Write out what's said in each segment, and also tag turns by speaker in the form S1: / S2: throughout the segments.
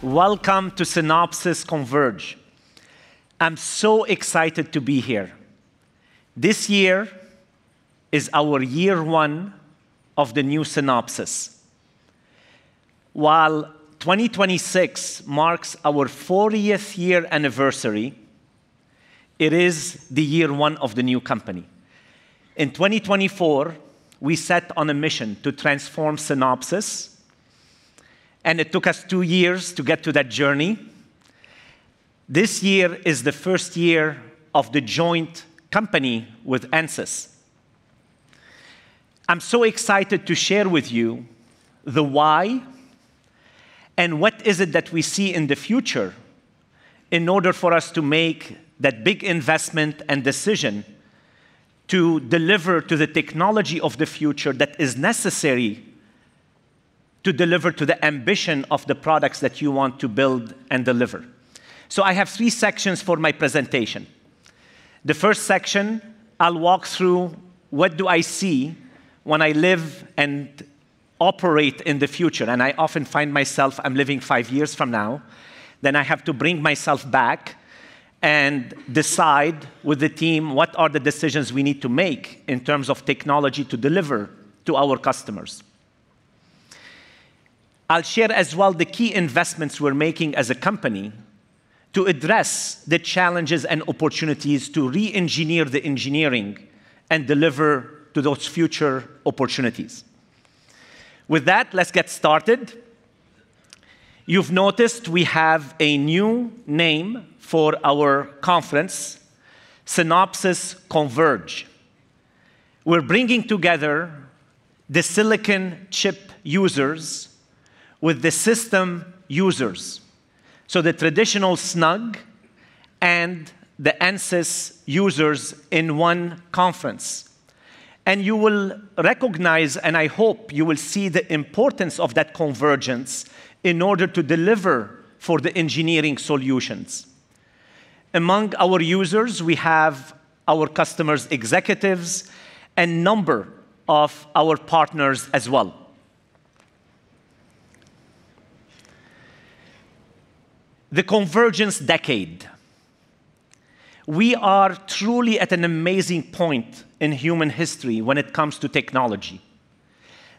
S1: Welcome to Synopsys Converge. I'm so excited to be here. This year is our year one of the new Synopsys. While 2026 marks our 40th year anniversary, it is the year one of the new company. In 2024, we set out on a mission to transform Synopsys, and it took us two years to get to that journey. This year is the first year of the joint company with Ansys. I'm so excited to share with you the why and what is it that we see in the future in order for us to make that big investment and decision to deliver to the technology of the future that is necessary to deliver to the ambition of the products that you want to build and deliver. I have three sections for my presentation. The first section I'll walk through what do I see when I live and operate in the future, and I often find myself, I'm living five years from now, then I have to bring myself back and decide with the team what are the decisions we need to make in terms of technology to deliver to our customers. I'll share as well the key investments we're making as a company to address the challenges and opportunities to re-engineer the engineering and deliver to those future opportunities. With that, let's get started. You've noticed we have a new name for our conference, Synopsys Converge. We're bringing together the silicon chip users with the system users, so the traditional SNUG and the Ansys users in one conference. You will recognize, and I hope you will see the importance of that convergence in order to deliver for the engineering solutions. Among our users, we have our customers, executives, and number of our partners as well. The convergence decade. We are truly at an amazing point in human history when it comes to technology.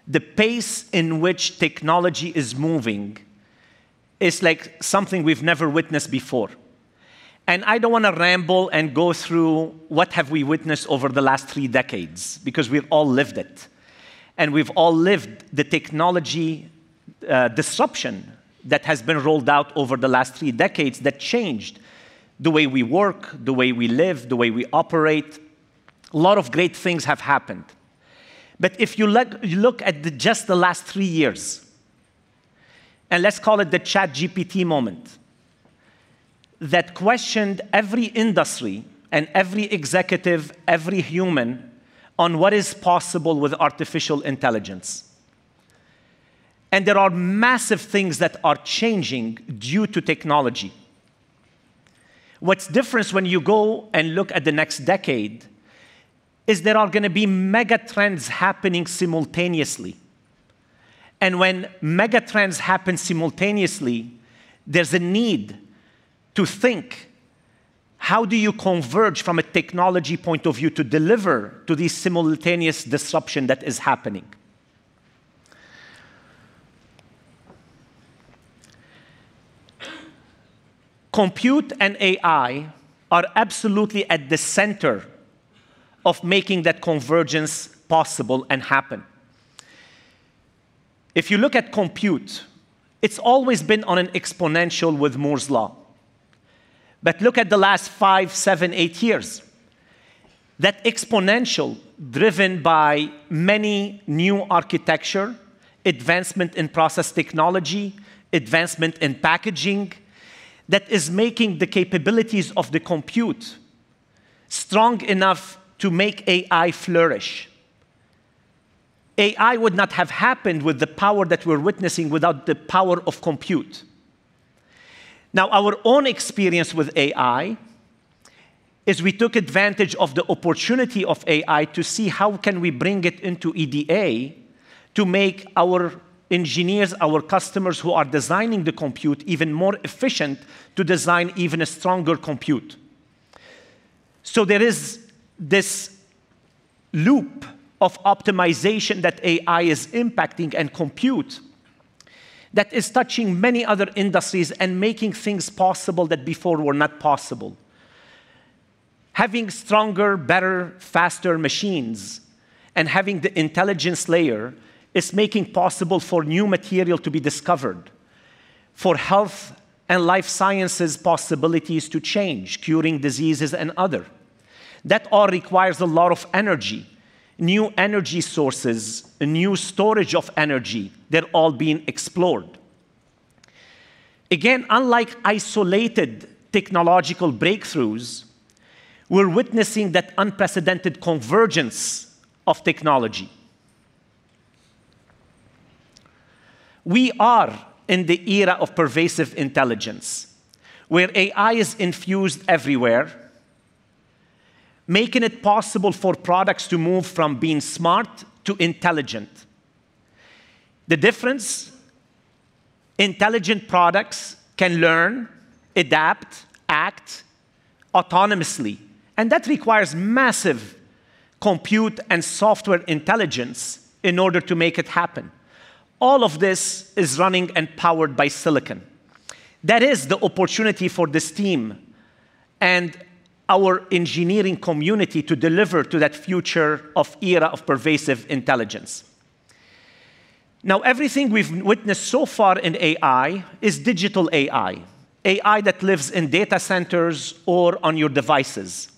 S1: The pace in which technology is moving is like something we've never witnessed before. I don't want to ramble and go through what have we witnessed over the last three decades, because we've all lived it, and we've all lived the technology, disruption that has been rolled out over the last three decades that changed the way we work, the way we live, the way we operate. A lot of great things have happened. If you look at just the last three years, and let's call it the ChatGPT moment, that questioned every industry and every executive, every human on what is possible with artificial intelligence. There are massive things that are changing due to technology. What's different when you go and look at the next decade is there are gonna be mega trends happening simultaneously. When mega trends happen simultaneously, there's a need to think how do you converge from a technology point of view to deliver to the simultaneous disruption that is happening. Compute and AI are absolutely at the center of making that convergence possible and happen. If you look at compute, it's always been on an exponential with Moore's Law. But look at the last five, seven, eight years. That exponential, driven by many new architecture, advancement in process technology, advancement in packaging, that is making the capabilities of the compute strong enough to make AI flourish. AI would not have happened with the power that we're witnessing without the power of compute. Now, our own experience with AI is we took advantage of the opportunity of AI to see how can we bring it into EDA to make our engineers, our customers who are designing the compute even more efficient to design even a stronger compute. There is this loop of optimization that AI is impacting, and compute that is touching many other industries and making things possible that before were not possible. Having stronger, better, faster machines and having the intelligence layer is making possible for new material to be discovered, for health and life sciences possibilities to change, curing diseases and other. That all requires a lot of energy, new energy sources, a new storage of energy. They're all being explored. Again, unlike isolated technological breakthroughs, we're witnessing that unprecedented convergence of technology. We are in the era of pervasive intelligence, where AI is infused everywhere. Making it possible for products to move from being smart to intelligent. The difference? Intelligent products can learn, adapt, act autonomously, and that requires massive compute and software intelligence in order to make it happen. All of this is running and powered by silicon. That is the opportunity for this team and our engineering community to deliver to that future of era of pervasive intelligence. Now, everything we've witnessed so far in AI is digital AI that lives in data centers or on your devices.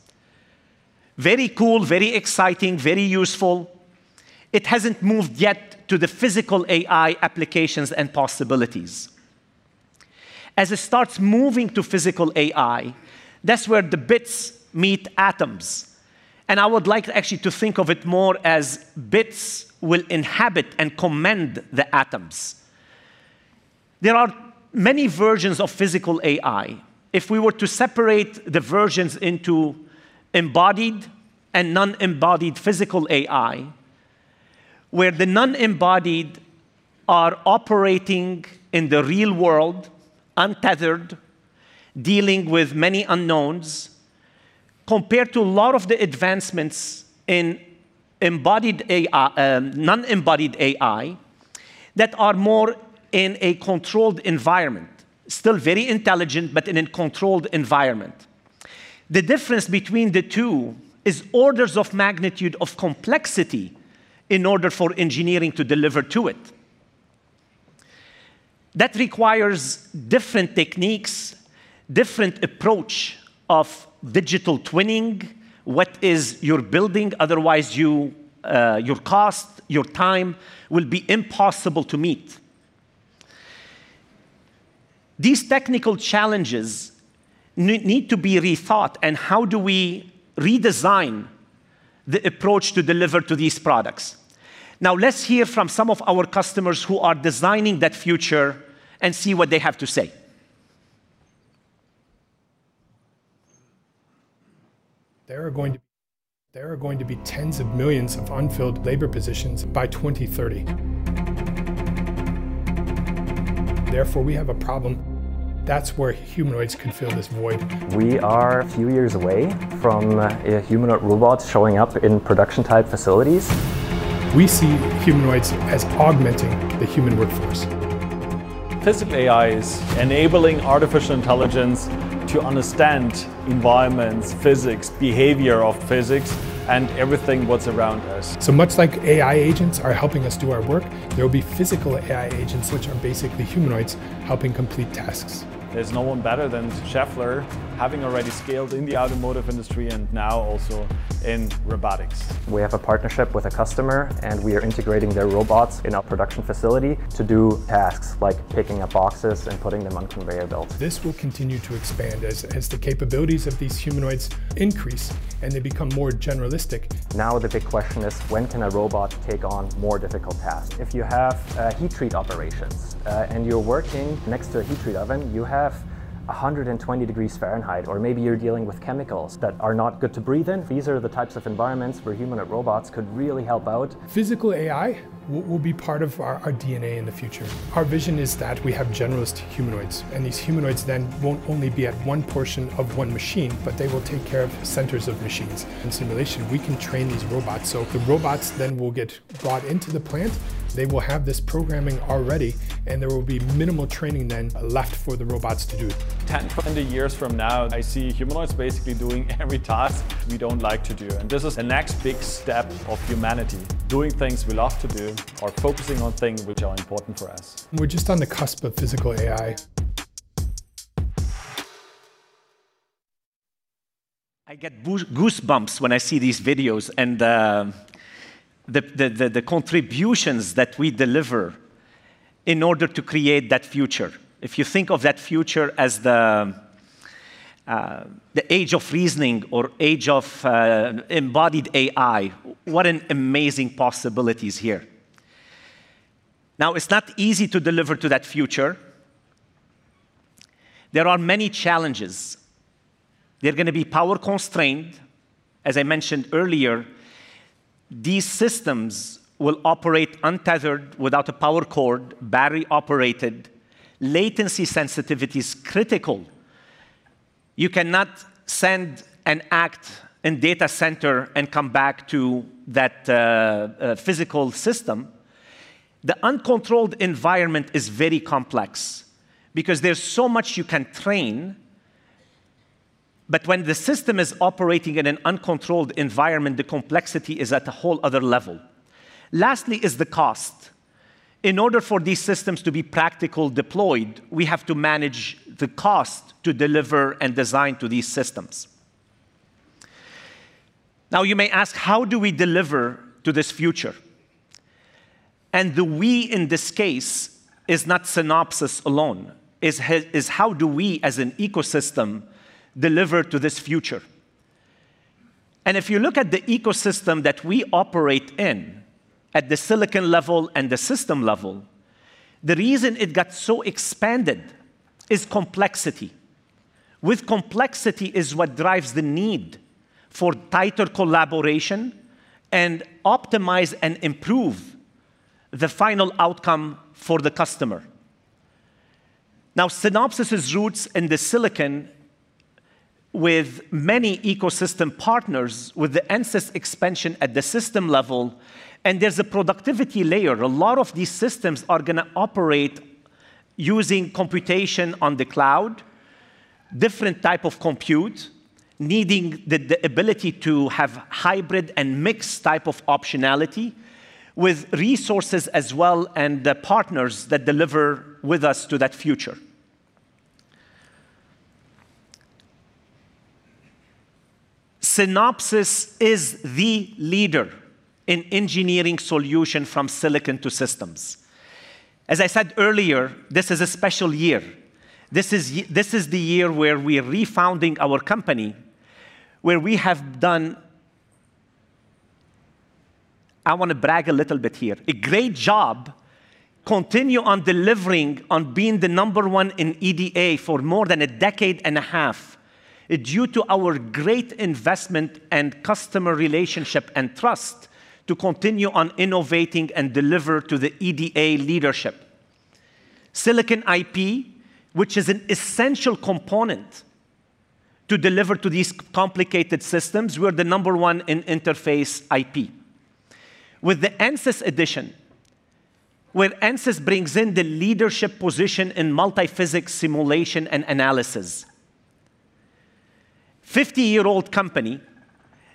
S1: Very cool, very exciting, very useful. It hasn't moved yet to the physical AI applications and possibilities. As it starts moving to physical AI, that's where the bits meet atoms, and I would like actually to think of it more as bits will inhabit and command the atoms. There are many versions of physical AI. If we were to separate the versions into embodied and non-embodied physical AI, where the non-embodied are operating in the real world, untethered, dealing with many unknowns, compared to a lot of the advancements in embodied AI, non-embodied AI that are more in a controlled environment, still very intelligent, but in a controlled environment. The difference between the two is orders of magnitude of complexity in order for engineering to deliver to it. That requires different techniques, different approach of digital twinning, what is your building, otherwise you, your cost, your time will be impossible to meet. These technical challenges need to be rethought, and how do we redesign the approach to deliver to these products? Now, let's hear from some of our customers who are designing that future and see what they have to say.
S2: There are going to be tens of millions of unfilled labor positions by 2030. Therefore, we have a problem. That's where humanoids can fill this void. We are a few years away from humanoid robots showing up in production-type facilities. We see humanoids as augmenting the human workforce. Physical AI is enabling artificial intelligence to understand environments, physics, behavior of physics, and everything what's around us. Much like AI agents are helping us do our work, there will be physical AI agents, which are basically humanoids, helping complete tasks. There's no one better than Schaeffler, having already scaled in the automotive industry and now also in robotics. We have a partnership with a customer, and we are integrating their robots in our production facility to do tasks like picking up boxes and putting them on conveyor belts. This will continue to expand as the capabilities of these humanoids increase and they become more generalistic. Now the big question is, when can a robot take on more difficult tasks? If you have heat treat operations, and you're working next to a heat treat oven, you have 120 degrees Fahrenheit, or maybe you're dealing with chemicals that are not good to breathe in. These are the types of environments where humanoid robots could really help out. Physical AI will be part of our DNA in the future. Our vision is that we have generalist humanoids, and these humanoids then won't only be at one portion of one machine, but they will take care of centers of machines. In simulation, we can train these robots, so the robots then will get brought into the plant. They will have this programming already, and there will be minimal training then left for the robots to do. 10, 20 years from now, I see humanoids basically doing every task we don't like to do, and this is the next big step of humanity. Doing things we love to do or focusing on things which are important for us. We're just on the cusp of physical AI.
S1: I get goosebumps when I see these videos and the contributions that we deliver in order to create that future. If you think of that future as the age of reasoning or age of embodied AI, what an amazing possibility is here. Now, it's not easy to deliver to that future. There are many challenges. They're gonna be power-constrained. As I mentioned earlier, these systems will operate untethered without a power cord, battery-operated. Latency sensitivity is critical. You cannot send an action to a data center and come back to that physical system. The uncontrolled environment is very complex because there's so much you can train, but when the system is operating in an uncontrolled environment, the complexity is at a whole other level. Lastly is the cost. In order for these systems to be practically deployed, we have to manage the cost to deliver and design to these systems. Now you may ask, how do we deliver to this future? The we in this case is not Synopsys alone, is how do we as an ecosystem deliver to this future? If you look at the ecosystem that we operate in at the silicon level and the system level. The reason it's so expanded is complexity. Complexity is what drives the need for tighter collaboration and optimize and improve the final outcome for the customer. Now Synopsys' roots in the silicon with many ecosystem partners, with the Ansys expansion at the system level, and there's a productivity layer. A lot of these systems are gonna operate using computation on the cloud, different type of compute, needing the ability to have hybrid and mixed type of optionality with resources as well, and the partners that deliver with us to that future. Synopsys is the leader in engineering solution from silicon to systems. As I said earlier, this is a special year. This is the year where we're refounding our company, where we have done. I wanna brag a little bit here, a great job continue on delivering on being the number one in EDA for more than a decade and a half, due to our great investment and customer relationship and trust to continue on innovating and deliver to the EDA leadership. Silicon IP, which is an essential component to deliver to these complicated systems, we're the number one in interface IP. With the Ansys addition, where Ansys brings in the leadership position in multiphysics simulation and analysis. 50-year-old company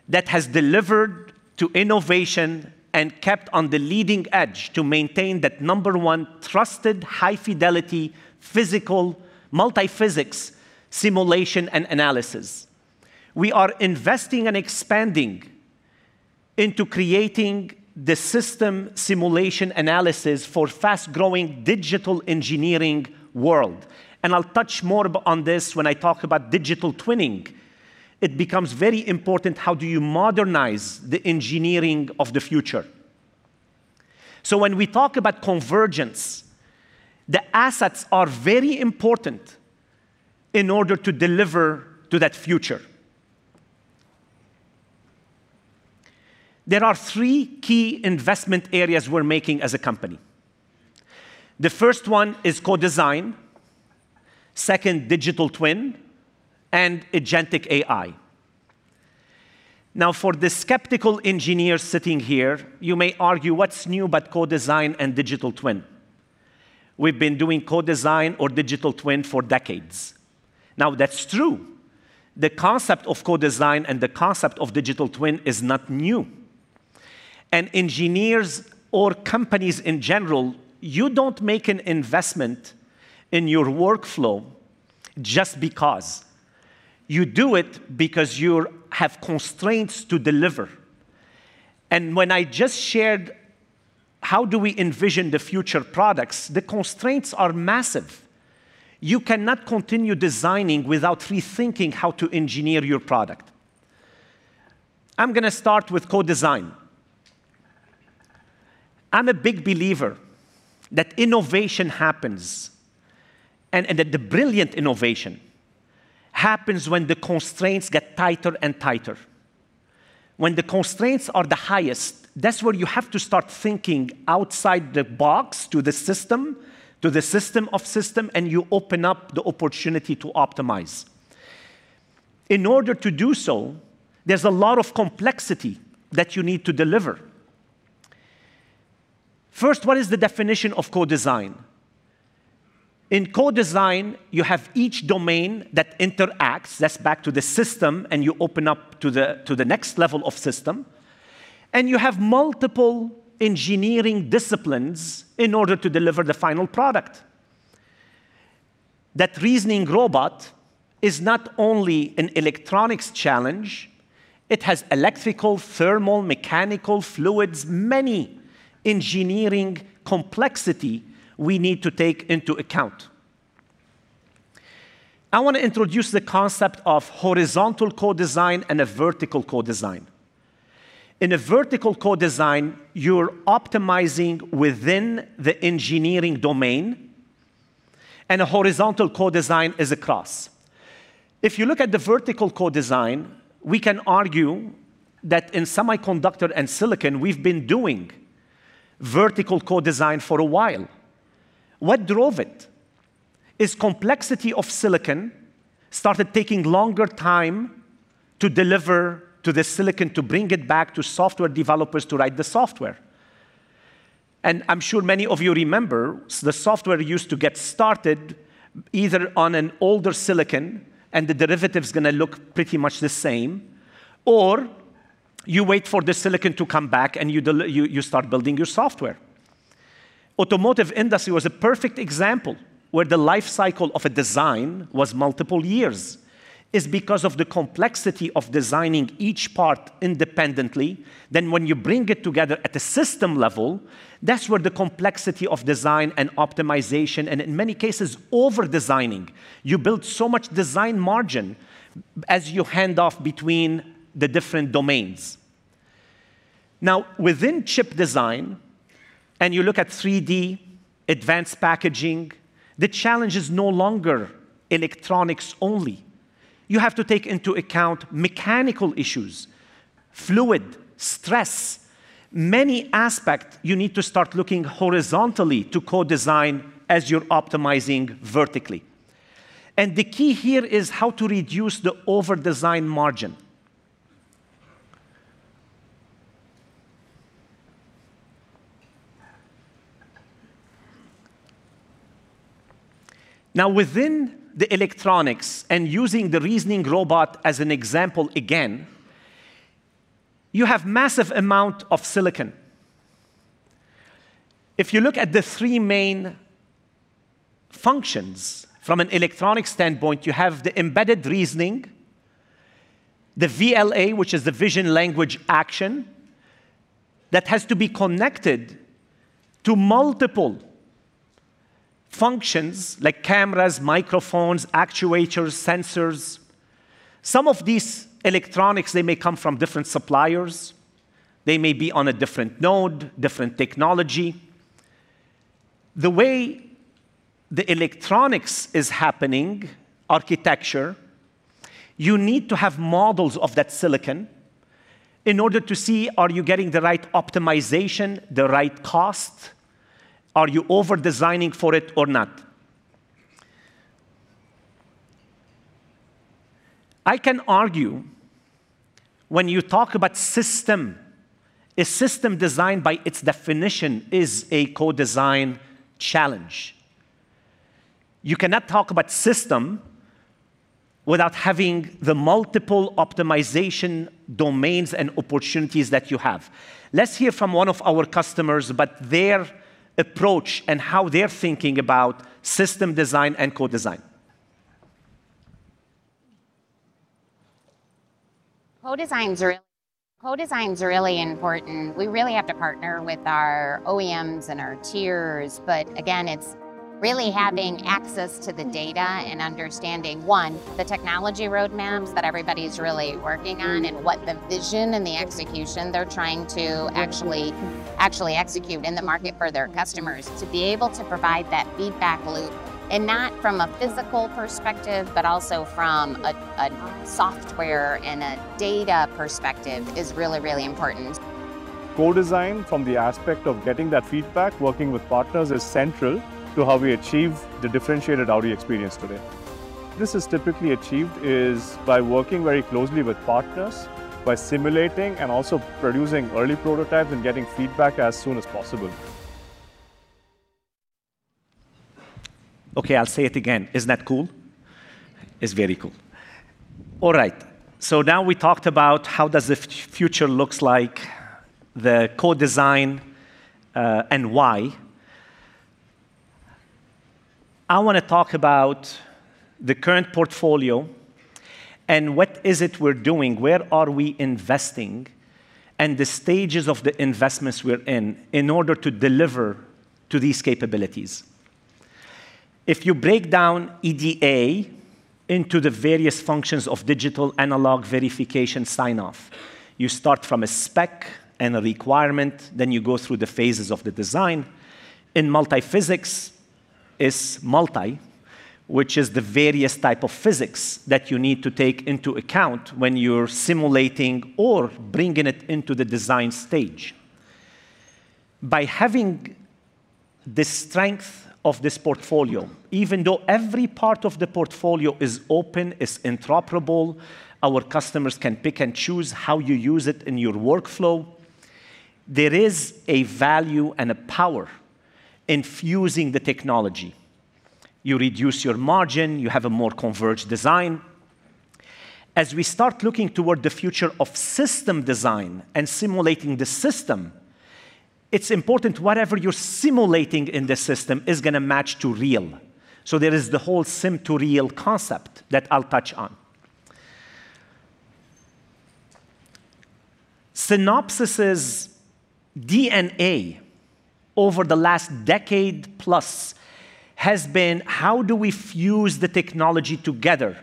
S1: that has delivered true innovation and kept on the leading edge to maintain that number one trusted high-fidelity physical multiphysics simulation and analysis. We are investing and expanding into creating the system simulation analysis for fast-growing digital engineering world, and I'll touch more on this when I talk about digital twinning. It becomes very important, how do you modernize the engineering of the future? When we talk about convergence, the assets are very important in order to deliver on that future. There are three key investment areas we're making as a company. The first one is co-design, second digital twin, and agentic AI. Now, for the skeptical engineer sitting here, you may argue, "What's new about co-design and digital twin? We've been doing co-design or digital twin for decades. Now, that's true. The concept of co-design and the concept of digital twin is not new. Engineers or companies in general, you don't make an investment in your workflow just because. You do it because you have constraints to deliver. When I just shared how we envision the future products, the constraints are massive. You cannot continue designing without rethinking how to engineer your product. I'm gonna start with co-design. I'm a big believer that innovation happens and that the brilliant innovation happens when the constraints get tighter and tighter. When the constraints are the highest, that's where you have to start thinking outside the box to the system, to the system of system, and you open up the opportunity to optimize. In order to do so, there's a lot of complexity that you need to deliver. First, what is the definition of co-design? In co-design, you have each domain that interacts, that's back to the system, and you open up to the next level of system, and you have multiple engineering disciplines in order to deliver the final product. That reasoning robot is not only an electronics challenge, it has electrical, thermal, mechanical fluids, many engineering complexity we need to take into account. I want to introduce the concept of horizontal co-design and a vertical co-design. In a vertical co-design, you're optimizing within the engineering domain, and a horizontal co-design is across. If you look at the vertical co-design, we can argue that in semiconductor and silicon, we've been doing vertical co-design for a while. What drove it? Its complexity of silicon started taking longer time to deliver to the silicon to bring it back to software developers to write the software. I'm sure many of you remember the software used to get started either on an older silicon, and the derivative's gonna look pretty much the same, or you wait for the silicon to come back, and you start building your software. Automotive industry was a perfect example where the life cycle of a design was multiple years, is because of the complexity of designing each part independently. When you bring it together at the system level, that's where the complexity of design and optimization, and in many cases over-designing, you build so much design margin as you hand off between the different domains. Now, within chip design, and you look at 3D advanced packaging, the challenge is no longer electronics only. You have to take into account mechanical issues, fluid, stress, many aspect you need to start looking horizontally to co-design as you're optimizing vertically. The key here is how to reduce the overdesign margin. Now, within the electronics, and using the reasoning robot as an example again, you have massive amount of silicon. If you look at the three main functions from an electronics standpoint, you have the embedded reasoning, the VLA, which is the vision language action, that has to be connected to multiple functions like cameras, microphones, actuators, sensors. Some of these electronics, they may come from different suppliers, they may be on a different node, different technology. The way the electronics is happening, architecture, you need to have models of that silicon in order to see are you getting the right optimization, the right cost? Are you overdesigning for it or not? I can argue when you talk about system, a system designed by its definition is a co-design challenge. You cannot talk about system without having the multiple optimization domains and opportunities that you have. Let's hear from one of our customers about their approach and how they're thinking about system design and co-design.
S2: Co-design's really important. We really have to partner with our OEMs and our tiers. Again, it's really having access to the data and understanding, one, the technology roadmaps that everybody's really working on and what the vision and the execution they're trying to actually execute in the market for their customers. To be able to provide that feedback loop, and not from a physical perspective, but also from a software and a data perspective is really, really important.
S3: Co-design from the aspect of getting that feedback, working with partners is central to how we achieve the differentiated Audi experience today. This is typically achieved by working very closely with partners, by simulating and also producing early prototypes and getting feedback as soon as possible.
S1: Okay, I'll say it again. Isn't that cool? It's very cool. All right. Now we talked about how does the future looks like, the co-design, and why. I wanna talk about the current portfolio and what is it we're doing, where are we investing, and the stages of the investments we're in in order to deliver to these capabilities. If you break down EDA into the various functions of digital, analog, verification, sign-off, you start from a spec and a requirement, then you go through the phases of the design. In multiphysics, it's multi, which is the various type of physics that you need to take into account when you're simulating or bringing it into the design stage. By having the strength of this portfolio, even though every part of the portfolio is open, it's interoperable, our customers can pick and choose how you use it in your workflow, there is a value and a power in fusing the technology. You reduce your margin, you have a more converged design. As we start looking toward the future of system design and simulating the system, it's important whatever you're simulating in the system is gonna match to real. There is the whole sim to real concept that I'll touch on. Synopsys' DNA over the last decade plus has been how do we fuse the technology together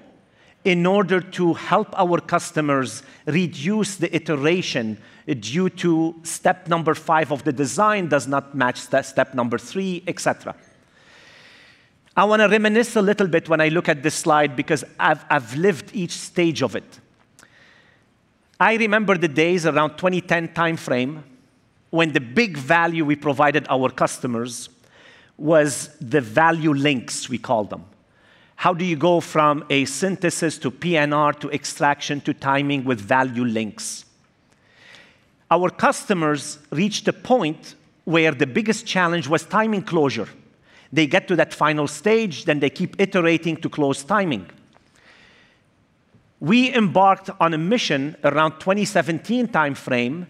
S1: in order to help our customers reduce the iteration due to step number five of the design does not match the step number three, etc. I wanna reminisce a little bit when I look at this slide because I've lived each stage of it. I remember the days around 2010 timeframe when the big value we provided our customers was the value links, we called them. How do you go from a synthesis to PNR to extraction to timing with value links? Our customers reached a point where the biggest challenge was timing closure. They get to that final stage, then they keep iterating to close timing. We embarked on a mission around 2017 timeframe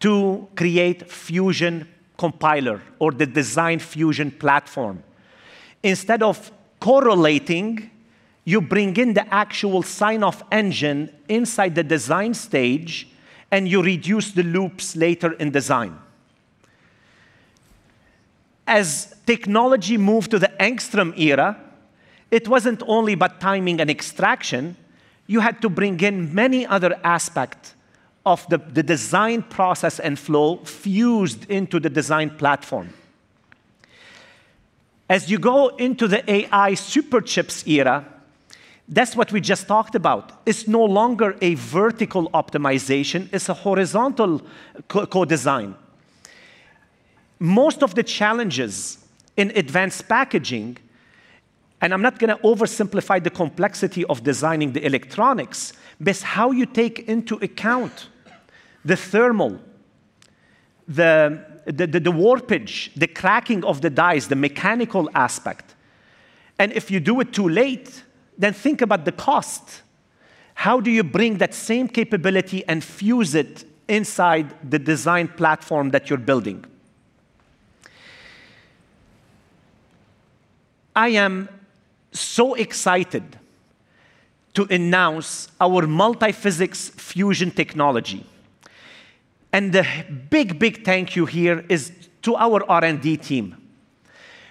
S1: to create Fusion Compiler or the design fusion platform. Instead of correlating, you bring in the actual sign-off engine inside the design stage, and you reduce the loops later in design. As technology moved to the Ångström era, it wasn't only about timing and extraction, you had to bring in many other aspect of the design process and flow fused into the design platform. As you go into the AI super chips era, that's what we just talked about. It's no longer a vertical optimization, it's a horizontal co-design. Most of the challenges in advanced packaging, and I'm not gonna oversimplify the complexity of designing the electronics, but it's how you take into account the thermal, the warpage, the cracking of the dies, the mechanical aspect. If you do it too late, then think about the cost. How do you bring that same capability and fuse it inside the design platform that you're building? I am so excited to announce our Multi-Physics Fusion technology, and the big, big thank you here is to our R&D team.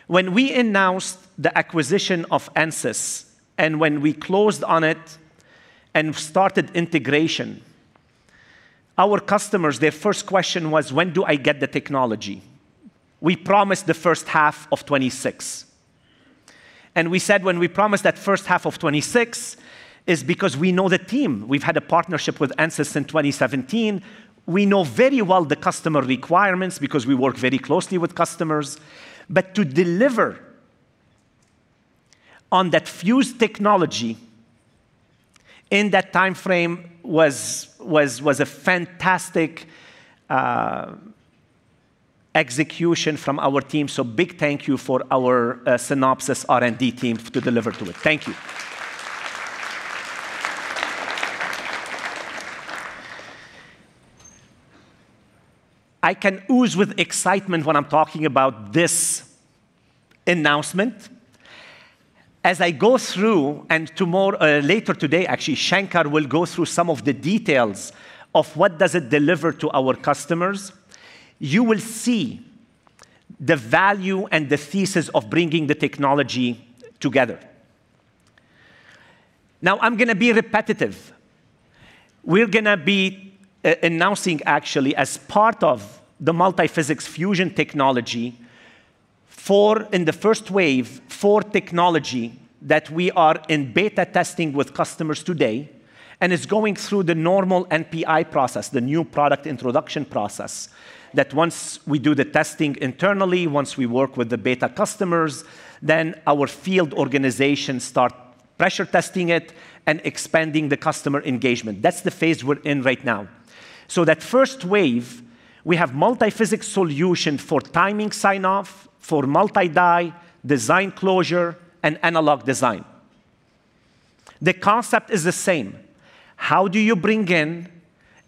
S1: When we announced the acquisition of Ansys, and when we closed on it and started integration, our customers, their first question was, "When do I get the technology?" We promised the first half of 2026, and we said, when we promised that first half of 2026, it's because we know the team. We've had a partnership with Ansys in 2017. We know very well the customer requirements because we work very closely with customers. To deliver on that fused technology in that timeframe was a fantastic execution from our team, so big thank you for our Synopsys R&D team to deliver to it. Thank you. I can ooze with excitement when I'm talking about this announcement. As I go through and tomorrow, later today actually, Shankar will go through some of the details of what does it deliver to our customers, you will see the value and the thesis of bringing the technology together. Now I'm gonna be repetitive. We're gonna be announcing actually as part of the Multi-Physics Fusion technology, in the first wave, 4 technologies that we are in beta testing with customers today, and it's going through the normal NPI process, the new product introduction process, that once we do the testing internally, once we work with the beta customers, then our field organization start pressure testing it and expanding the customer engagement. That's the phase we're in right now. That first wave, we have Multi-Physics solution for timing sign-off, for multi-die, design closure, and analog design. The concept is the same. How do you bring in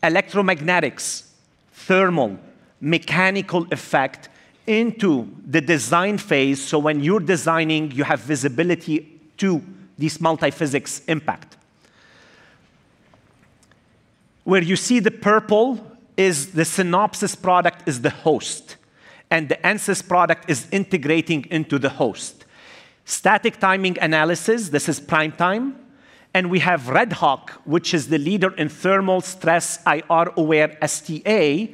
S1: electromagnetics, thermal, mechanical effect into the design phase so when you're designing, you have visibility to this multiphysics impact? Where you see the purple, the Synopsys product is the host, and the Ansys product is integrating into the host. Static timing analysis, this is PrimeTime, and we have RedHawk, which is the leader in thermal stress IR-aware STA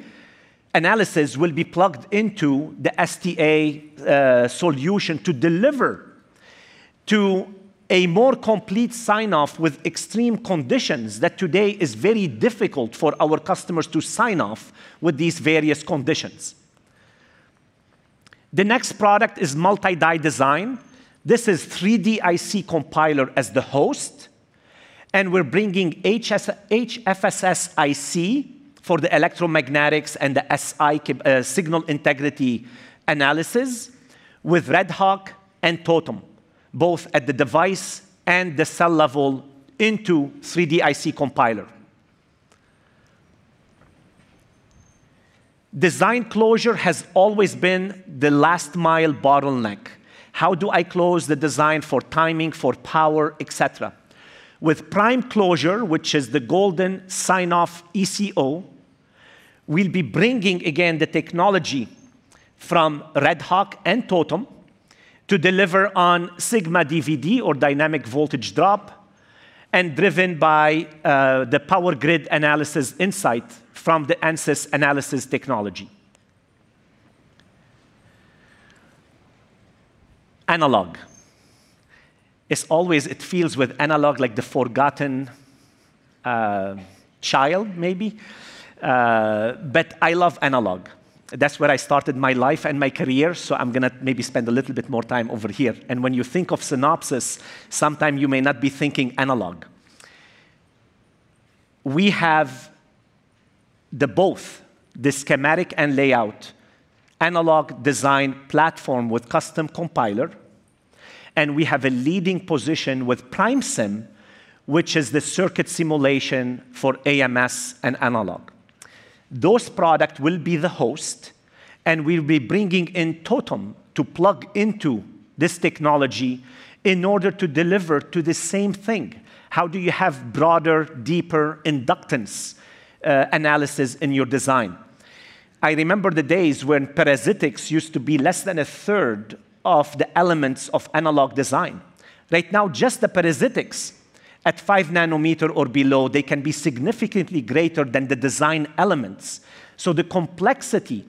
S1: analysis, will be plugged into the STA solution to deliver to a more complete sign-off with extreme conditions that today is very difficult for our customers to sign off with these various conditions. The next product is multi-die design. This is 3DIC Compiler as the host, and we're bringing HFSS-IC for the electromagnetics and the SI, signal integrity analysis with RedHawk and Totem, both at the device and the cell level into 3DIC Compiler. Design closure has always been the last mile bottleneck. How do I close the design for timing, for power, etc? With PrimeClosure, which is the golden sign-off ECO, we'll be bringing again the technology from RedHawk and Totem to deliver on sigma DVD or dynamic voltage drop, and driven by the power grid analysis insight from the Ansys analysis technology. Analog. It's always, it feels with analog like the forgotten child maybe, but I love analog. That's where I started my life and my career, so I'm gonna maybe spend a little bit more time over here. When you think of Synopsys, sometimes you may not be thinking analog. We have both the schematic and layout analog design platform with Custom Compiler, and we have a leading position with PrimeSim, which is the circuit simulation for AMS and analog. Those products will be the host, and we'll be bringing in Totem to plug into this technology in order to deliver to the same thing. How do you have broader, deeper inductance analysis in your design? I remember the days when parasitics used to be less than a third of the elements of analog design. Right now just the parasitics at 5 nanometer or below, they can be significantly greater than the design elements. The complexity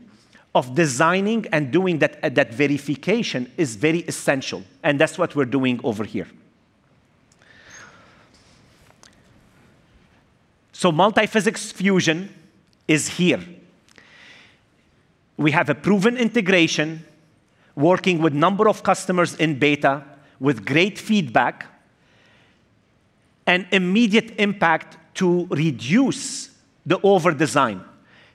S1: of designing and doing that verification is very essential, and that's what we're doing over here. Multi-physics fusion is here. We have a proven integration working with a number of customers in beta with great feedback and immediate impact to reduce the overdesign.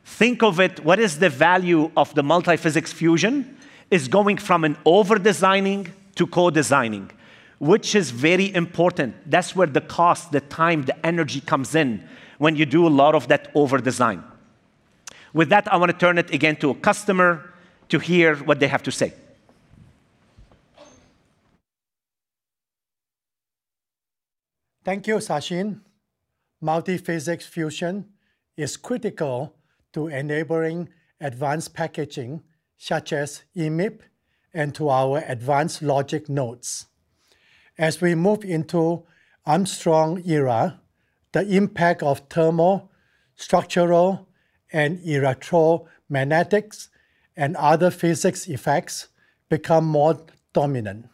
S1: Think of it, what is the value of the multi-physics fusion? It's going from an overdesigning to co-designing, which is very important. That's where the cost, the time, the energy comes in when you do a lot of that overdesign. With that, I want to turn it again to a customer to hear what they have to say.
S4: Thank you, Sassine. Multi-physics fusion is critical to enabling advanced packaging such as EMIB and to our advanced logic nodes. As we move into Angstrom era, the impact of thermal, structural, and electromagnetics and other physics effects become more dominant.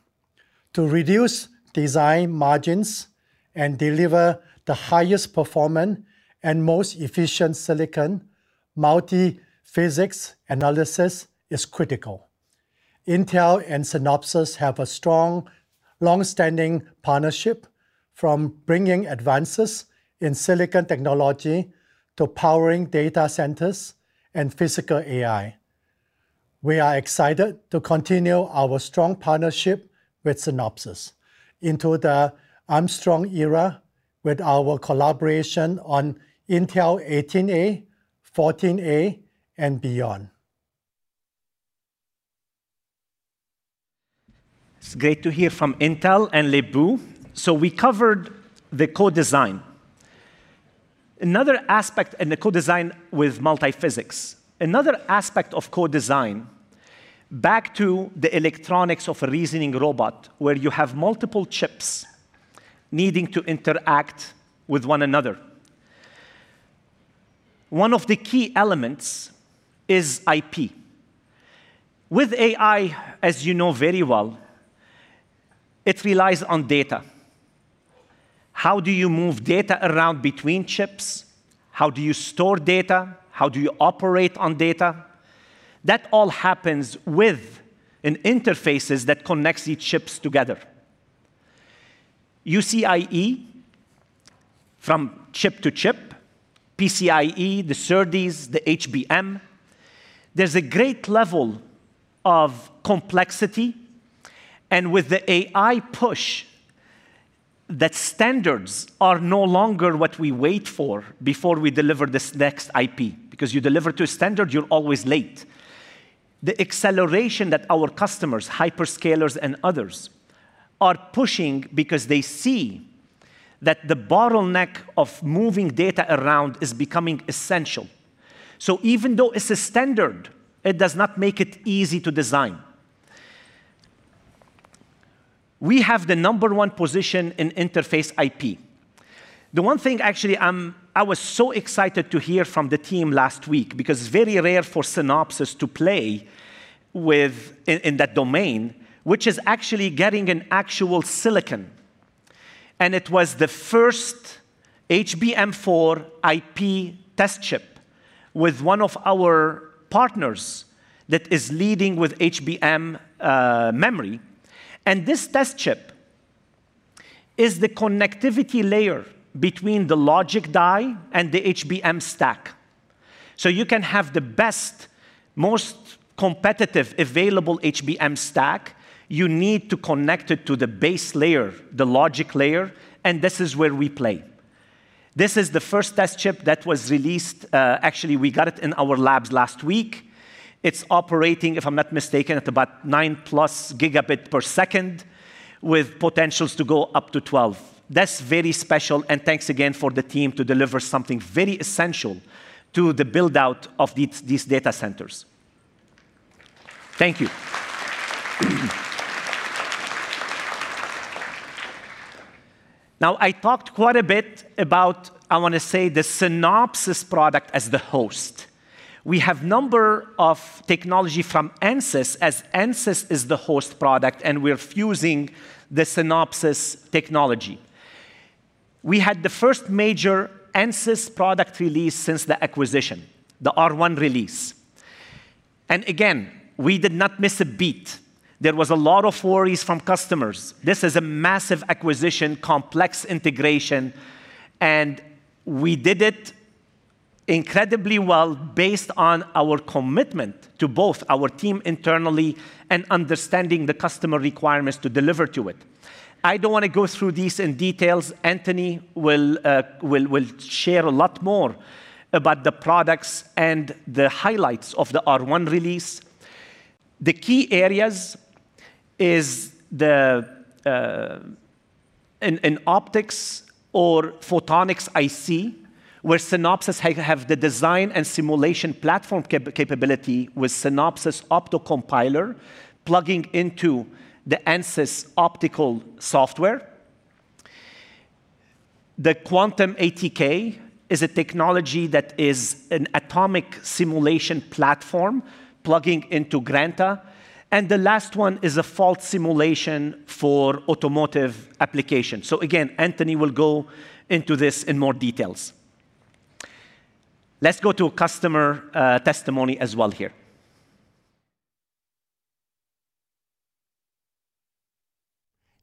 S4: To reduce design margins and deliver the highest performance and most efficient silicon, multi-physics analysis is critical. Intel and Synopsys have a strong, long-standing partnership from bringing advances in silicon technology to powering data centers and physical AI. We are excited to continue our strong partnership with Synopsys into the Angstrom era with our collaboration on Intel 18A, 14A, and beyond.
S1: It's great to hear from Intel and Lip-Bu Tan. We covered the co-design. Another aspect of co-design, back to the electronics of a reasoning robot where you have multiple chips needing to interact with one another. One of the key elements is IP. With AI, as you know very well, it relies on data. How do you move data around between chips? How do you store data? How do you operate on data? That all happens with interfaces that connect these chips together. UCIe from chip to chip, PCIe, the SerDes, the HBM. There's a great level of complexity, and with the AI push, that standards are no longer what we wait for before we deliver this next IP, because you deliver to a standard, you're always late. The acceleration that our customers, hyperscalers and others, are pushing because they see that the bottleneck of moving data around is becoming essential. Even though it's a standard, it does not make it easy to design. We have the number one position in interface IP. The one thing actually I was so excited to hear from the team last week, because it's very rare for Synopsys to play in that domain, which is actually getting an actual silicon. It was the first HBM4 IP test chip with one of our partners that is leading with HBM memory. This test chip is the connectivity layer between the logic die and the HBM stack. You can have the best, most competitive available HBM stack. You need to connect it to the base layer, the logic layer, and this is where we play. This is the first test chip that was released. Actually we got it in our labs last week. It's operating, if I'm not mistaken, at about 9+ Gbps with potential to go up to 12. That's very special, and thanks again to the team to deliver something very essential to the build-out of these data centers. Thank you. Now, I talked quite a bit about, I want to say, the Synopsys product as the host. We have a number of technologies from Ansys, as Ansys is the host product, and we're fusing the Synopsys technology. We had the first major Ansys product release since the acquisition, the R1 release. Again, we did not miss a beat. There was a lot of worries from customers. This is a massive acquisition, complex integration, and we did it incredibly well based on our commitment to both our team internally and understanding the customer requirements to deliver to it. I don't want to go through these in details. Anthony will share a lot more about the products and the highlights of the R1 release. The key areas is the in optics or photonics IC, where Synopsys have the design and simulation platform capability with Synopsys OptoCompiler plugging into the Ansys optical software. The QuantumATK is a technology that is an atomic simulation platform plugging into Granta. The last one is a fault simulation for automotive application. Again, Anthony will go into this in more details. Let's go to a customer testimony as well here.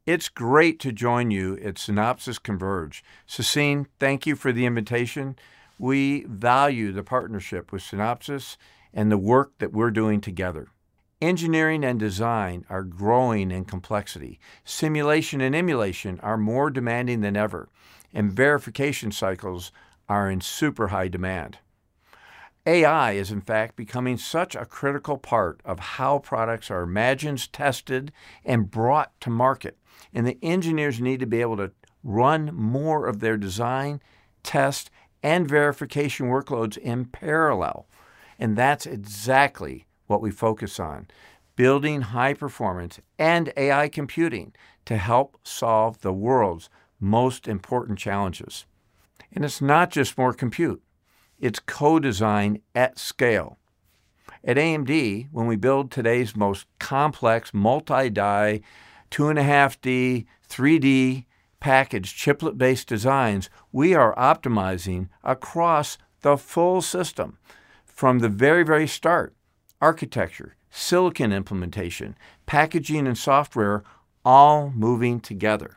S5: It's great to join you at Synopsys Converge. Sassine, thank you for the invitation. We value the partnership with Synopsys and the work that we're doing together. Engineering and design are growing in complexity. Simulation and emulation are more demanding than ever, and verification cycles are in super high demand. AI is in fact becoming such a critical part of how products are imagined, tested, and brought to market, and the engineers need to be able to run more of their design, test, and verification workloads in parallel. That's exactly what we focus on, building high performance and AI computing to help solve the world's most important challenges. It's not just more compute, it's co-design at scale. At AMD, when we build today's most complex multi-die 2.5D, 3D package chiplet-based designs, we are optimizing across the full system from the very, very start. Architecture, silicon implementation, packaging, and software all moving together.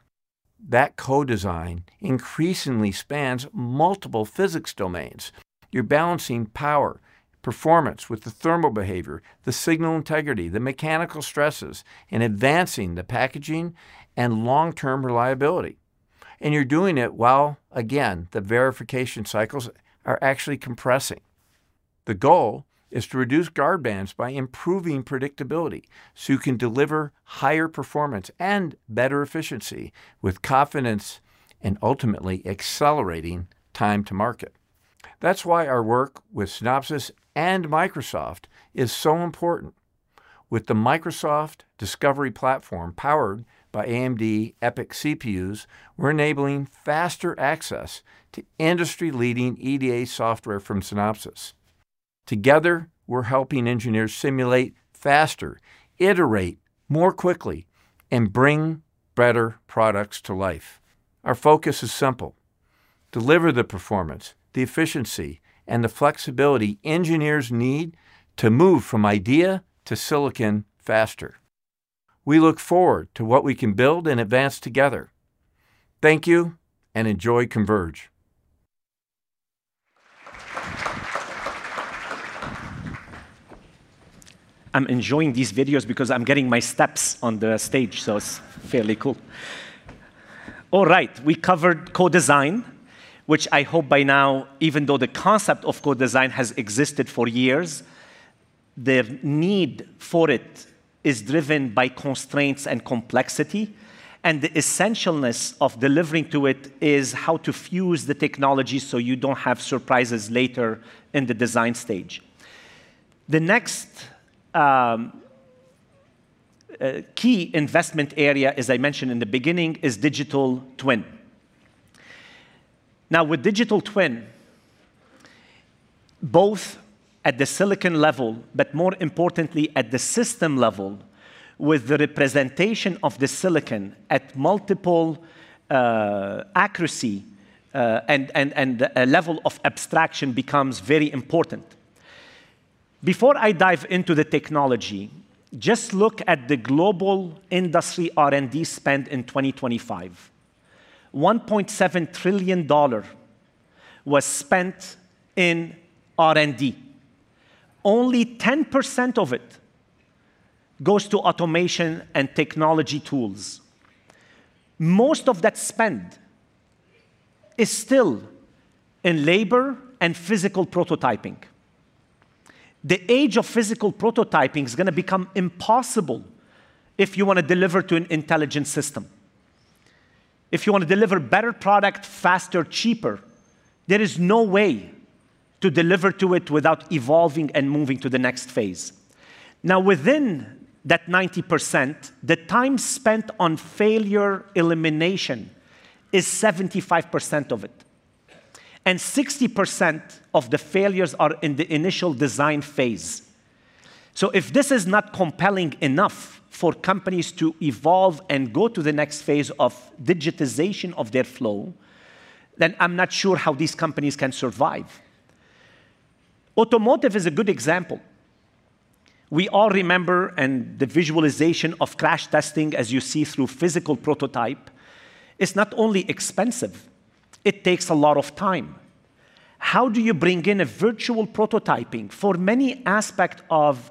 S5: That co-design increasingly spans multiple physics domains. You're balancing power, performance with the thermal behavior, the signal integrity, the mechanical stresses, and advancing the packaging and long-term reliability, and you're doing it while, again, the verification cycles are actually compressing. The goal is to reduce guard bands by improving predictability, so you can deliver higher performance and better efficiency with confidence and ultimately accelerating time to market. That's why our work with Synopsys and Microsoft is so important. With the Microsoft Discovery platform powered by AMD EPYC CPUs, we're enabling faster access to industry-leading EDA software from Synopsys. Together, we're helping engineers simulate faster, iterate more quickly, and bring better products to life. Our focus is simple. Deliver the performance, the efficiency, and the flexibility engineers need to move from idea to silicon faster. We look forward to what we can build and advance together. Thank you and enjoy Converge.
S1: I'm enjoying these videos because I'm getting my steps on the stage, so it's fairly cool. All right, we covered co-design, which I hope by now, even though the concept of co-design has existed for years, the need for it is driven by constraints and complexity, and the essentialness of delivering to it is how to fuse the technology so you don't have surprises later in the design stage. The next key investment area, as I mentioned in the beginning, is digital twin. Now, with digital twin, both at the silicon level, but more importantly at the system level, with the representation of the silicon at multiple accuracy and a level of abstraction becomes very important. Before I dive into the technology, just look at the global industry R&D spend in 2025. $1.7 trillion was spent in R&D. Only 10% of it goes to automation and technology tools. Most of that spend is still in labor and physical prototyping. The age of physical prototyping is gonna become impossible if you want to deliver to an intelligent system. If you want to deliver better product faster, cheaper, there is no way to deliver to it without evolving and moving to the next phase. Now, within that 90%, the time spent on failure elimination is 75% of it, and 60% of the failures are in the initial design phase. If this is not compelling enough for companies to evolve and go to the next phase of digitization of their flow, then I'm not sure how these companies can survive. Automotive is a good example. We all remember the visualization of crash testing as you see through physical prototype is not only expensive, it takes a lot of time. How do you bring in a virtual prototyping for many aspect of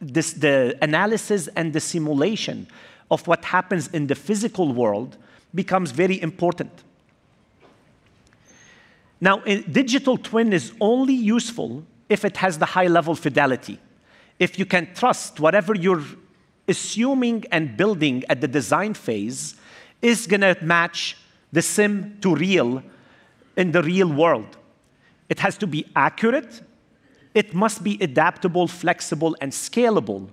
S1: this, the analysis and the simulation of what happens in the physical world becomes very important. Now, a digital twin is only useful if it has the high-level fidelity. If you can trust whatever you're assuming and building at the design phase is gonna match the sim to real in the real world. It has to be accurate. It must be adaptable, flexible, and scalable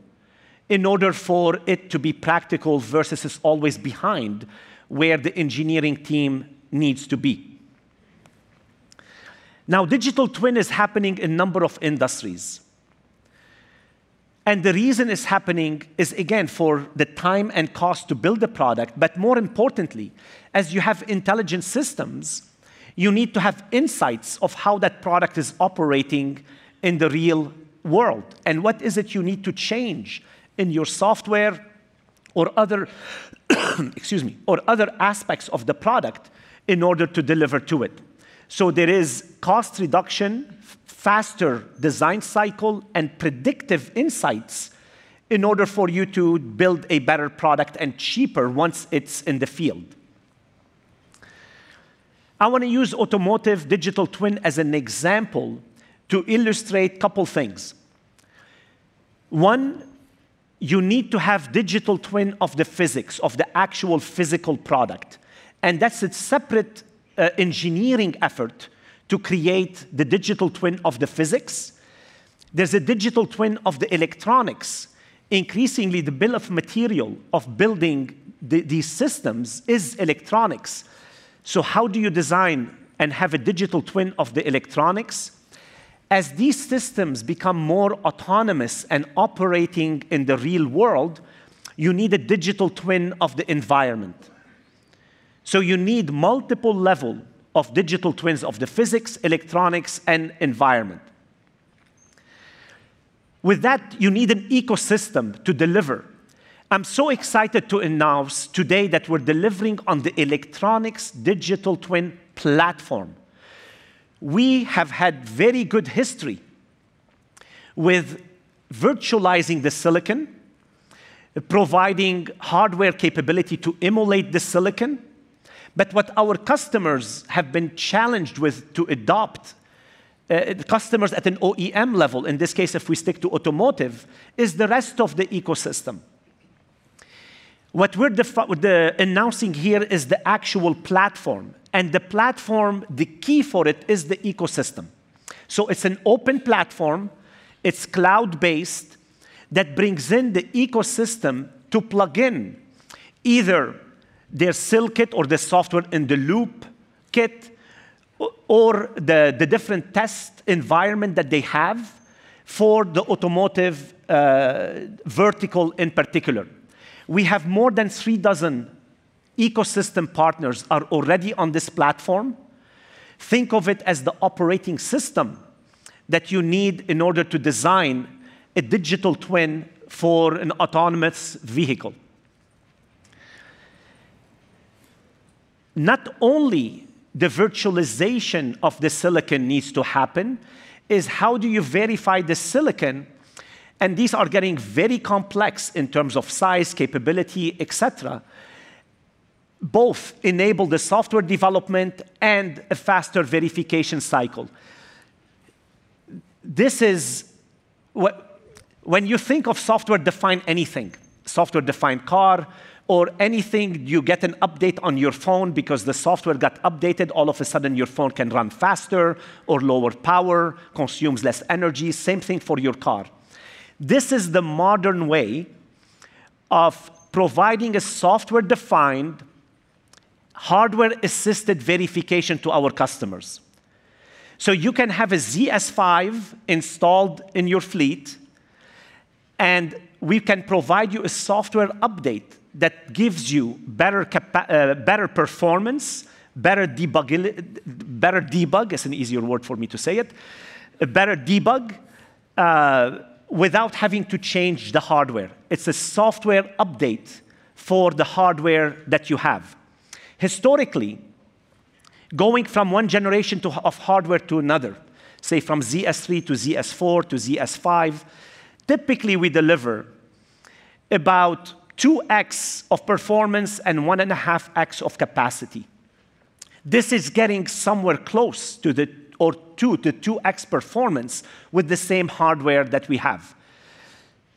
S1: in order for it to be practical versus it's always behind where the engineering team needs to be. Now, digital twin is happening in number of industries, and the reason it's happening is, again, for the time and cost to build a product. More importantly, as you have intelligent systems, you need to have insights of how that product is operating in the real world, and what is it you need to change in your software or other aspects of the product in order to deliver to it. There is cost reduction, faster design cycle, and predictive insights in order for you to build a better product and cheaper once it's in the field. I wanna use automotive digital twin as an example to illustrate couple things. One, you need to have digital twin of the physics, of the actual physical product, and that's a separate engineering effort to create the digital twin of the physics. There's a digital twin of the electronics. Increasingly, the bill of material of building these systems is electronics, so how do you design and have a digital twin of the electronics? As these systems become more autonomous and operating in the real world, you need a digital twin of the environment. You need multiple level of digital twins of the physics, electronics, and environment. With that, you need an ecosystem to deliver. I'm so excited to announce today that we're delivering on the electronics digital twin platform. We have had very good history with virtualizing the silicon, providing hardware capability to emulate the silicon. What our customers have been challenged with to adopt, the customers at an OEM level, in this case if we stick to automotive, is the rest of the ecosystem. What we're announcing here is the actual platform, and the platform, the key for it is the ecosystem. It's an open platform, it's cloud-based, that brings in the ecosystem to plug in either their SIL Kit or their software-in-the-loop kit or the different test environment that they have for the automotive vertical in particular. We have more than three dozen ecosystem partners are already on this platform. Think of it as the operating system that you need in order to design a digital twin for an autonomous vehicle. Not only the virtualization of the silicon needs to happen, is how do you verify the silicon, and these are getting very complex in terms of size, capability, etc, both enable the software development and a faster verification cycle. This is what. When you think of software-defined anything, software-defined car or anything, you get an update on your phone because the software got updated. All of a sudden, your phone can run faster or lower power, consumes less energy. Same thing for your car. This is the modern way of providing a software-defined, hardware-assisted verification to our customers. You can have a ZS5 installed in your fleet, and we can provide you a software update that gives you better performance, better debug is an easier word for me to say it, a better debug, without having to change the hardware. It's a software update for the hardware that you have. Historically, going from one generation of hardware to another, say from ZS3 to ZS4 to ZS5, typically we deliver about 2x of performance and 1.5x of capacity. This is getting somewhere close to the 2x performance with the same hardware that we have.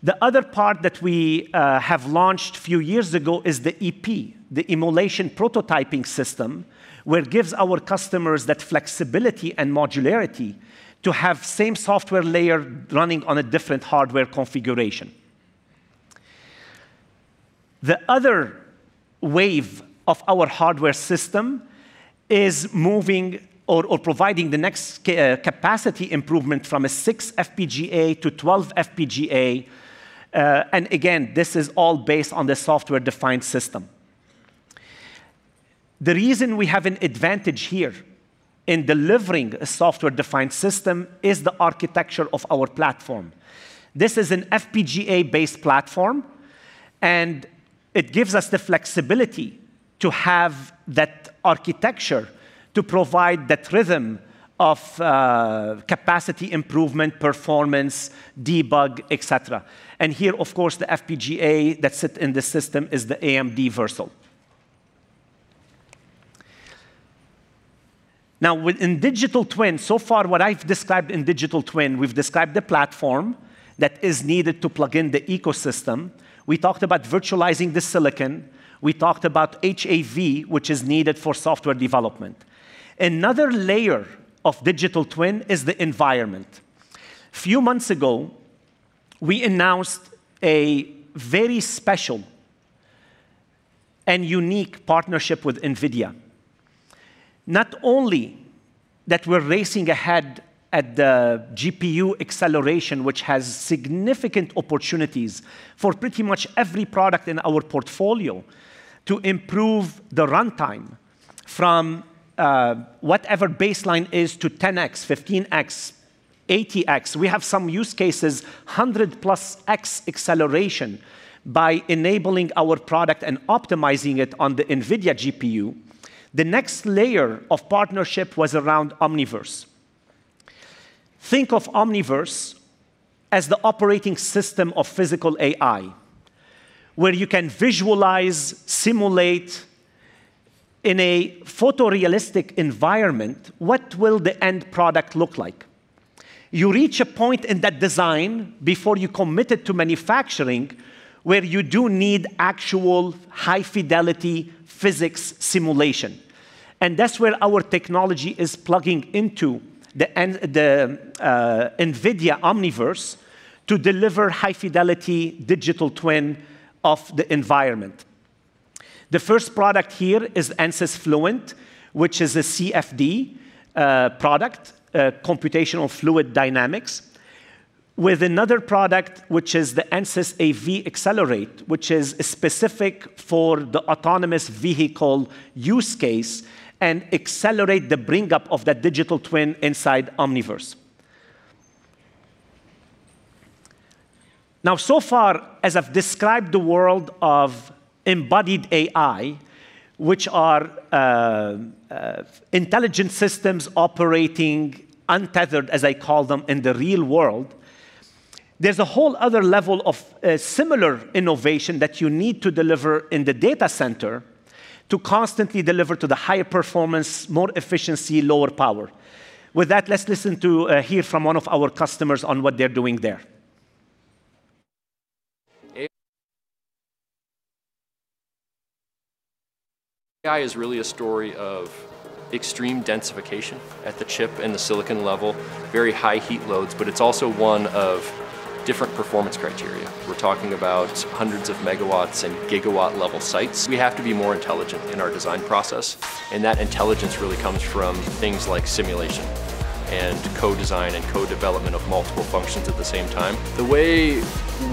S1: The other part that we have launched few years ago is the EP, the Emulation Prototyping system, where it gives our customers that flexibility and modularity to have same software layer running on a different hardware configuration. The other wave of our hardware system is providing the next capacity improvement from a 6 FPGA-12 FPGA, and again, this is all based on the software-defined system. The reason we have an advantage here in delivering a software-defined system is the architecture of our platform. This is an FPGA-based platform, and it gives us the flexibility to have that architecture to provide that rhythm of capacity improvement, performance, debug, etc. Here, of course, the FPGA that sit in the system is the AMD Versal. Now within digital twin, so far what I've described in digital twin, we've described the platform that is needed to plug in the ecosystem. We talked about virtualizing the silicon. We talked about HAV, which is needed for software development. Another layer of digital twin is the environment. Few months ago, we announced a very special and unique partnership with NVIDIA. Not only that we're racing ahead at the GPU acceleration, which has significant opportunities for pretty much every product in our portfolio to improve the runtime from whatever baseline is to 10x, 15x, 80x. We have some use cases 100+ x acceleration by enabling our product and optimizing it on the NVIDIA GPU. The next layer of partnership was around Omniverse. Think of Omniverse as the operating system of physical AI, where you can visualize, simulate in a photorealistic environment, what will the end product look like? You reach a point in that design before you commit it to manufacturing, where you do need actual high-fidelity physics simulation. That's where our technology is plugging into the NVIDIA Omniverse to deliver high-fidelity digital twin of the environment. The first product here is Ansys Fluent, which is a CFD product, computational fluid dynamics, with another product which is the Ansys AVxcelerate, which is specific for the autonomous vehicle use case, and accelerate the bring up of that digital twin inside Omniverse. Now, so far as I've described the world of embodied AI, which are intelligent systems operating untethered, as I call them, in the real world, there's a whole other level of similar innovation that you need to deliver in the data center to constantly deliver higher performance, more efficiency, lower power. With that, let's hear from one of our customers on what they're doing there.
S2: AI is really a story of extreme densification at the chip and the silicon level, very high heat loads, but it's also one of different performance criteria. We're talking about hundreds of megawatts and gigawatt-level sites. We have to be more intelligent in our design process, and that intelligence really comes from things like simulation and co-design and co-development of multiple functions at the same time. The way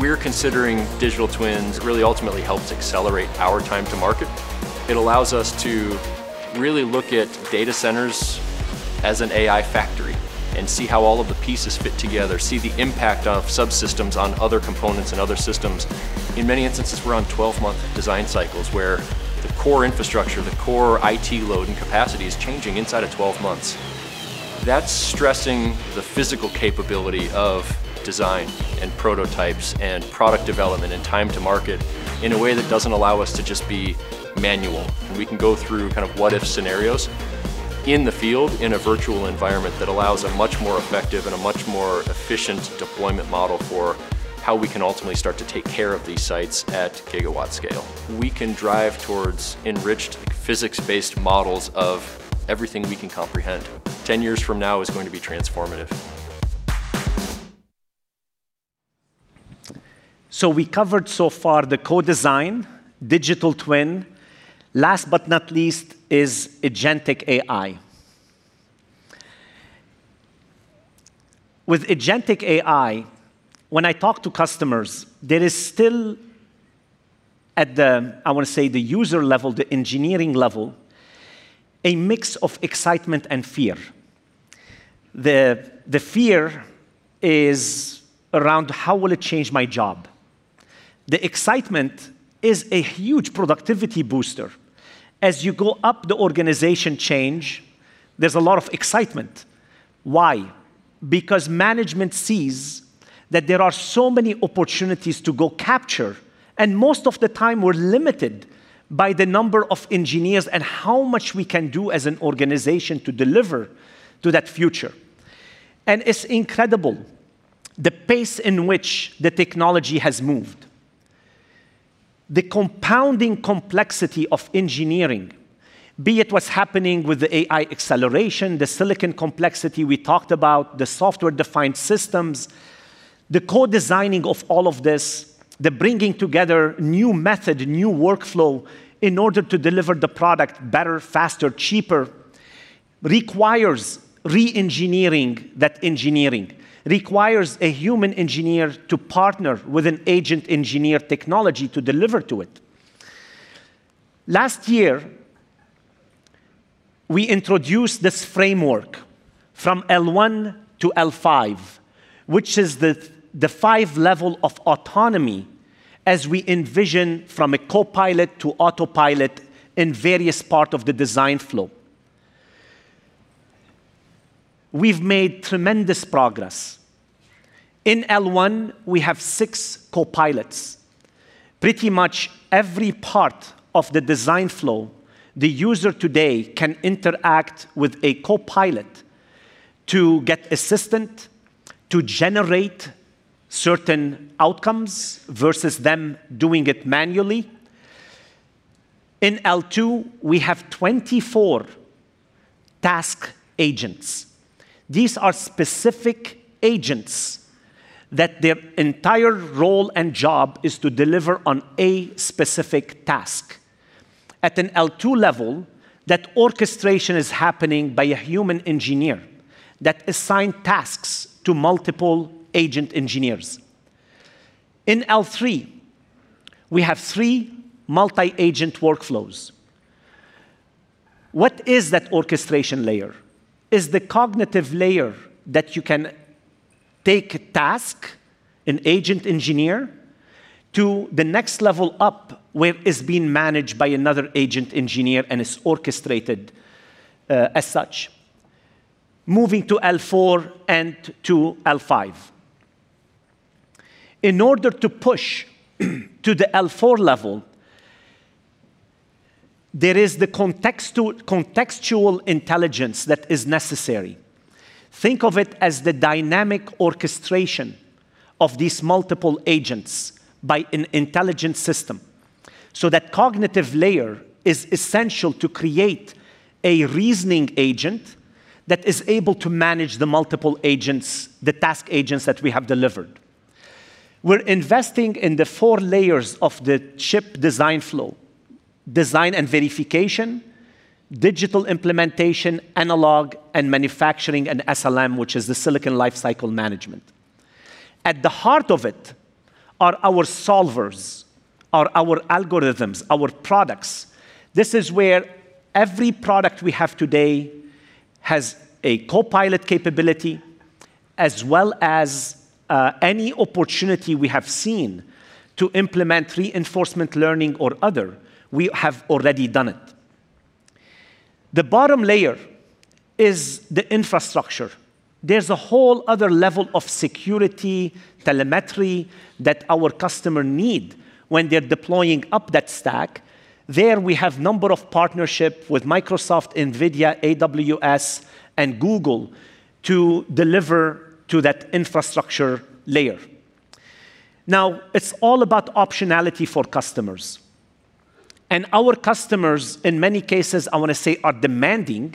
S2: we're considering digital twins really ultimately helps accelerate our time to market. It allows us to really look at data centers as an AI factory and see how all of the pieces fit together, see the impact of subsystems on other components and other systems. In many instances, we're on 12-month design cycles where the core infrastructure, the core IT load and capacity is changing inside of 12 months. That's stressing the physical capability of design and prototypes and product development and time to market in a way that doesn't allow us to just be manual. We can go through kind of what-if scenarios in the field in a virtual environment that allows a much more effective and a much more efficient deployment model for how we can ultimately start to take care of these sites at gigawatt scale. We can drive towards enriched physics-based models of everything we can comprehend. 10 years from now is going to be transformative.
S1: We covered so far the co-design, digital twin. Last but not least is agentic AI. With agentic AI, when I talk to customers, there is still at the, I wanna say, the user level, the engineering level, a mix of excitement and fear. The fear is around, how will it change my job? The excitement is a huge productivity booster. As you go up the organization change, there's a lot of excitement. Why? Because management sees that there are so many opportunities to go capture, and most of the time we're limited by the number of engineers and how much we can do as an organization to deliver to that future. It's incredible the pace in which the technology has moved. The compounding complexity of engineering, be it what's happening with the AI acceleration, the silicon complexity we talked about, the software-defined systems, the co-designing of all of this, the bringing together new methods, new workflows in order to deliver the product better, faster, cheaper, requires re-engineering that engineering. It requires a human engineer to partner with agentic engineering technology to deliver on it. Last year, we introduced this framework from L1-L5, which is the five levels of autonomy as we envision from a copilot to autopilot in various parts of the design flow. We've made tremendous progress. In L1, we have six copilots. Pretty much every part of the design flow, the user today can interact with a copilot to get assistance to generate certain outcomes versus them doing it manually. In L2, we have 24 task agents. These are specific agents that their entire role and job is to deliver on a specific task. At an L2 level, that orchestration is happening by a human engineer that assign tasks to multiple agent engineers. In L3, we have three multi-agent workflows. What is that orchestration layer? Is the cognitive layer that you can take task, an agent engineer to the next level up where it's being managed by another agent engineer and is orchestrated, as such. Moving to L4 and to L5. In order to push to the L4 level, there is the contextual intelligence that is necessary. Think of it as the dynamic orchestration of these multiple agents by an intelligent system. That cognitive layer is essential to create a reasoning agent that is able to manage the multiple agents, the task agents that we have delivered. We're investing in the four layers of the chip design flow, design and verification, digital implementation, analog, and manufacturing and SLM, which is the silicon lifecycle management. At the heart of it are our solvers, our algorithms, our products. This is where every product we have today has a copilot capability as well as, any opportunity we have seen to implement reinforcement learning or other, we have already done it. The bottom layer is the infrastructure. There's a whole other level of security, telemetry that our customers need when they're deploying up that stack. There we have a number of partnerships with Microsoft, NVIDIA, AWS, and Google to deliver to that infrastructure layer. Now, it's all about optionality for customers, and our customers, in many cases, I wanna say are demanding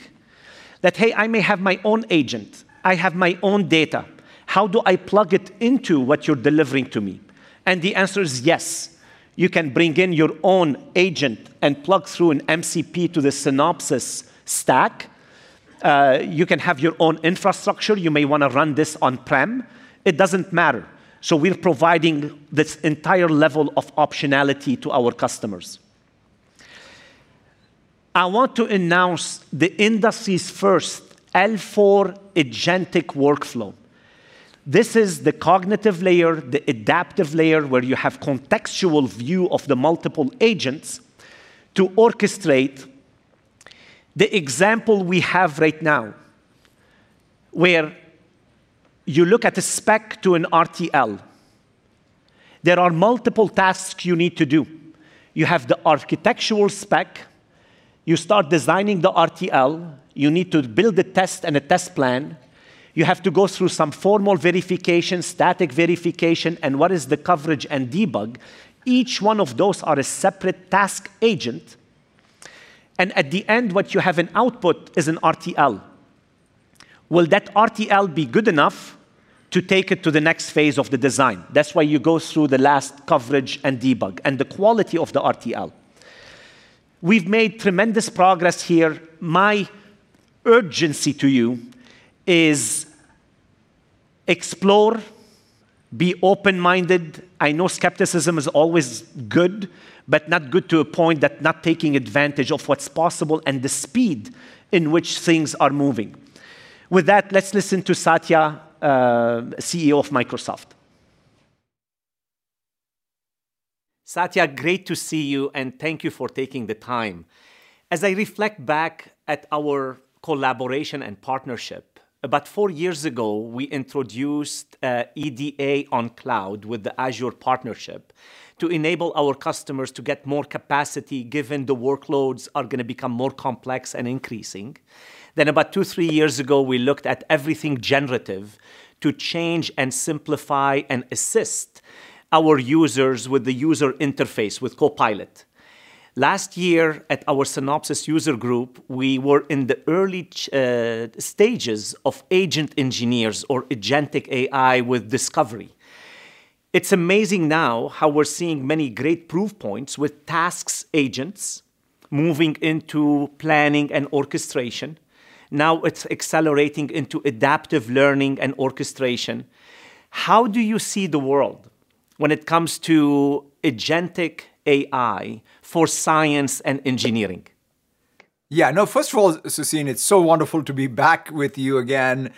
S1: that, "Hey, I may have my own agent. I have my own data. How do I plug it into what you're delivering to me?" The answer is yes. You can bring in your own agent and plug through an MCP to the Synopsys stack. You can have your own infrastructure. You may wanna run this on-prem. It doesn't matter. We're providing this entire level of optionality to our customers. I want to announce the industry's first L4 agentic workflow. This is the cognitive layer, the adaptive layer where you have contextual view of the multiple agents to orchestrate the example we have right now, where you look at a spec to an RTL. There are multiple tasks you need to do. You have the architectural spec. You start designing the RTL. You need to build a test and a test plan. You have to go through some formal verification, static verification, and what is the coverage and debug. Each one of those are a separate task agent, and at the end what you have in output is an RTL. Will that RTL be good enough to take it to the next phase of the design? That's why you go through the last coverage and debug and the quality of the RTL. We've made tremendous progress here. My urgency to you is explore, be open-minded. I know skepticism is always good, but not good to a point that not taking advantage of what's possible and the speed in which things are moving. With that, let's listen to Satya, CEO of Microsoft. Satya, great to see you, and thank you for taking the time. As I reflect back at our collaboration and partnership, about four years ago, we introduced EDA on cloud with the Azure partnership to enable our customers to get more capacity given the workloads are gonna become more complex and increasing. About two, three years ago, we looked at everything generative to change and simplify and assist our users with the user interface with Copilot. Last year, at our Synopsys User Group, we were in the early stages of agent engineers or agentic AI with Discovery. It's amazing now how we're seeing many great proof points with tasks agents moving into planning and orchestration. Now it's accelerating into adaptive learning and orchestration. How do you see the world when it comes to agentic AI for science and engineering?
S6: Yeah, no, first of all, Sassine, it's so wonderful to be back with you again.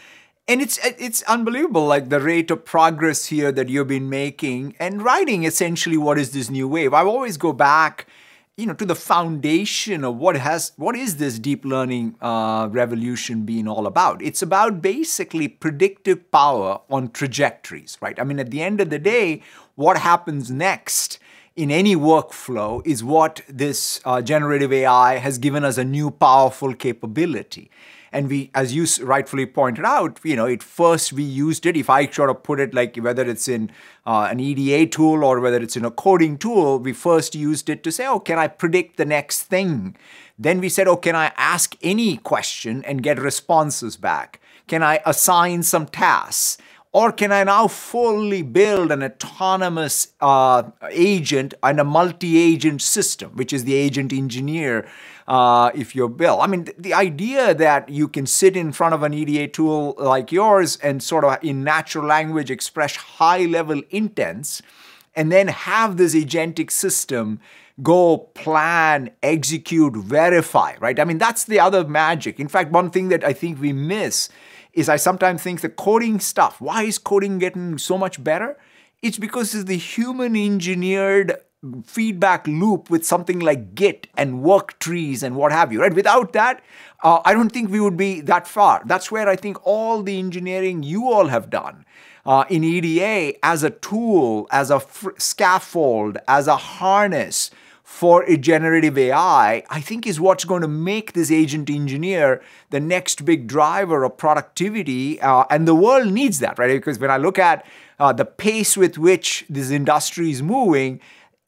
S6: It's unbelievable, like the rate of progress here that you've been making and riding essentially what is this new wave. I always go back, you know, to the foundation of what is this deep learning revolution been all about? It's about basically predictive power on trajectories, right? I mean, at the end of the day, what happens next in any workflow is what this generative AI has given us a new powerful capability. As you so rightfully pointed out, you know, at first we used it. If I try to put it like whether it's in an EDA tool or whether it's in a coding tool, we first used it to say, "Oh, can I predict the next thing?" Then we said, "Oh, can I ask any question and get responses back? Can I assign some tasks? Or can I now fully build an autonomous agent on a multi-agent system, which is the agent engineer, if you're Bill?" I mean, the idea that you can sit in front of an EDA tool like yours and sort of in natural language express high level intents and then have this agentic system go plan, execute, verify, right? I mean, that's the other magic. In fact, one thing that I think we miss is I sometimes think the coding stuff, why is coding getting so much better? It's because of the human engineered feedback loop with something like Git and work trees and what have you, right? Without that, I don't think we would be that far. That's where I think all the engineering you all have done in EDA as a tool, as a scaffold, as a harness for a generative AI, I think is what's gonna make this agent engineer the next big driver of productivity, and the world needs that, right? Because when I look at the pace with which this industry is moving,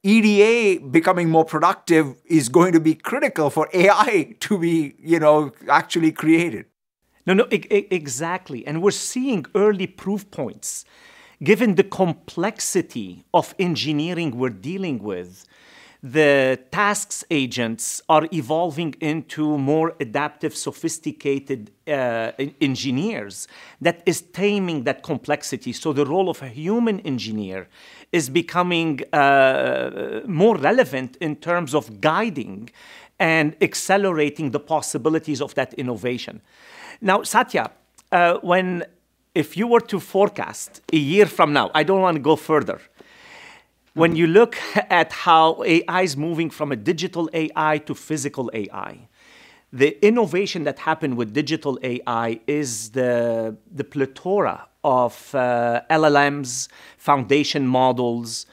S6: EDA becoming more productive is going to be critical for AI to be, you know, actually created.
S1: No, exactly, we're seeing early proof points. Given the complexity of engineering we're dealing with, the tasks agents are evolving into more adaptive, sophisticated, engineers that is taming that complexity. The role of a human engineer is becoming more relevant in terms of guiding and accelerating the possibilities of that innovation. Now, Satya, if you were to forecast a year from now, I don't want to go further. When you look at how AI's moving from a digital AI to physical AI, the innovation that happened with digital AI is the plethora of LLMs, foundation models,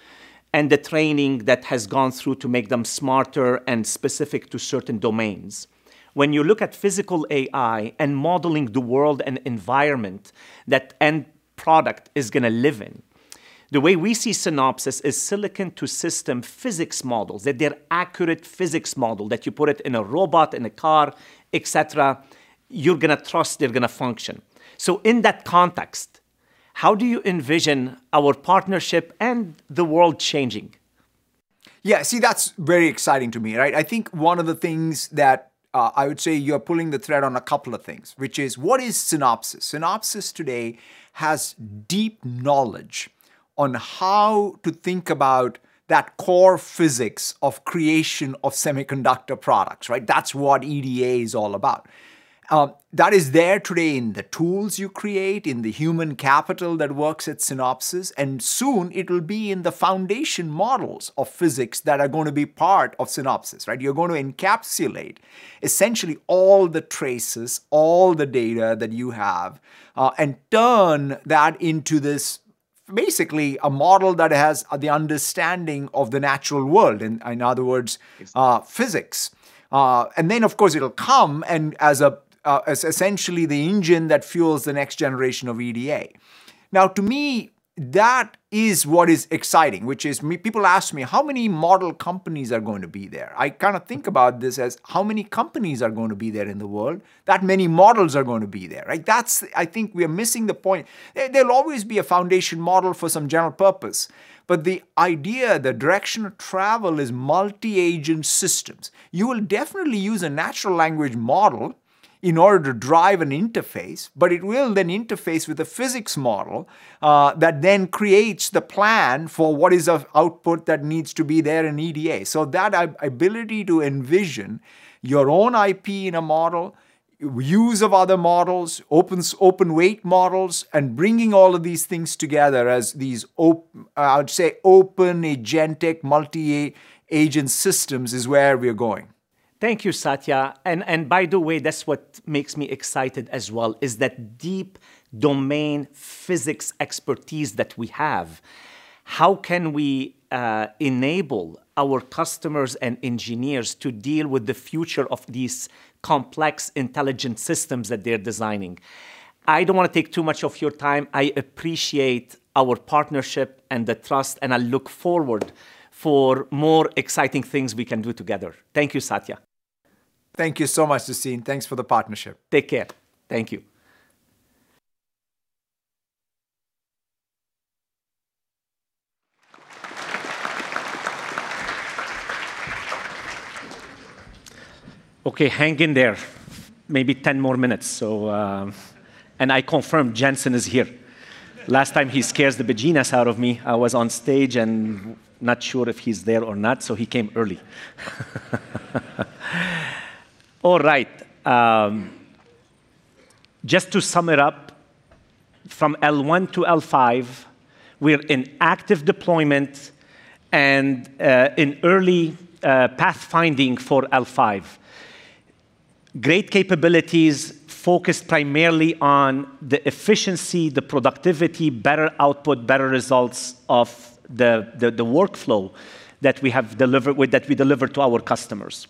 S1: and the training that has gone through to make them smarter and specific to certain domains. When you look at physical AI and modeling the world and environment that end product is gonna live in, the way we see Synopsys is silicon to system physics models, that they're accurate physics model, that you put it in a robot, in a car, etc, you're gonna trust they're gonna function. In that context, how do you envision our partnership and the world changing?
S6: Yeah, see, that's very exciting to me, right? I think one of the things that I would say you're pulling the thread on a couple of things, which is what is Synopsys? Synopsys today has deep knowledge on how to think about that core physics of creation of semiconductor products, right? That's what EDA is all about. That is there today in the tools you create, in the human capital that works at Synopsys, and soon it'll be in the foundation models of physics that are gonna be part of Synopsys, right? You're going to encapsulate essentially all the traces, all the data that you have, and turn that into this basically a model that has the understanding of the natural world, in other words.... physics. Of course it'll come as essentially the engine that fuels the next generation of EDA. Now to me, that is what is exciting, which is, people ask me, "How many model companies are going to be there?" I kinda think about this as how many companies are going to be there in the world, that many models are going to be there, right? That's. I think we're missing the point. There'll always be a foundation model for some general purpose. The idea, the direction of travel is multi-agent systems. You will definitely use a natural language model in order to drive an interface, but it will then interface with a physics model, that then creates the plan for what sort of output that needs to be there in EDA. That ability to envision your own IP in a model, use of other models, open-weight models, and bringing all of these things together as these, I would say, open agentic multi-agent systems is where we're going.
S1: Thank you, Satya. By the way, that's what makes me excited as well is that deep domain physics expertise that we have. How can we enable our customers and engineers to deal with the future of these complex intelligent systems that they're designing? I don't wanna take too much of your time. I appreciate our partnership and the trust, and I look forward for more exciting things we can do together. Thank you, Satya.
S6: Thank you so much, Sassine. Thanks for the partnership. Take care.
S1: Thank you. Okay, hang in there. Maybe 10 more minutes. I confirm Jensen is here. Last time he scares the bejesus out of me. I was on stage and not sure if he's there or not, so he came early. All right. Just to sum it up, from L1-L5, we're in active deployment and in early pathfinding for L5. Great capabilities focused primarily on the efficiency, the productivity, better output, better results of the workflow that we have delivered, with that we deliver to our customers.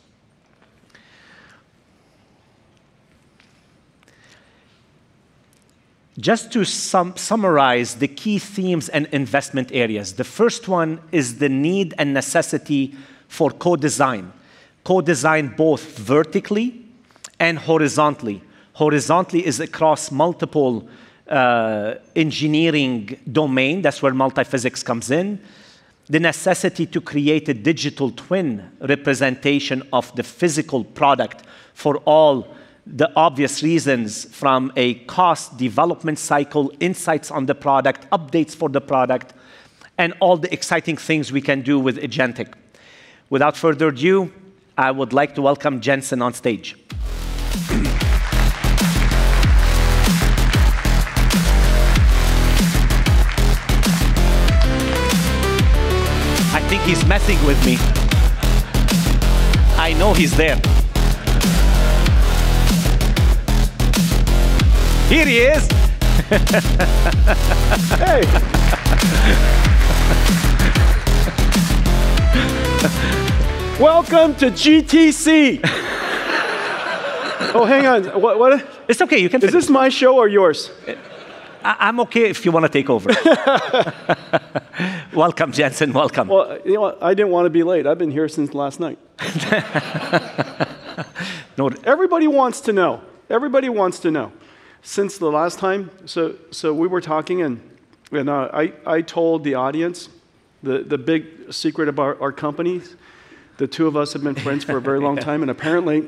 S1: Just to summarize the key themes and investment areas, the first one is the need and necessity for co-design, co-design both vertically and horizontally. Horizontally is across multiple engineering domains, that's where multiphysics comes in. The necessity to create a digital twin representation of the physical product for all the obvious reasons from a cost development cycle, insights on the product, updates for the product, and all the exciting things we can do with agentic. Without further ado, I would like to welcome Jensen on stage. I think he's messing with me. I know he's there. Here he is.
S7: Hey. Welcome to GTC. Oh, hang on. What
S1: It's okay.
S7: Is this my show or yours?
S1: I'm okay if you wanna take over. Welcome, Jensen, welcome.
S7: Well, you know what? I didn't wanna be late. I've been here since last night. No, everybody wants to know. Since the last time, so we were talking and I told the audience the big secret about our companies. The two of us have been friends for a very long time, and apparently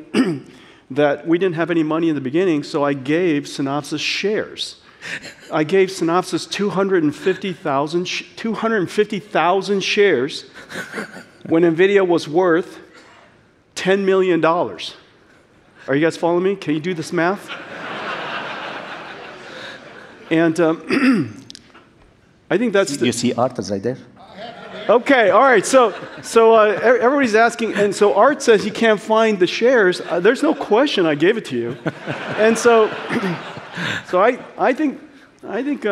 S7: that we didn't have any money in the beginning, so I gave Synopsys shares. I gave Synopsys 250,000 shares when NVIDIA was worth $10 million. Are you guys following me? Can you do this math? I think that's the
S1: Do you see Aart is right there?
S8: I have it right here.
S7: Okay. All right. Everybody's asking, and Art says he can't find the shares. There's no question I gave it to you. I think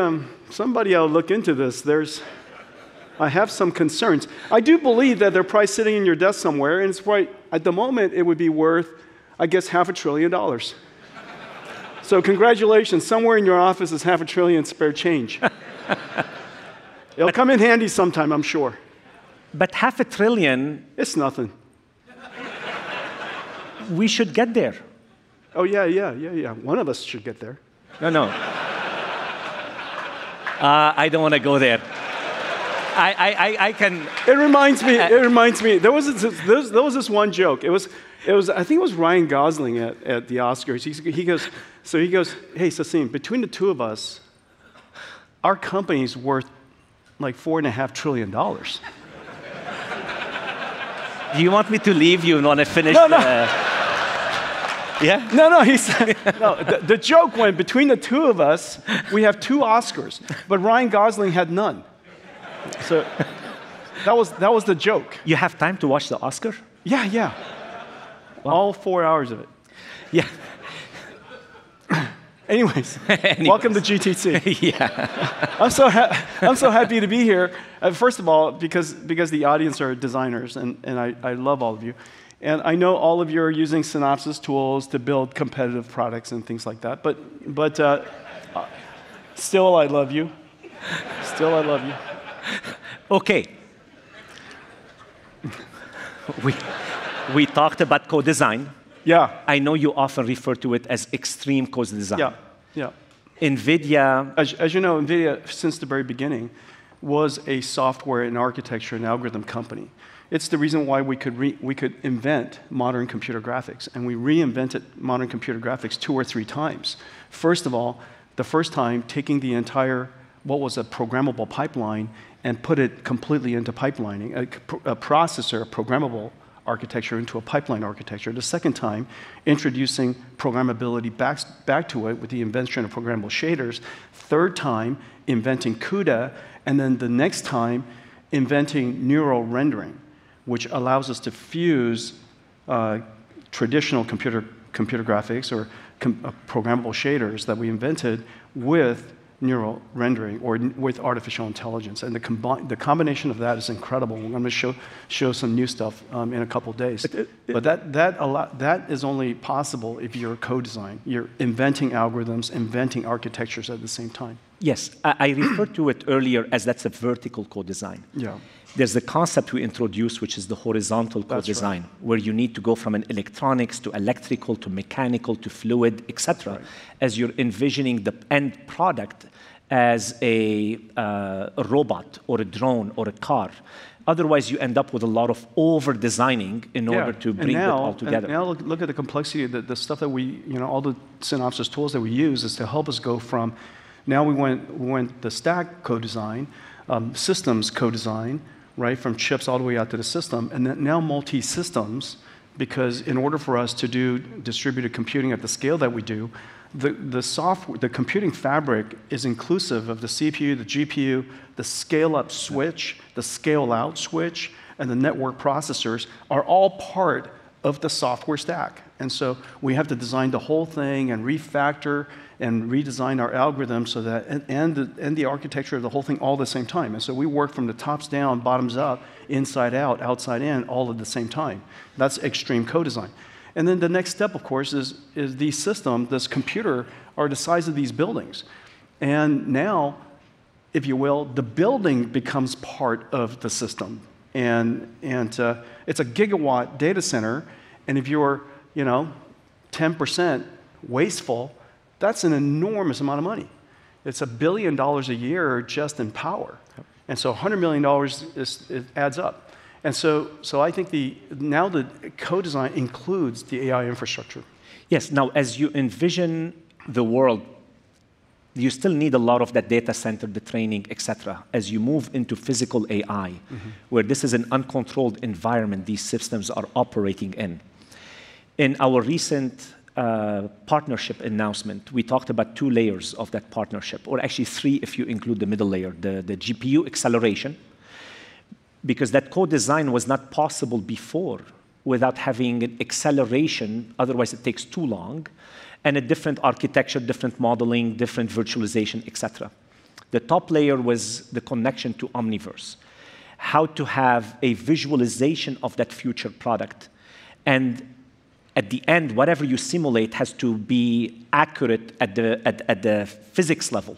S7: somebody ought to look into this. I have some concerns. I do believe that they're probably sitting in your desk somewhere, and it's probably, at the moment it would be worth, I guess, half a trillion dollars. Congratulations, somewhere in your office is half a trillion spare change. It'll come in handy sometime, I'm sure.
S1: $ Half a trillion.
S7: It's nothing.
S1: We should get there.
S7: Oh, yeah. Yeah. One of us should get there.
S1: No, no. I don't wanna go there. I can-
S7: It reminds me. There was this one joke. It was, I think it was Ryan Gosling at the Oscars. He goes, "Hey, Sassine, between the two of us, our company's worth, like, $4.5 trillion.
S1: Do you want me to leave you and wanna finish the?
S7: No, no.
S1: Yeah?
S7: No. The joke went between the two of us. We have two Oscars, but Ryan Gosling had none. That was the joke.
S1: You have time to watch the Oscar?
S7: Yeah, yeah. All four hours of it.
S1: Yeah.
S7: Anyways.
S1: Anyways.
S7: Welcome to GTC.
S1: Yeah.
S7: I'm so happy to be here. First of all, because the audience are designers and I love all of you, and I know all of you are using Synopsys tools to build competitive products and things like that. Still, I love you.
S1: Okay. We talked about co-design.
S7: Yeah.
S1: I know you often refer to it as extreme co-design.
S7: Yeah, yeah.
S1: NVIDIA-
S7: As you know, NVIDIA, since the very beginning, was a software and architecture and algorithm company. It's the reason why we could invent modern computer graphics, and we reinvented modern computer graphics two or three times. First of all, the first time, taking the entire what was a programmable pipeline and put it completely into pipelining. A processor, a programmable architecture into a pipelined architecture. The second time, introducing programmability back to it with the invention of programmable shaders. Third time, inventing CUDA. Then the next time, inventing neural rendering, which allows us to fuse traditional computer graphics or programmable shaders that we invented with neural rendering with artificial intelligence. The combination of that is incredible, and I'm gonna show some new stuff in a couple days.
S1: But, uh, but-
S7: That is only possible if you're co-designing, inventing algorithms, inventing architectures at the same time.
S1: Yes. I referred to it earlier as that's a vertical co-design.
S7: Yeah.
S1: There's the concept we introduced, which is the horizontal co-design.
S7: That's right.
S1: where you need to go from electronics to electrical to mechanical to fluid, etc.
S7: Right.
S1: As you're envisioning the end product as a robot or a drone or a car. Otherwise, you end up with a lot of over-designing.
S7: Yeah
S1: In order to bring it all together.
S7: Now look at the complexity of the stuff that we, you know, all the Synopsys tools that we use is to help us go from now we went the stack co-design, systems co-design, right? From chips all the way out to the system, and then now multi systems because in order for us to do distributed computing at the scale that we do, the computing fabric is inclusive of the CPU, the GPU, the scale up switch, the scale out switch, and the network processors are all part of the software stack. We have to design the whole thing and refactor and redesign our algorithm so that and the architecture of the whole thing all at the same time. We work from the top down, bottoms up, inside out, outside in, all at the same time. That's extreme co-design. The next step, of course, is the system, this computer, are the size of these buildings. If you will, the building becomes part of the system and it's a gigawatt data center, and if you're, you know, 10% wasteful, that's an enormous amount of money. It's $1 billion a year just in power.
S1: Yep.
S7: $100 million is. It adds up. I think now the co-design includes the AI infrastructure.
S1: Yes. Now, as you envision the world, you still need a lot of that data center, the training, etc, as you move into physical AI.
S7: Mm-hmm...
S1: where this is an uncontrolled environment these systems are operating in. In our recent partnership announcement, we talked about two layers of that partnership, or actually three if you include the middle layer, the GPU acceleration, because that co-design was not possible before without having acceleration, otherwise it takes too long, and a different architecture, different modeling, different virtualization, etc. The top layer was the connection to Omniverse, how to have a visualization of that future product. At the end, whatever you simulate has to be accurate at the physics level,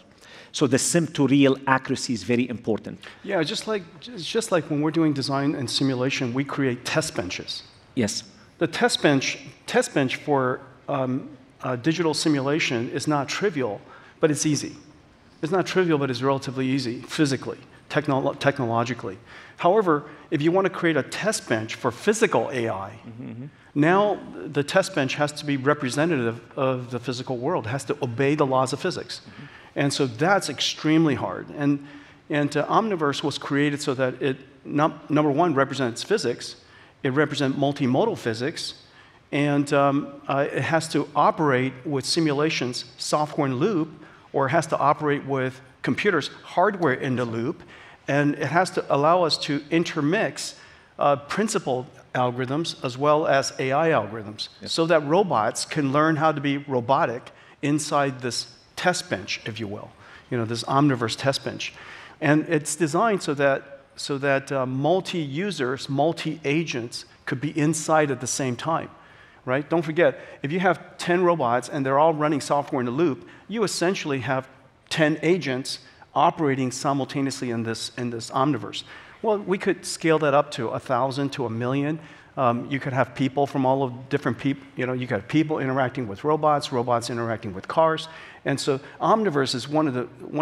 S1: so the sim to real accuracy is very important.
S7: Yeah. Just like when we're doing design and simulation, we create test benches.
S1: Yes.
S7: The test bench for a digital simulation is not trivial, but it's easy. It's not trivial, but it's relatively easy physically, technologically. However, if you wanna create a test bench for physical AI-
S1: Mm-hmm
S7: now the test bench has to be representative of the physical world, has to obey the laws of physics.
S1: Mm-hmm.
S7: That's extremely hard. Omniverse was created so that it number one, represents physics. It represent multimodal physics, and it has to operate with simulations, software in loop, or it has to operate with computers, hardware in the loop, and it has to allow us to intermix principle algorithms as well as AI algorithms.
S1: Yes
S7: so that robots can learn how to be robotic inside this test bench, if you will, you know, this Omniverse test bench. It's designed so that multi-users, multi-agents could be inside at the same time, right? Don't forget, if you have 10 robots and they're all running software in the loop, you essentially have 10 agents operating simultaneously in this Omniverse. Well, we could scale that up to 1,000-1,000,000. You could have people from all different people, you know, you got people interacting with robots interacting with cars. Omniverse is one of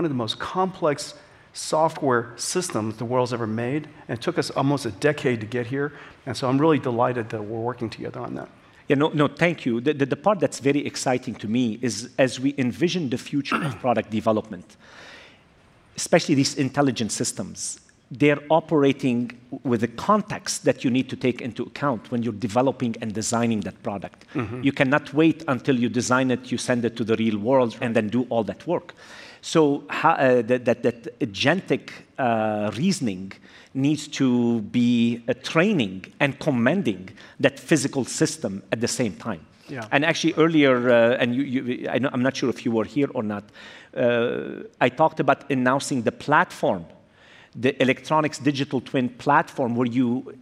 S7: the most complex software systems the world's ever made, and it took us almost a decade to get here, so I'm really delighted that we're working together on that.
S1: Yeah. No, no, thank you. The part that's very exciting to me is as we envision the future of product development, especially these intelligent systems, they're operating with the context that you need to take into account when you're developing and designing that product.
S7: Mm-hmm.
S1: You cannot wait until you design it. You send it to the real world.
S7: Right...
S1: do all that work. How that agentic reasoning needs to be training and commanding that physical system at the same time.
S7: Yeah.
S1: Actually earlier, I'm not sure if you were here or not, I talked about announcing the platform, the electronics digital twin platform where you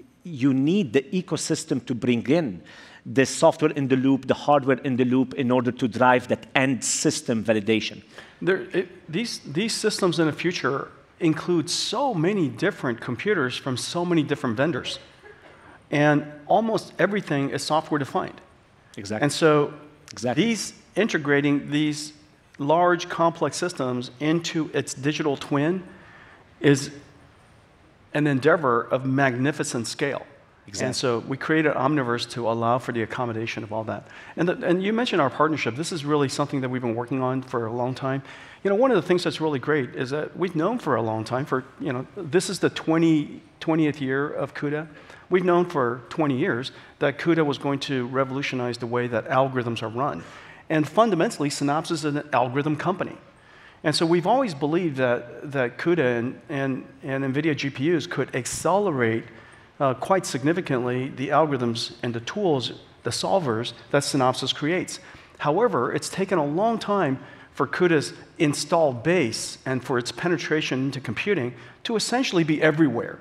S1: need the ecosystem to bring in the software in the loop, the hardware in the loop in order to drive that end system validation.
S7: These systems in the future include so many different computers from so many different vendors, and almost everything is software defined.
S1: Exactly.
S7: And so-
S1: Exactly
S7: Integrating these large complex systems into its digital twin is an endeavor of magnificent scale.
S1: Exactly.
S7: We created Omniverse to allow for the accommodation of all that. You mentioned our partnership. This is really something that we've been working on for a long time. You know, one of the things that's really great is that we've known for a long time, you know, this is the 20th year of CUDA. We've known for 20 years that CUDA was going to revolutionize the way that algorithms are run. Fundamentally, Synopsys is an algorithm company. We've always believed that CUDA and NVIDIA GPUs could accelerate quite significantly the algorithms and the tools, the solvers, that Synopsys creates. However, it's taken a long time for CUDA's installed base and for its penetration into computing to essentially be everywhere.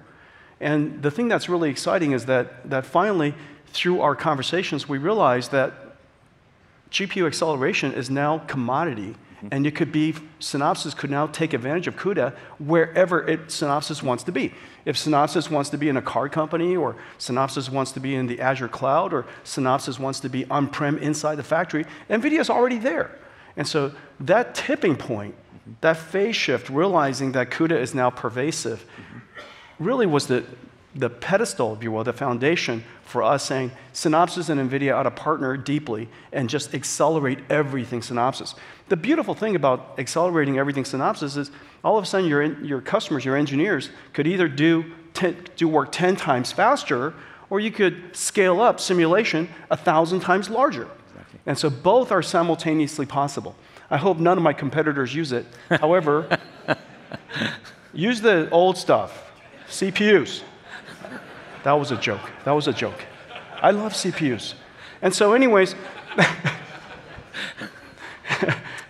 S7: The thing that's really exciting is that finally, through our conversations, we realized that GPU acceleration is now commodity, and Synopsys could now take advantage of CUDA wherever Synopsys wants to be. If Synopsys wants to be in a car company, or Synopsys wants to be in the Azure cloud, or Synopsys wants to be on-prem inside the factory, NVIDIA's already there. That tipping point, that phase shift, realizing that CUDA is now pervasive. Really was the pedestal, if you will, the foundation for us saying Synopsys and NVIDIA ought to partner deeply and just accelerate everything Synopsys. The beautiful thing about accelerating everything Synopsys is all of a sudden your customers, your engineers, could either do work 10 times faster, or you could scale up simulation 1,000 times larger.
S1: Exactly.
S7: Both are simultaneously possible. I hope none of my competitors use it. However, use the old stuff, CPUs. That was a joke. I love CPUs. Anyways,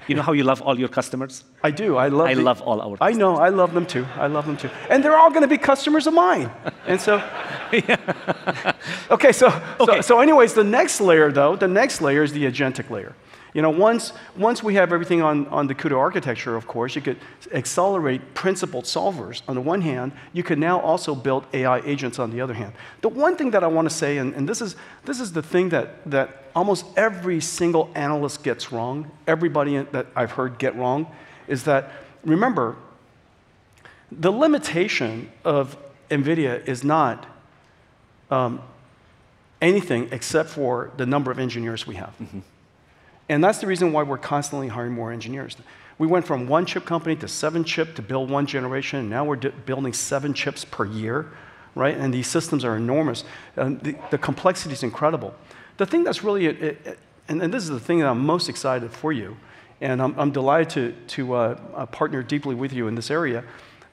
S1: You know how you love all your customers?
S7: I do.
S1: I love all our customers.
S7: I know. I love them too. They're all gonna be customers of mine.
S1: Yeah.
S7: Okay.
S1: Okay
S7: Anyways, the next layer though, the next layer is the agentic layer. You know, once we have everything on the CUDA architecture, of course, you could accelerate principal solvers on the one hand, you could now also build AI agents on the other hand. The one thing that I wanna say, and this is the thing that almost every single analyst gets wrong, everybody that I've heard get wrong, is that, remember, the limitation of NVIDIA is not anything except for the number of engineers we have.
S1: Mm-hmm.
S7: That's the reason why we're constantly hiring more engineers. We went from one chip to seven chips to build one generation, and now we're building seven chips per year, right? These systems are enormous. The complexity is incredible. This is the thing that I'm most excited for you, and I'm delighted to partner deeply with you in this area.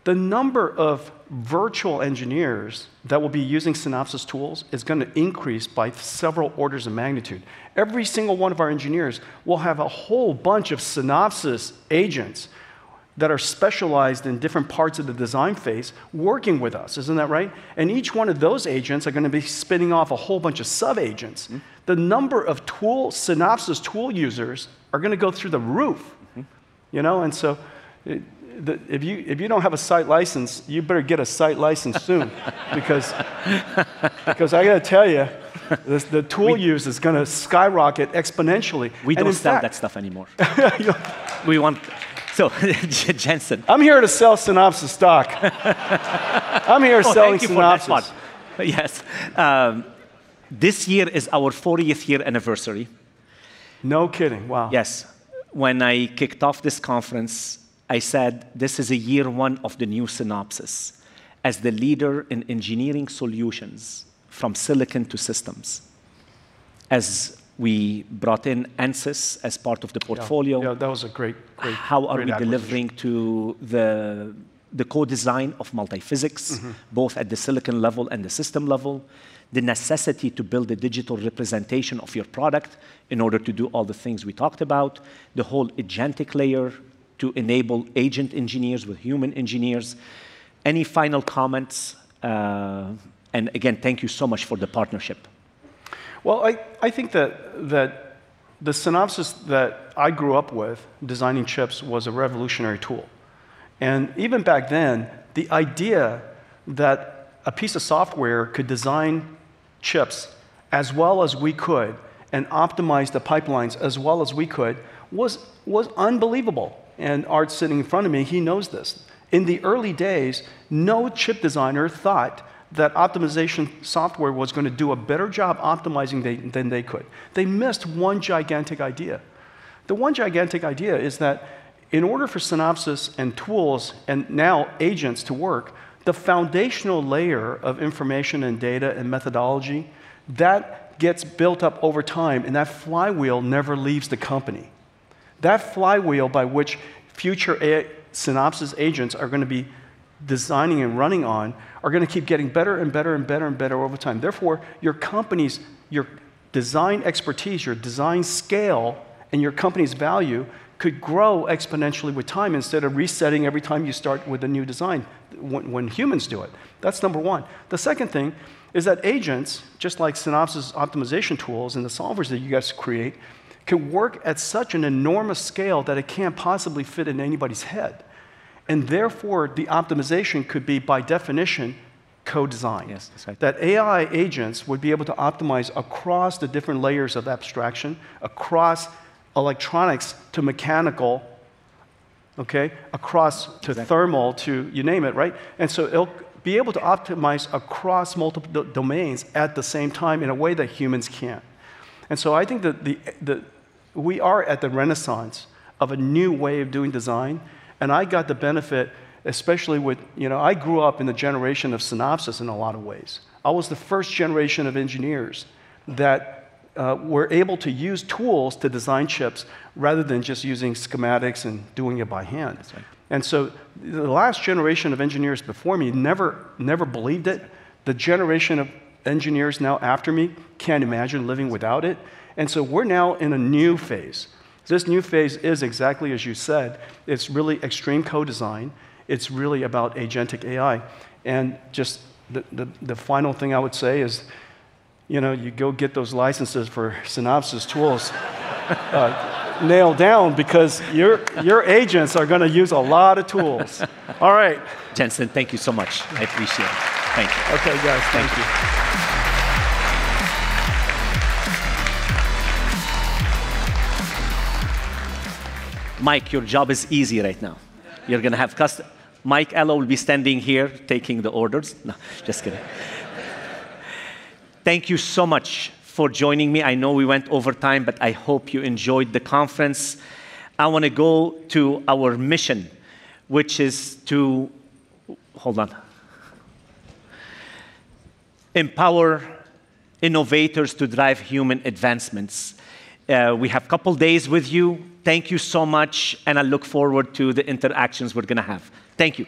S7: The number of virtual engineers that will be using Synopsys tools is gonna increase by several orders of magnitude. Every single one of our engineers will have a whole bunch of Synopsys agents that are specialized in different parts of the design phase working with us. Isn't that right? Each one of those agents are gonna be spinning off a whole bunch of sub-agents.
S1: Mm-hmm.
S7: The number of Synopsys tool users are gonna go through the roof.
S1: Mm-hmm.
S7: You know? If you don't have a site license, you better get a site license soon. Because I gotta tell ya.
S1: We-
S7: The tool use is gonna skyrocket exponentially. In fact,
S1: We don't sell that stuff anymore.
S7: You...
S1: Jensen
S7: I'm here to sell Synopsys stock.
S1: Oh, thank you for that spot. Yes. This year is our fortieth year anniversary.
S7: No kidding. Wow.
S1: Yes. When I kicked off this conference, I said, "This is a year one of the new Synopsys as the leader in engineering solutions from silicon to systems," as we brought in Ansys as part of the portfolio.
S7: Yeah, that was a great.
S1: How are we?
S7: Great acquisition.
S1: Delivering to the core design of multiphysics.
S7: Mm-hmm
S1: both at the silicon level and the system level, the necessity to build a digital representation of your product in order to do all the things we talked about, the whole agentic layer to enable agent engineers with human engineers. Any final comments? Again, thank you so much for the partnership.
S7: Well, I think that the Synopsys that I grew up with, designing chips, was a revolutionary tool. Even back then, the idea that a piece of software could design chips as well as we could and optimize the pipelines as well as we could was unbelievable. Art sitting in front of me, he knows this. In the early days, no chip designer thought that optimization software was gonna do a better job optimizing they, than they could. They missed one gigantic idea. The one gigantic idea is that in order for Synopsys and tools and now agents to work, the foundational layer of information and data and methodology, that gets built up over time, and that flywheel never leaves the company. That flywheel by which future AI Synopsys agents are gonna be designing and running on are gonna keep getting better and better and better and better over time. Therefore, your company's, your design expertise, your design scale, and your company's value could grow exponentially with time instead of resetting every time you start with a new design when humans do it. That's number one. The second thing is that agents, just like Synopsys optimization tools and the solvers that you guys create, can work at such an enormous scale that it can't possibly fit into anybody's head, and therefore, the optimization could be, by definition, co-designed.
S1: Yes, that's right.
S7: That AI agents would be able to optimize across the different layers of abstraction, across electronics to mechanical, okay.
S1: Exactly
S7: To thermal, to you name it, right? It'll be able to optimize across multiple domains at the same time in a way that humans can't. I think that we are at the renaissance of a new way of doing design, and I got the benefit, especially with, you know, I grew up in the generation of Synopsys in a lot of ways. I was the first generation of engineers that were able to use tools to design chips rather than just using schematics and doing it by hand.
S1: That's right.
S7: The last generation of engineers before me never believed it. The generation of engineers now after me can't imagine living without it. We're now in a new phase. This new phase is exactly as you said. It's really extreme co-design. It's really about agentic AI. Just the final thing I would say is, you know, you go get those licenses for Synopsys tools nailed down because your agents are gonna use a lot of tools. All right.
S1: Jensen, thank you so much. I appreciate it. Thank you.
S7: Okay, guys. Thank you.
S1: Mike, your job is easy right now. Mike Elia will be standing here taking the orders. No, just kidding. Thank you so much for joining me. I know we went over time, but I hope you enjoyed the conference. I want to go to our mission, Empower innovators to drive human advancements. We have couple days with you. Thank you so much, and I look forward to the interactions we're gonna have. Thank you.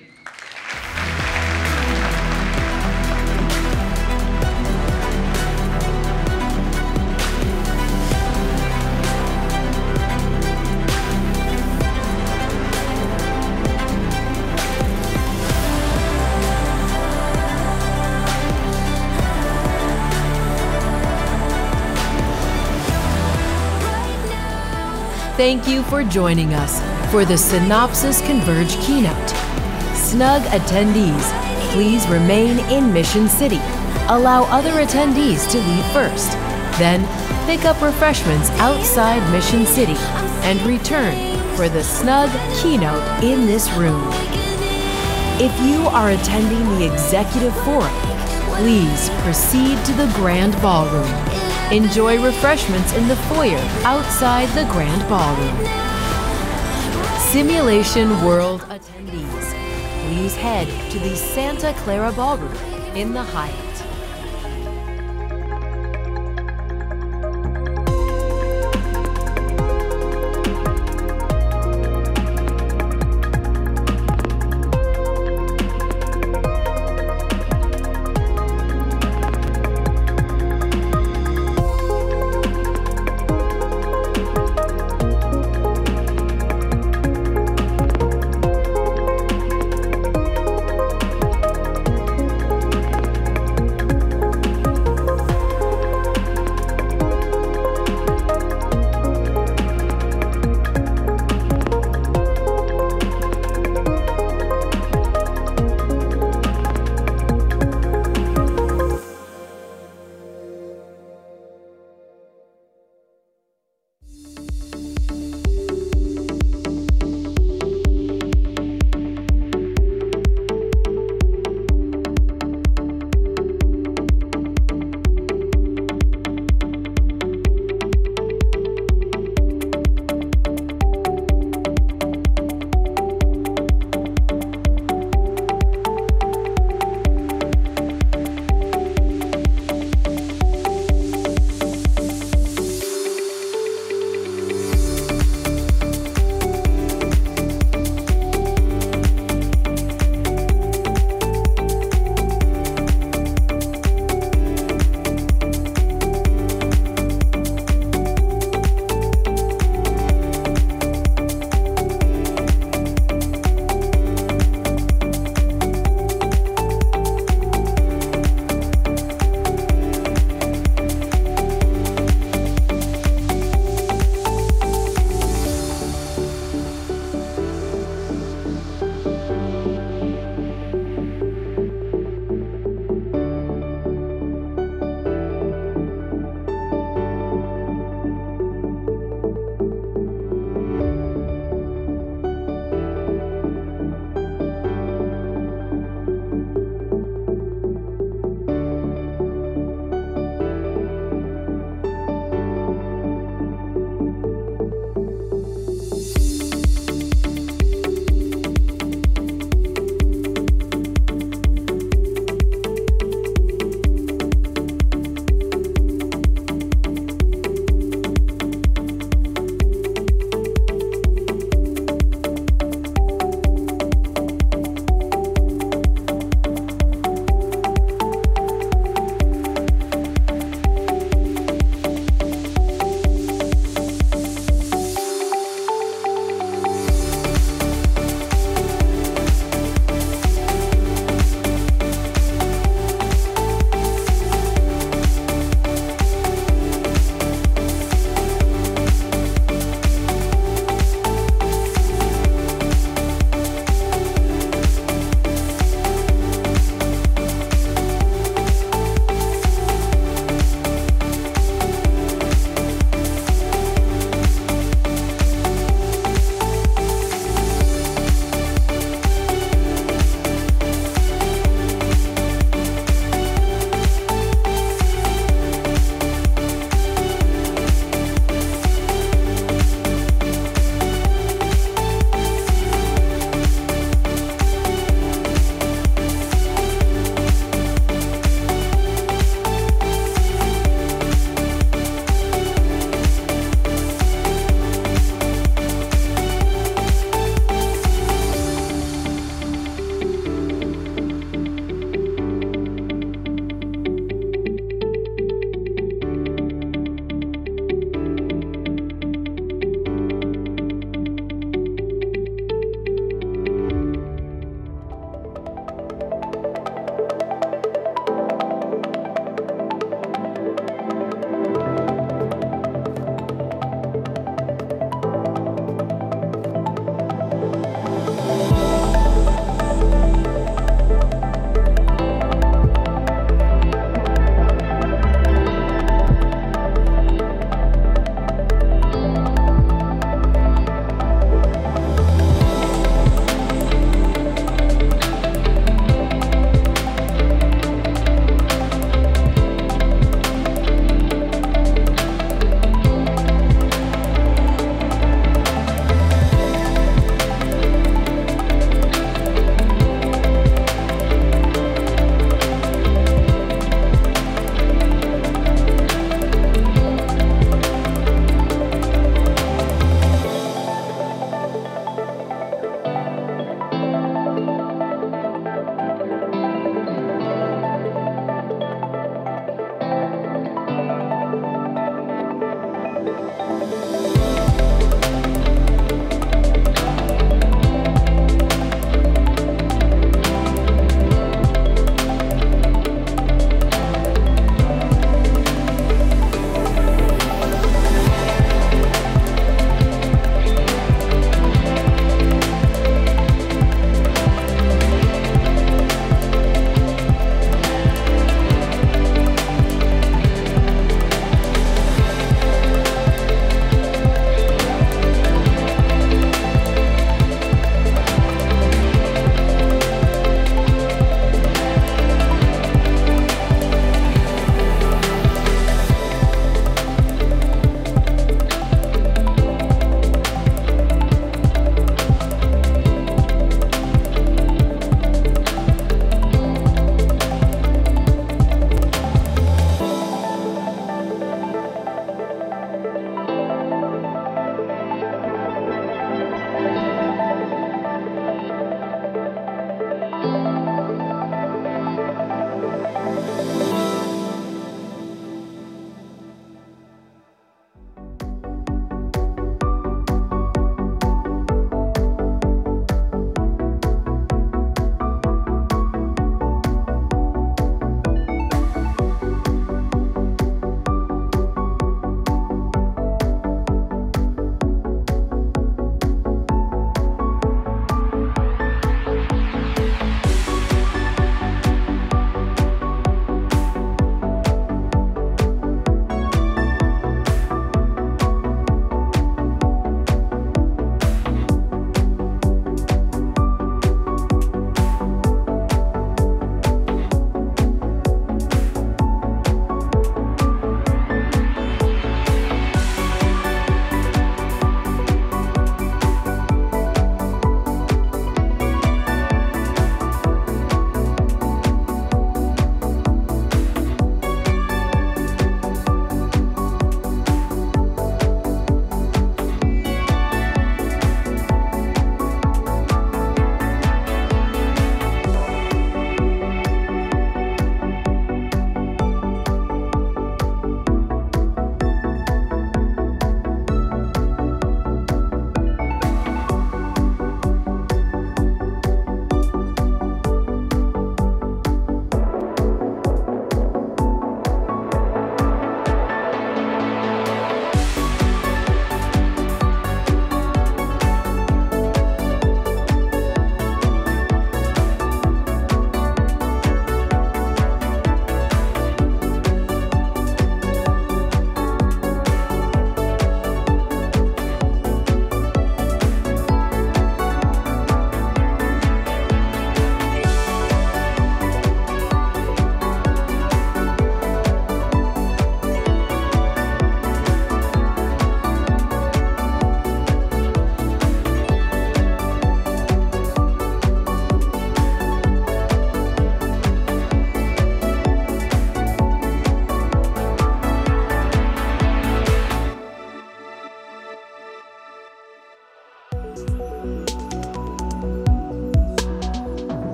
S9: Thank you for joining us for the Synopsys Converge keynote. SNUG attendees, please remain in Mission City. Allow other attendees to leave first, then pick up refreshments outside Mission City and return for the SNUG keynote in this room. If you are attending the Executive Forum, please proceed to the Grand Ballroom. Enjoy refreshments in the foyer outside the Grand Ballroom. Simulation World attendees, please head to the Santa Clara Ballroom in the Hyatt.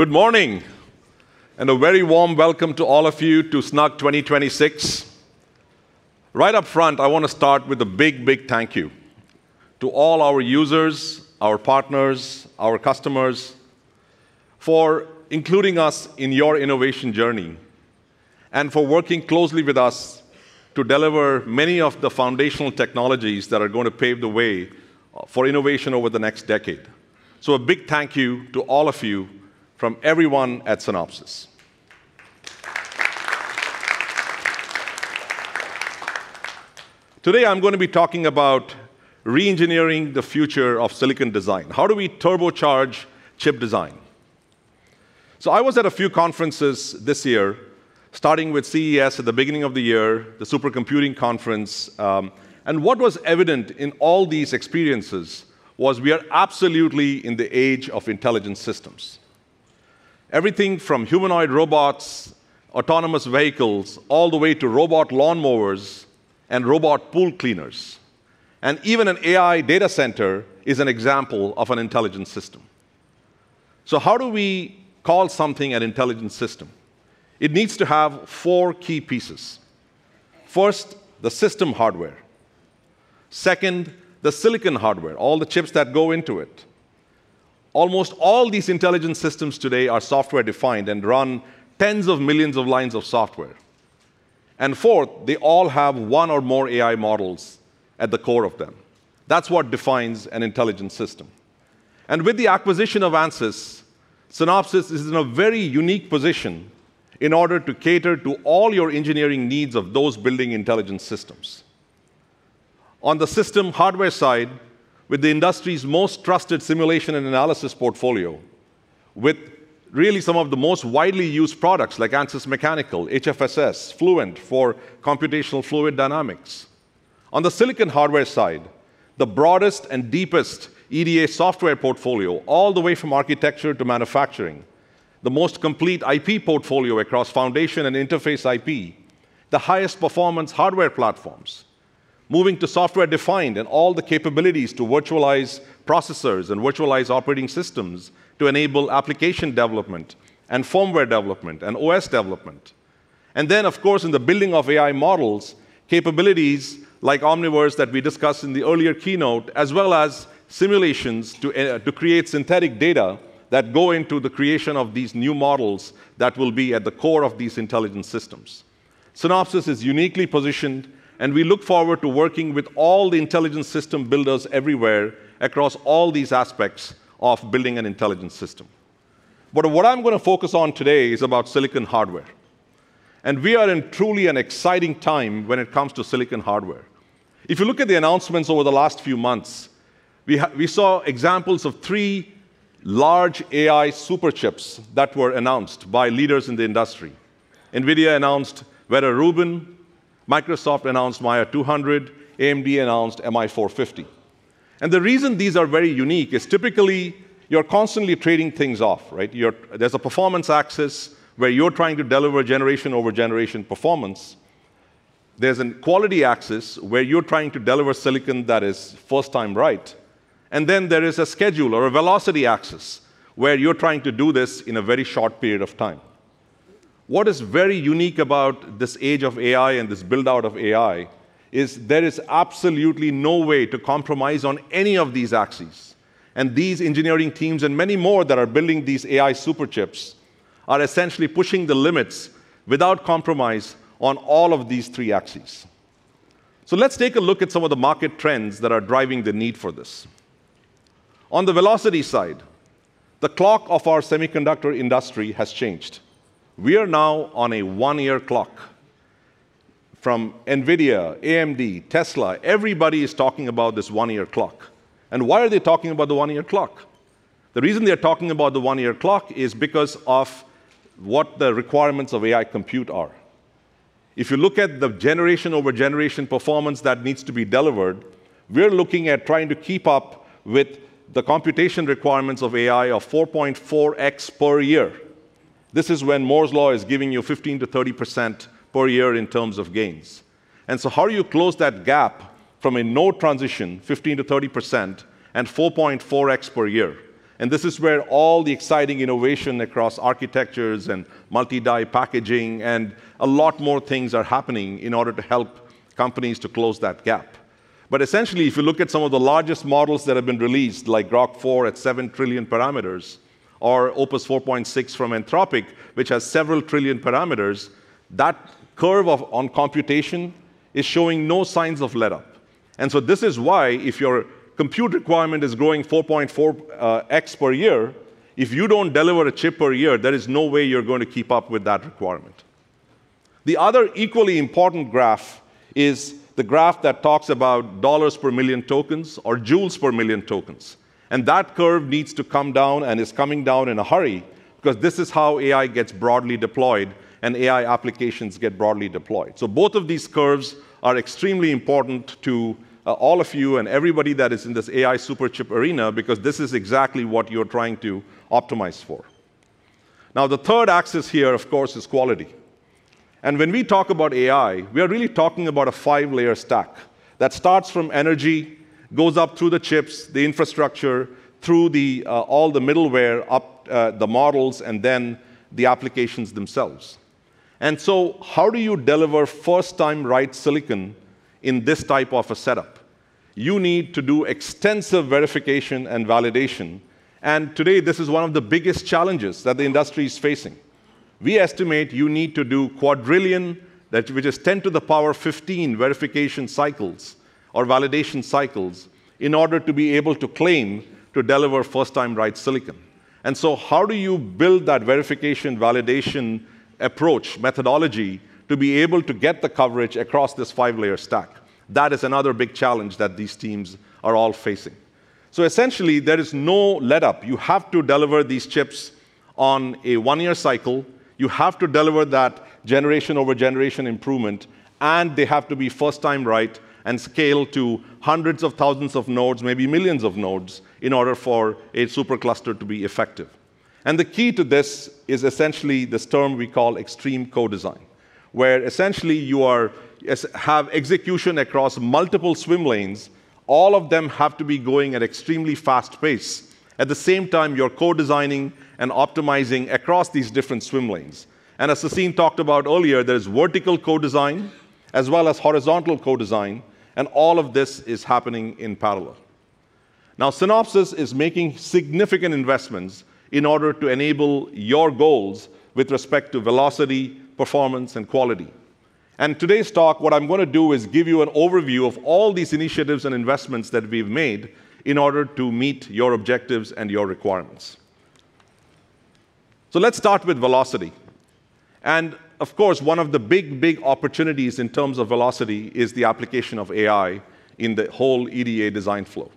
S10: Good morning, and a very warm welcome to all of you to SNUG 2026. Right up front, I wanna start with a big, big thank you to all our users, our partners, our customers for including us in your innovation journey and for working closely with us to deliver many of the foundational technologies that are gonna pave the way for innovation over the next decade. A big thank you to all of you from everyone at Synopsys. Today, I'm gonna be talking about re-engineering the future of silicon design. How do we turbocharge chip design? I was at a few conferences this year, starting with CES at the beginning of the year, the Supercomputing conference, and what was evident in all these experiences was we are absolutely in the age of intelligent systems. Everything from humanoid robots, autonomous vehicles, all the way to robot lawnmowers and robot pool cleaners, and even an AI data center is an example of an intelligent system. How do we call something an intelligent system? It needs to have four key pieces. First, the system hardware. Second, the silicon hardware, all the chips that go into it. Almost all these intelligent systems today are software-defined and run tens of millions of lines of software. Fourth, they all have one or more AI models at the core of them. That's what defines an intelligent system. With the acquisition of Ansys, Synopsys is in a very unique position in order to cater to all your engineering needs of those building intelligent systems. On the system hardware side, with the industry's most trusted simulation and analysis portfolio, with really some of the most widely used products like Ansys Mechanical, HFSS, Fluent for computational fluid dynamics. On the silicon hardware side, the broadest and deepest EDA software portfolio all the way from architecture to manufacturing, the most complete IP portfolio across foundation and interface IP, the highest performance hardware platforms, moving to software-defined and all the capabilities to virtualize processors and virtualize operating systems to enable application development and firmware development and OS development. Then, of course, in the building of AI models, capabilities like Omniverse that we discussed in the earlier keynote, as well as simulations to create synthetic data that go into the creation of these new models that will be at the core of these intelligent systems. Synopsys is uniquely positioned, and we look forward to working with all the intelligent system builders everywhere across all these aspects of building an intelligent system. What I'm gonna focus on today is about silicon hardware, and we are in truly an exciting time when it comes to silicon hardware. If you look at the announcements over the last few months, we saw examples of three large AI super chips that were announced by leaders in the industry. NVIDIA announced Vera Rubin, Microsoft announced Maia 200, AMD announced MI450. The reason these are very unique is typically you're constantly trading things off, right? There's a performance axis where you're trying to deliver generation over generation performance. There's a quality axis where you're trying to deliver silicon that is first time right, and then there is a schedule or a velocity axis where you're trying to do this in a very short period of time. What is very unique about this age of AI and this build-out of AI is there is absolutely no way to compromise on any of these axes. These engineering teams and many more that are building these AI super chips are essentially pushing the limits without compromise on all of these three axes. Let's take a look at some of the market trends that are driving the need for this. On the velocity side, the clock of our semiconductor industry has changed. We are now on a one-year clock. From NVIDIA, AMD, Tesla, everybody is talking about this one-year clock. Why are they talking about the one-year clock? The reason they're talking about the one-year clock is because of what the requirements of AI compute are. If you look at the generation-over-generation performance that needs to be delivered, we're looking at trying to keep up with the computation requirements of AI of 4.4x per year. This is when Moore's Law is giving you 15%-30% per year in terms of gains. How do you close that gap from a node transition, 15%-30%, and 4.4x per year? This is where all the exciting innovation across architectures and multi-die packaging and a lot more things are happening in order to help companies to close that gap. Essentially, if you look at some of the largest models that have been released, like Grok 4 at 7 trillion parameters, or Claude Opus 4.6 from Anthropic, which has several trillion parameters, that curve of, on computation is showing no signs of letup. This is why if your compute requirement is growing 4.4x per year, if you don't deliver a chip per year, there is no way you're going to keep up with that requirement. The other equally important graph is the graph that talks about $ per million tokens or joules per million tokens, and that curve needs to come down and is coming down in a hurry because this is how AI gets broadly deployed and AI applications get broadly deployed. Both of these curves are extremely important to all of you and everybody that is in this AI superchip arena because this is exactly what you're trying to optimize for. Now, the third axis here, of course, is quality. When we talk about AI, we are really talking about a five-layer stack that starts from energy, goes up through the chips, the infrastructure, through all the middleware, up the models, and then the applications themselves. How do you deliver first-time right silicon in this type of a setup? You need to do extensive verification and validation. Today, this is one of the biggest challenges that the industry is facing. We estimate you need to do quadrillion, that which is 10 to the power 15 verification cycles or validation cycles, in order to be able to claim to deliver first-time right silicon. How do you build that verification, validation approach, methodology to be able to get the coverage across this five-layer stack? That is another big challenge that these teams are all facing. Essentially, there is no letup. You have to deliver these chips on a one-year cycle. You have to deliver that generation-over-generation improvement, and they have to be first time right and scale to hundreds of thousands of nodes, maybe millions of nodes, in order for a supercluster to be effective. The key to this is essentially this term we call extreme co-design, where essentially you have execution across multiple swim lanes. All of them have to be going at extremely fast pace. At the same time, you're co-designing and optimizing across these different swim lanes. As Sassine talked about earlier, there's vertical co-design as well as horizontal co-design, and all of this is happening in parallel. Now, Synopsys is making significant investments in order to enable your goals with respect to velocity, performance, and quality. Today's talk, what I'm gonna do is give you an overview of all these initiatives and investments that we've made in order to meet your objectives and your requirements. Let's start with velocity. Of course, one of the big, big opportunities in terms of velocity is the application of AI in the whole EDA design flow.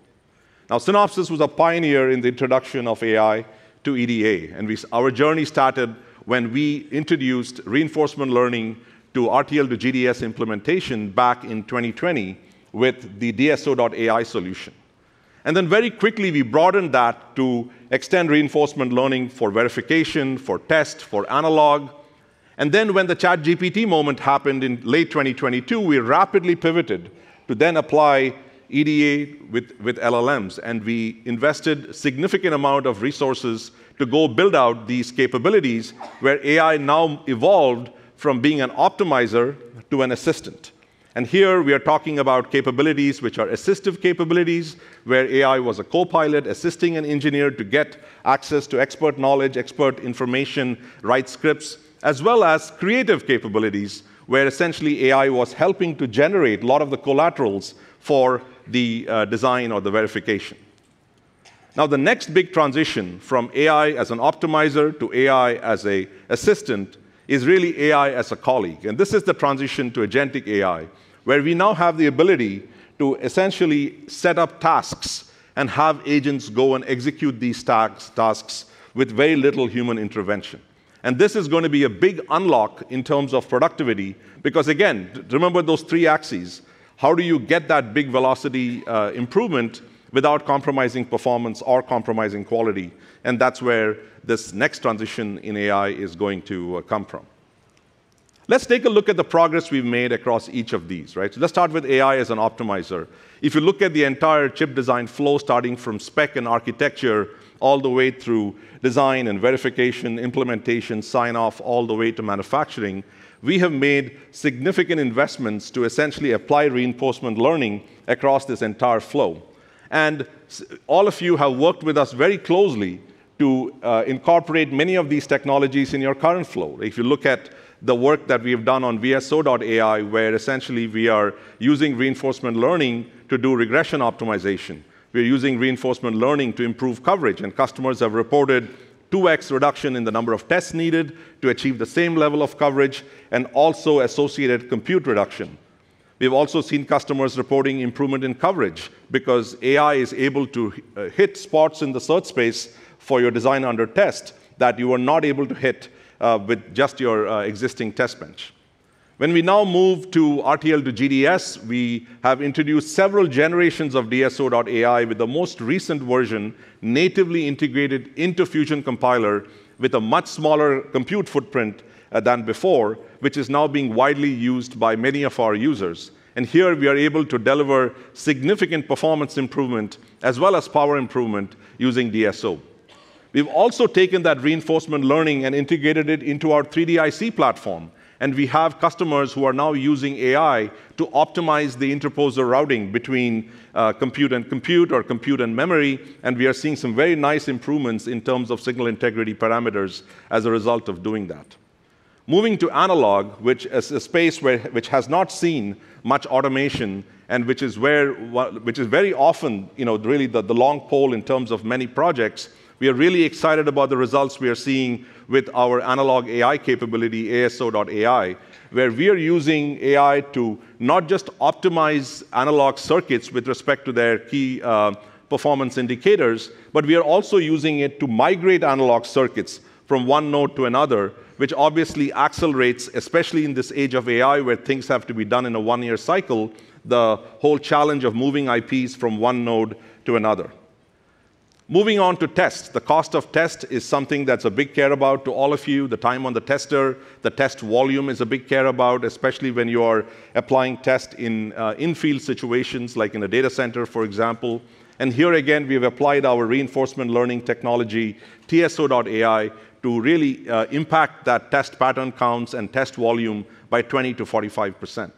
S10: Now, Synopsys was a pioneer in the introduction of AI to EDA, and our journey started when we introduced reinforcement learning to RTL-to-GDS implementation back in 2020 with the DSO.ai solution. Then very quickly, we broadened that to extend reinforcement learning for verification, for test, for analog. When the ChatGPT moment happened in late 2022, we rapidly pivoted to then apply EDA with LLMs, and we invested significant amount of resources to go build out these capabilities where AI now evolved from being an optimizer to an assistant. Here we are talking about capabilities which are assistive capabilities, where AI was a copilot assisting an engineer to get access to expert knowledge, expert information, write scripts, as well as creative capabilities, where essentially AI was helping to generate a lot of the collaterals for the design or the verification. Now, the next big transition from AI as an optimizer to AI as a assistant is really AI as a colleague, and this is the transition to agentic AI, where we now have the ability to essentially set up tasks and have agents go and execute these tasks with very little human intervention. This is gonna be a big unlock in terms of productivity because, again, remember those three axes. How do you get that big velocity improvement without compromising performance or compromising quality? That's where this next transition in AI is going to come from. Let's take a look at the progress we've made across each of these, right? Let's start with AI as an optimizer. If you look at the entire chip design flow, starting from spec and architecture all the way through design and verification, implementation, sign-off, all the way to manufacturing, we have made significant investments to essentially apply reinforcement learning across this entire flow. All of you have worked with us very closely to incorporate many of these technologies in your current flow. If you look at the work that we have done on VSO.ai, where essentially we are using reinforcement learning to do regression optimization, we are using reinforcement learning to improve coverage, and customers have reported 2x reduction in the number of tests needed to achieve the same level of coverage and also associated compute reduction. We've also seen customers reporting improvement in coverage because AI is able to hit spots in the search space for your design under test that you are not able to hit with just your existing test bench. When we now move to RTL-GDS, we have introduced several generations of DSO.ai with the most recent version natively integrated into Fusion Compiler with a much smaller compute footprint than before, which is now being widely used by many of our users. Here we are able to deliver significant performance improvement as well as power improvement using DSO. We've also taken that reinforcement learning and integrated it into our 3DIC platform, and we have customers who are now using AI to optimize the interposer routing between compute and compute or compute and memory, and we are seeing some very nice improvements in terms of signal integrity parameters as a result of doing that. Moving to analog, which is a space where which has not seen much automation, and which is very often, you know, really the long pole in terms of many projects, we are really excited about the results we are seeing with our analog AI capability, ASO.ai, where we are using AI to not just optimize analog circuits with respect to their key performance indicators, but we are also using it to migrate analog circuits from one node to another, which obviously accelerates, especially in this age of AI, where things have to be done in a one-year cycle, the whole challenge of moving IPs from one node to another. Moving on to test. The cost of test is something that's a big concern to all of you. The time on the tester, the test volume is a big care about, especially when you are applying test in in-field situations like in a data center, for example. Here again, we've applied our reinforcement learning technology, TSO.ai, to really impact that test pattern counts and test volume by 20%-45%.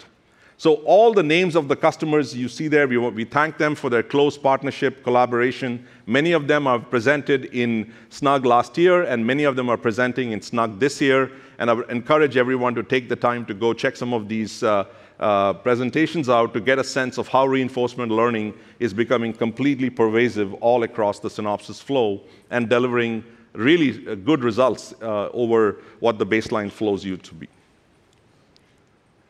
S10: All the names of the customers you see there, we thank them for their close partnership, collaboration. Many of them have presented in SNUG last year, and many of them are presenting in SNUG this year. I would encourage everyone to take the time to go check some of these presentations out to get a sense of how reinforcement learning is becoming completely pervasive all across the Synopsys flow and delivering really good results over what the baseline flows used to be.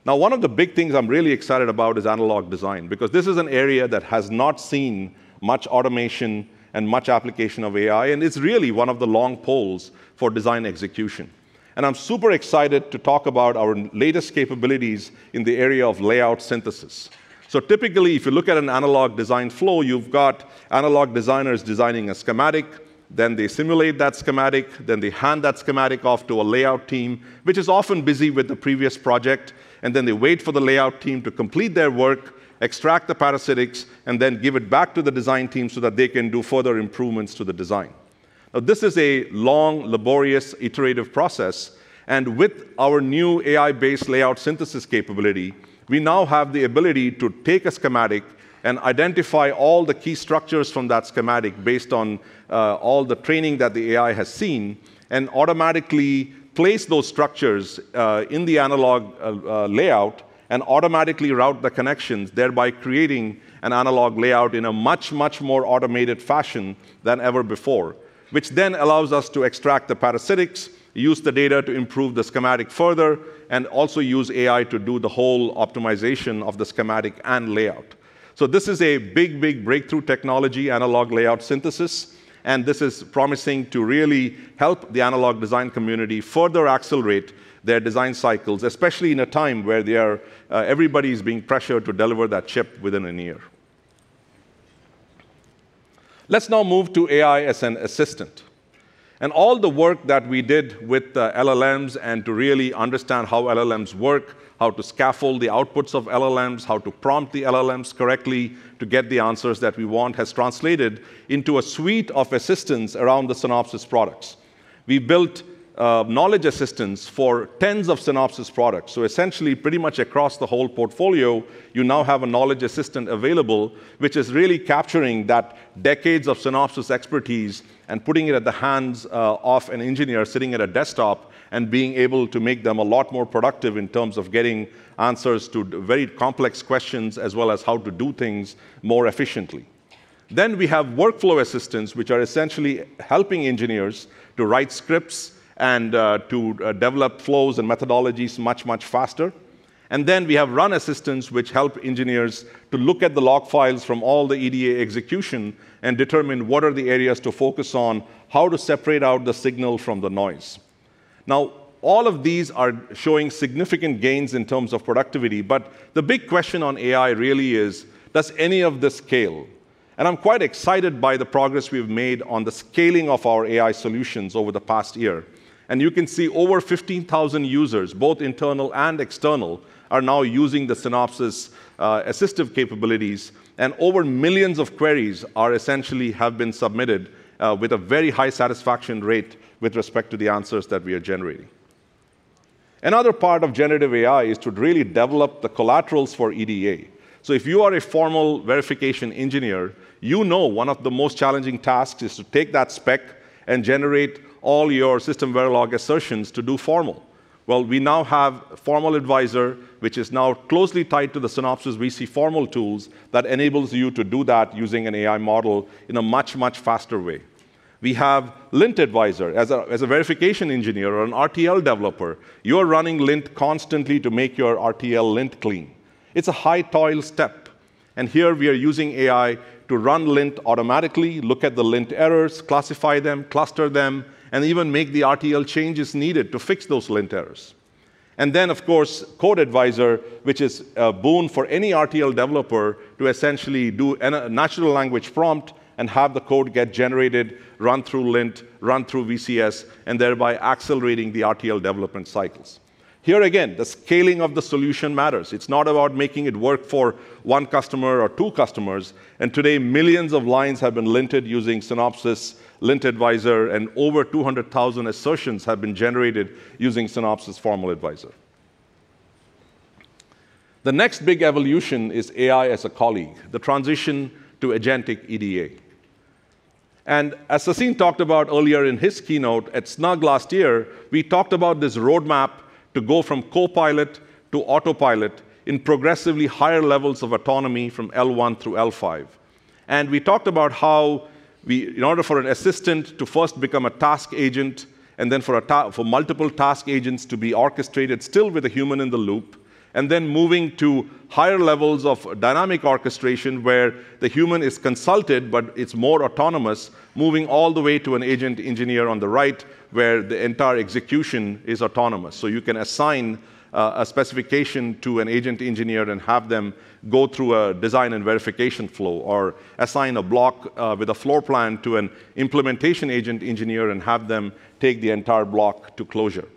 S10: Now, one of the big things I'm really excited about is analog design, because this is an area that has not seen much automation and much application of AI, and it's really one of the long poles for design execution. I'm super excited to talk about our latest capabilities in the area of layout synthesis. Typically, if you look at an analog design flow, you've got analog designers designing a schematic, then they simulate that schematic, then they hand that schematic off to a layout team, which is often busy with the previous project, and then they wait for the layout team to complete their work, extract the parasitics, and then give it back to the design team so that they can do further improvements to the design. Now, this is a long, laborious, iterative process, and with our new AI-based layout synthesis capability, we now have the ability to take a schematic and identify all the key structures from that schematic based on all the training that the AI has seen and automatically place those structures in the analog layout and automatically route the connections, thereby creating an analog layout in a much, much more automated fashion than ever before, which then allows us to extract the parasitics, use the data to improve the schematic further, and also use AI to do the whole optimization of the schematic and layout. This is a big breakthrough technology, analog layout synthesis, and this is promising to really help the analog design community further accelerate their design cycles, especially in a time where they are, everybody's being pressured to deliver that chip within a year. Let's now move to AI as an assistant. All the work that we did with the LLMs and to really understand how LLMs work, how to scaffold the outputs of LLMs, how to prompt the LLMs correctly to get the answers that we want, has translated into a suite of assistants around the Synopsys products. We built knowledge assistants for tens of Synopsys products. Essentially, pretty much across the whole portfolio, you now have a knowledge assistant available, which is really capturing that decades of Synopsys expertise and putting it at the hands of an engineer sitting at a desktop and being able to make them a lot more productive in terms of getting answers to very complex questions as well as how to do things more efficiently. We have workflow assistants, which are essentially helping engineers to write scripts and to develop flows and methodologies much, much faster. We have run assistants, which help engineers to look at the log files from all the EDA execution and determine what are the areas to focus on, how to separate out the signal from the noise. Now, all of these are showing significant gains in terms of productivity, but the big question on AI really is, does any of this scale? I'm quite excited by the progress we've made on the scaling of our AI solutions over the past year. You can see over 15,000 users, both internal and external, are now using the Synopsys assistive capabilities, and over millions of queries have essentially been submitted, with a very high satisfaction rate with respect to the answers that we are generating. Another part of generative AI is to really develop the collaterals for EDA. If you are a formal verification engineer, you know one of the most challenging tasks is to take that spec and generate all your SystemVerilog assertions to do formal. Well, we now have Formal Advisor, which is now closely tied to the Synopsys VC Formal tools that enables you to do that using an AI model in a much, much faster way. We have Lint Advisor. As a verification engineer or an RTL developer, you're running Lint constantly to make your RTL Lint clean. It's a high toil step, and here we are using AI to run Lint automatically, look at the Lint errors, classify them, cluster them, and even make the RTL changes needed to fix those Lint errors. Of course, Code Advisor, which is a boon for any RTL developer to essentially do a natural language prompt and have the code get generated, run through Lint, run through VCS, and thereby accelerating the RTL development cycles. Here again, the scaling of the solution matters. It's not about making it work for one customer or two customers, and today, millions of lines have been linted using Synopsys Lint Advisor, and over 200,000 assertions have been generated using Synopsys Formal Advisor. The next big evolution is AI as a colleague, the transition to agentic EDA. As Sassine talked about earlier in his keynote at SNUG last year, we talked about this roadmap to go from Copilot to autopilot in progressively higher levels of autonomy from L1 through L5. We talked about how we, in order for an assistant to first become a task agent and then for multiple task agents to be orchestrated still with a human in the loop, and then moving to higher levels of dynamic orchestration where the human is consulted, but it's more autonomous, moving all the way to an agent engineer on the right where the entire execution is autonomous. You can assign a specification to an agent engineer and have them go through a design and verification flow or assign a block with a floor plan to an implementation agent engineer and have them take the entire block to closure.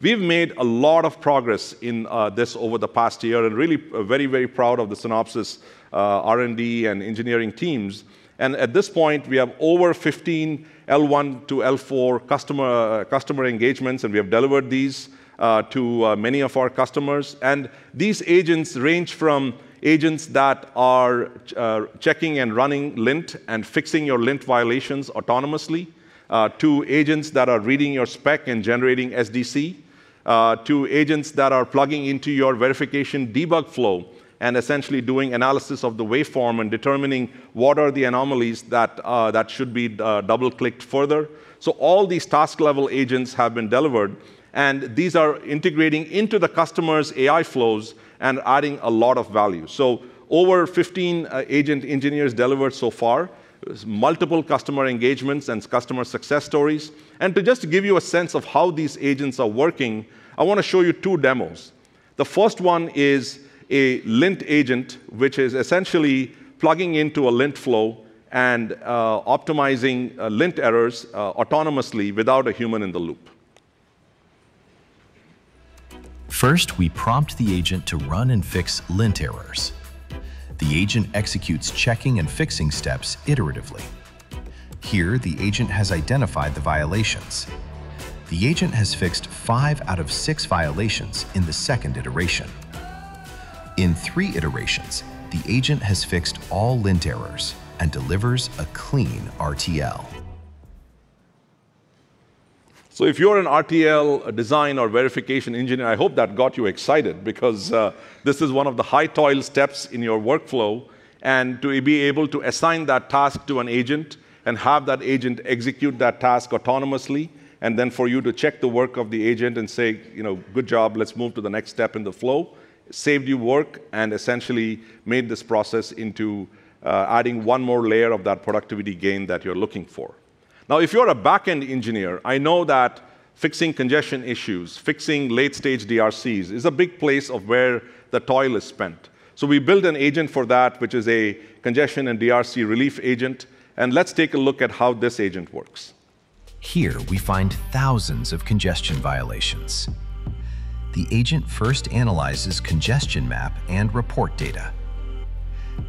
S10: We've made a lot of progress in this over the past year and really are very, very proud of the Synopsys R&D and engineering teams. At this point, we have over 15 L1-L4 customer engagements, and we have delivered these to many of our customers. These agents range from agents that are checking and running Lint and fixing your Lint violations autonomously to agents that are reading your spec and generating SDC to agents that are plugging into your verification debug flow and essentially doing analysis of the waveform and determining what are the anomalies that should be double-clicked further. All these task-level agents have been delivered, and these are integrating into the customer's AI flows and adding a lot of value. Over 15 agent engagements delivered so far. There's multiple customer engagements and customer success stories. To just give you a sense of how these agents are working, I wanna show you two demos. The first one is a Lint agent, which is essentially plugging into a Lint flow and optimizing Lint errors autonomously without a human in the loop.
S2: First, we prompt the agent to run and fix Lint errors. The agent executes checking and fixing steps iteratively. Here, the agent has identified the violations. The agent has fixed five out of six violations in the second iteration. In three iterations, the agent has fixed all Lint errors and delivers a clean RTL.
S10: If you're an RTL design or verification engineer, I hope that got you excited because this is one of the high toil steps in your workflow. To be able to assign that task to an agent and have that agent execute that task autonomously, and then for you to check the work of the agent and say, you know, "Good job. Let's move to the next step in the flow," saved you work and essentially made this process into adding one more layer of that productivity gain that you're looking for. Now, if you're a backend engineer, I know that fixing congestion issues, fixing late-stage DRCs is a big place of where the toil is spent. We built an agent for that, which is a congestion and DRC relief agent, and let's take a look at how this agent works.
S2: Here, we find thousands of congestion violations. The agent first analyzes congestion map and report data.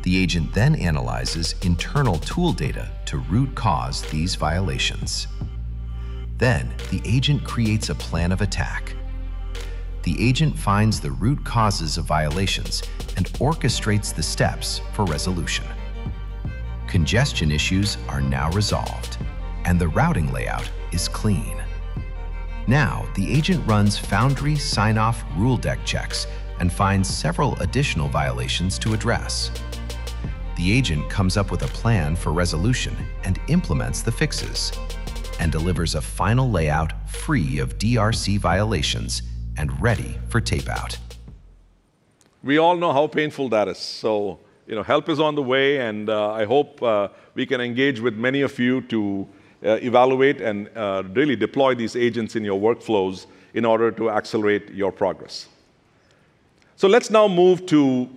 S2: The agent then analyzes internal tool data to root cause these violations. The agent creates a plan of attack. The agent finds the root causes of violations and orchestrates the steps for resolution. Congestion issues are now resolved, and the routing layout is clean. Now, the agent runs foundry sign-off rule deck checks and finds several additional violations to address. The agent comes up with a plan for resolution and implements the fixes and delivers a final layout free of DRC violations and ready for tape-out.
S10: We all know how painful that is. You know, help is on the way, and, I hope, we can engage with many of you to, evaluate and, really deploy these agents in your workflows in order to accelerate your progress. Let's now move to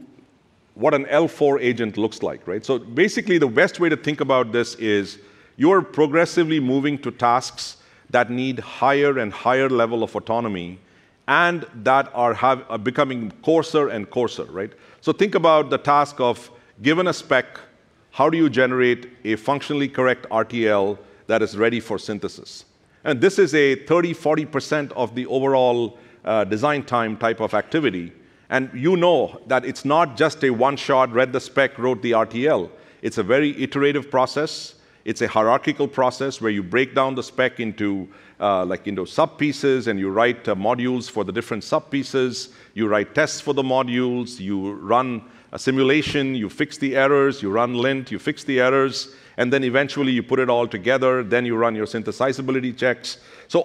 S10: what an L4 agent looks like, right? Basically, the best way to think about this is you're progressively moving to tasks that need higher and higher level of autonomy and that are becoming coarser and coarser, right? Think about the task of given a spec, how do you generate a functionally correct RTL that is ready for synthesis? This is a 30%-40% of the overall, design time type of activity, and you know that it's not just a one-shot read the spec, wrote the RTL. It's a very iterative process. It's a hierarchical process where you break down the spec into, like into sub pieces, and you write modules for the different sub pieces. You write tests for the modules. You run a simulation. You fix the errors. You run lint. You fix the errors. Eventually, you put it all together. You run your synthesizability checks.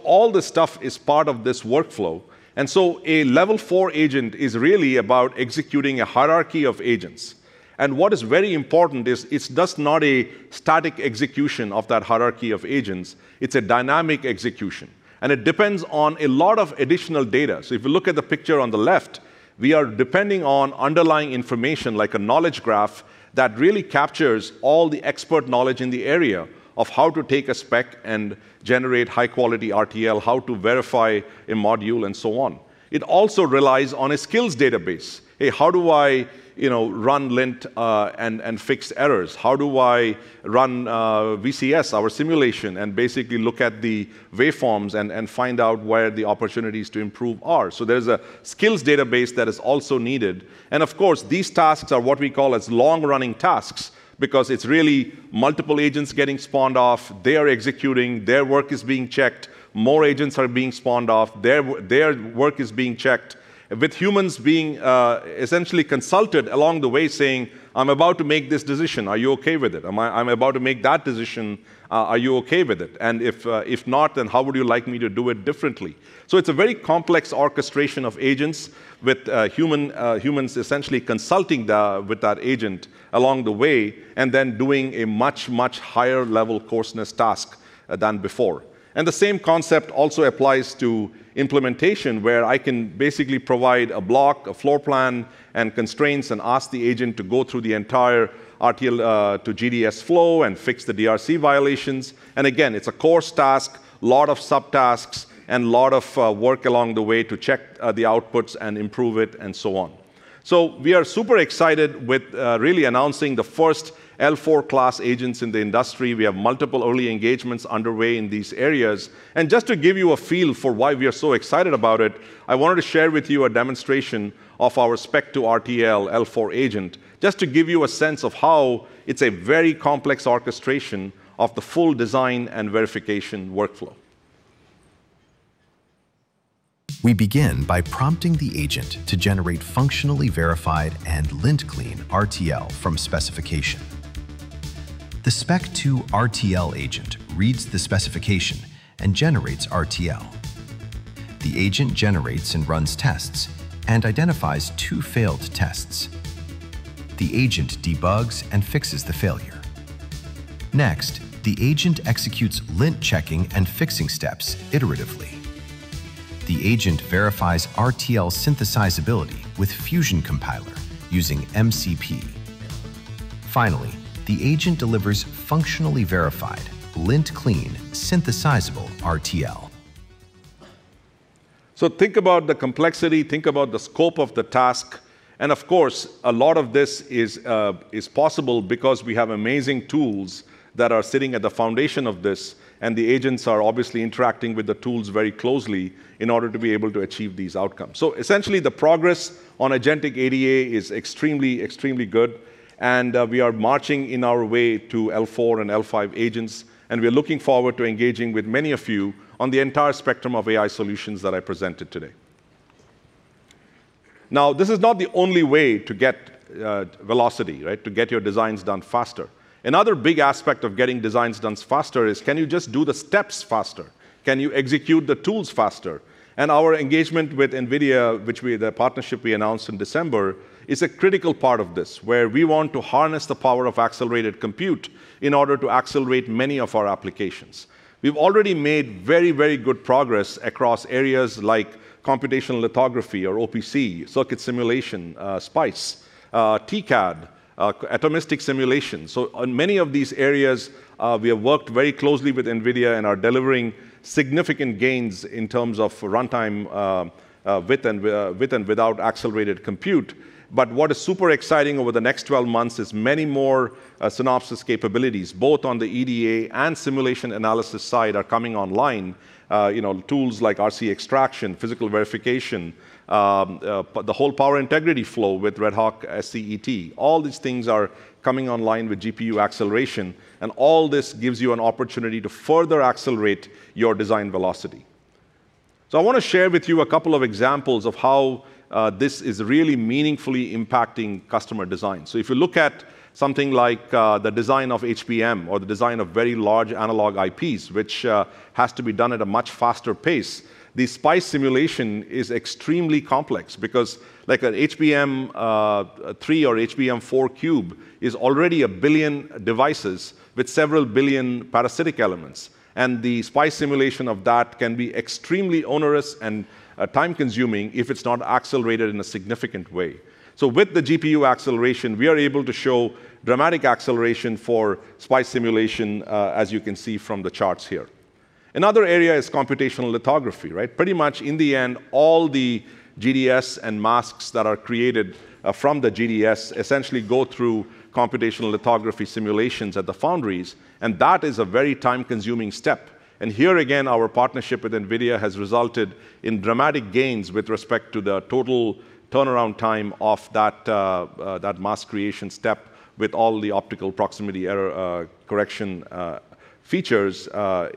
S10: All this stuff is part of this workflow. A level four agent is really about executing a hierarchy of agents. What is very important is it's just not a static execution of that hierarchy of agents, it's a dynamic execution, and it depends on a lot of additional data. If you look at the picture on the left, we are depending on underlying information like a knowledge graph that really captures all the expert knowledge in the area of how to take a spec and generate high-quality RTL, how to verify a module, and so on. It also relies on a skills database. Hey, how do I, you know, run lint and fix errors? How do I run VCS, our simulation, and basically look at the waveforms and find out where the opportunities to improve are? There's a skills database that is also needed. Of course, these tasks are what we call as long-running tasks because it's really multiple agents getting spawned off. They are executing. Their work is being checked. More agents are being spawned off. Their work is being checked, with humans being essentially consulted along the way, saying, "I'm about to make this decision. Are you okay with it? I'm about to make that decision, are you okay with it? And if not, then how would you like me to do it differently?" It's a very complex orchestration of agents with humans essentially consulting with that agent along the way, and then doing a much higher level coarseness task than before. The same concept also applies to implementation, where I can basically provide a block, a floor plan, and constraints and ask the agent to go through the entire RTL-GDS flow and fix the DRC violations. Again, it's a coarse task, lot of sub-tasks, and lot of work along the way to check the outputs and improve it, and so on. We are super excited with really announcing the first L4 class agents in the industry. We have multiple early engagements underway in these areas. Just to give you a feel for why we are so excited about it, I wanted to share with you a demonstration of our Spec-to-RTL L4 agent, just to give you a sense of how it's a very complex orchestration of the full design and verification workflow.
S2: We begin by prompting the agent to generate functionally verified and lint-clean RTL from specification. The Spec-to-RTL agent reads the specification and generates RTL. The agent generates and runs tests and identifies two failed tests. The agent debugs and fixes the failure. Next, the agent executes lint checking and fixing steps iteratively. The agent verifies RTL synthesizability with Fusion Compiler using MCP. Finally, the agent delivers functionally verified, lint-clean, synthesizable RTL.
S10: Think about the complexity, think about the scope of the task, and of course, a lot of this is possible because we have amazing tools that are sitting at the foundation of this, and the agents are obviously interacting with the tools very closely in order to be able to achieve these outcomes. Essentially, the progress on agentic EDA is extremely good, and we are marching in our way to L4 and L5 agents, and we're looking forward to engaging with many of you on the entire spectrum of AI solutions that I presented today. Now, this is not the only way to get velocity, right? To get your designs done faster. Another big aspect of getting designs done faster is can you just do the steps faster? Can you execute the tools faster? Our engagement with NVIDIA, which we, the partnership we announced in December, is a critical part of this, where we want to harness the power of accelerated compute in order to accelerate many of our applications. We've already made very good progress across areas like computational lithography or OPC, circuit simulation, SPICE, TCAD, atomistic simulation. On many of these areas, we have worked very closely with NVIDIA and are delivering significant gains in terms of runtime, with and without accelerated compute. What is super exciting over the next 12 months is many more Synopsys capabilities, both on the EDA and simulation analysis side, are coming online. You know, tools like RC extraction, physical verification, the whole power integrity flow with RedHawk-SC Electrothermal. All these things are coming online with GPU acceleration, and all this gives you an opportunity to further accelerate your design velocity. I wanna share with you a couple of examples of how this is really meaningfully impacting customer design. If you look at something like the design of HBM or the design of very large analog IPs, which has to be done at a much faster pace, the SPICE simulation is extremely complex because, like, an HBM3 or HBM4 cube is already 1 billion devices with several billion parasitic elements, and the SPICE simulation of that can be extremely onerous and time-consuming if it's not accelerated in a significant way. With the GPU acceleration, we are able to show dramatic acceleration for SPICE simulation, as you can see from the charts here. Another area is computational lithography, right? Pretty much in the end, all the GDS and masks that are created from the GDS essentially go through computational lithography simulations at the foundries, and that is a very time-consuming step. Here again, our partnership with NVIDIA has resulted in dramatic gains with respect to the total turnaround time of that mask creation step with all the optical proximity correction features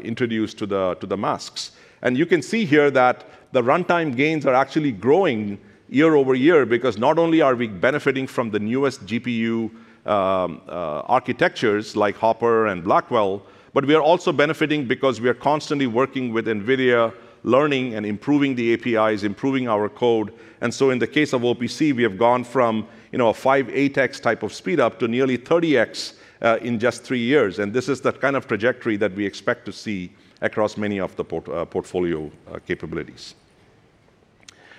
S10: introduced to the masks. You can see here that the runtime gains are actually growing year-over-year because not only are we benefiting from the newest GPU architectures like Hopper and Blackwell, but we are also benefiting because we are constantly working with NVIDIA, learning and improving the APIs, improving our code. In the case of OPC, we have gone from, you know, a 5x type of speedup to nearly 30x in just three years. This is the kind of trajectory that we expect to see across many of the portfolio capabilities.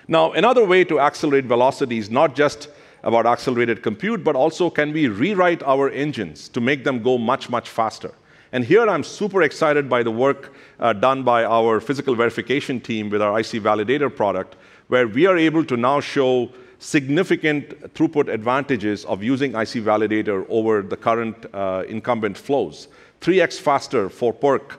S10: Now, another way to accelerate velocity is not just about accelerated compute, but also can we rewrite our engines to make them go much, much faster. Here I'm super excited by the work done by our physical verification team with our IC Validator product, where we are able to now show significant throughput advantages of using IC Validator over the current incumbent flows. 3x faster for PERC,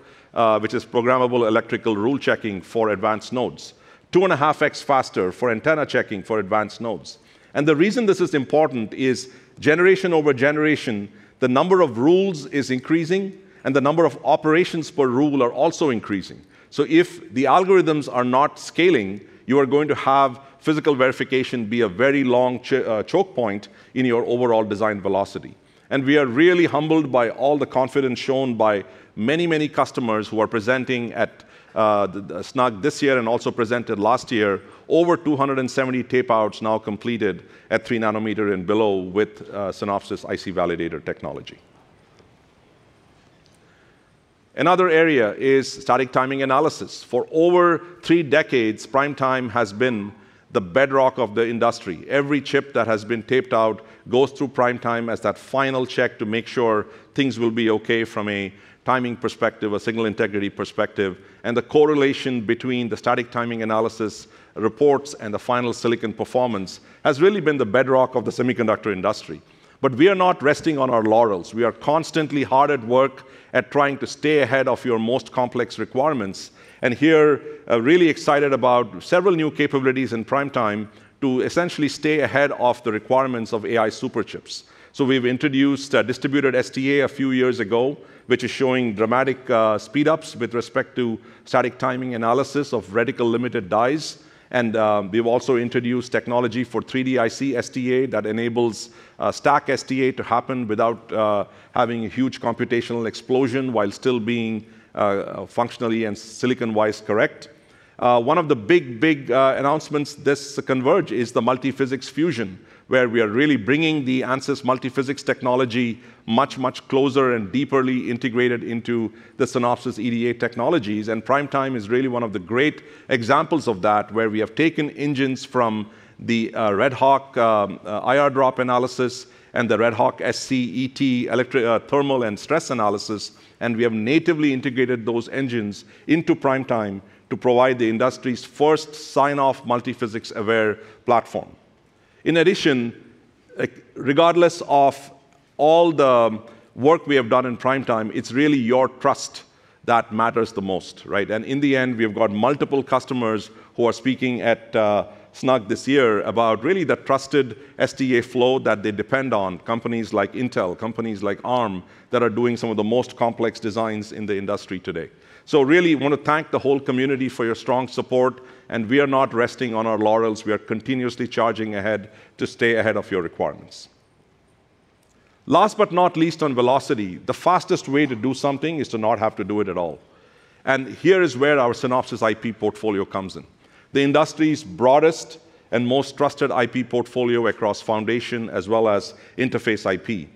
S10: which is programmable electrical rule checking for advanced nodes. 2.5x faster for antenna checking for advanced nodes. The reason this is important is generation over generation, the number of rules is increasing and the number of operations per rule are also increasing. If the algorithms are not scaling, you are going to have physical verification be a very long choke point in your overall design velocity. We are really humbled by all the confidence shown by many, many customers who are presenting at the SNUG this year and also presented last year. Over 270 tape outs now completed at 3 nanometer and below with Synopsys IC Validator technology. Another area is static timing analysis. For over three decades, PrimeTime has been the bedrock of the industry. Every chip that has been taped out goes through PrimeTime as that final check to make sure things will be okay from a timing perspective, a signal integrity perspective, and the correlation between the static timing analysis reports and the final silicon performance has really been the bedrock of the semiconductor industry. We are not resting on our laurels. We are constantly hard at work at trying to stay ahead of your most complex requirements, and we're really excited about several new capabilities in PrimeTime to essentially stay ahead of the requirements of AI super chips. We've introduced distributed STA a few years ago, which is showing dramatic speed-ups with respect to static timing analysis of radically larger dies. We've also introduced technology for 3D IC STA that enables stack STA to happen without having a huge computational explosion while still being functionally and silicon-wise correct. One of the big announcements this Converge is the multiphysics fusion, where we are really bringing the Ansys multiphysics technology much closer and deeply integrated into the Synopsys EDA technologies. PrimeTime is really one of the great examples of that, where we have taken engines from the RedHawk IR drop analysis and the RedHawk-SC Electrothermal and stress analysis, and we have natively integrated those engines into PrimeTime to provide the industry's first sign-off multiphysics-aware platform. In addition, regardless of all the work we have done in PrimeTime, it's really your trust that matters the most, right? In the end, we have got multiple customers who are speaking at SNUG this year about really the trusted EDA flow that they depend on, companies like Intel, companies like Arm, that are doing some of the most complex designs in the industry today. We really want to thank the whole community for your strong support, and we are not resting on our laurels. We are continuously charging ahead to stay ahead of your requirements. Last but not least on velocity, the fastest way to do something is to not have to do it at all. Here is where our Synopsys IP portfolio comes in. The industry's broadest and most trusted IP portfolio across foundation as well as interface IP.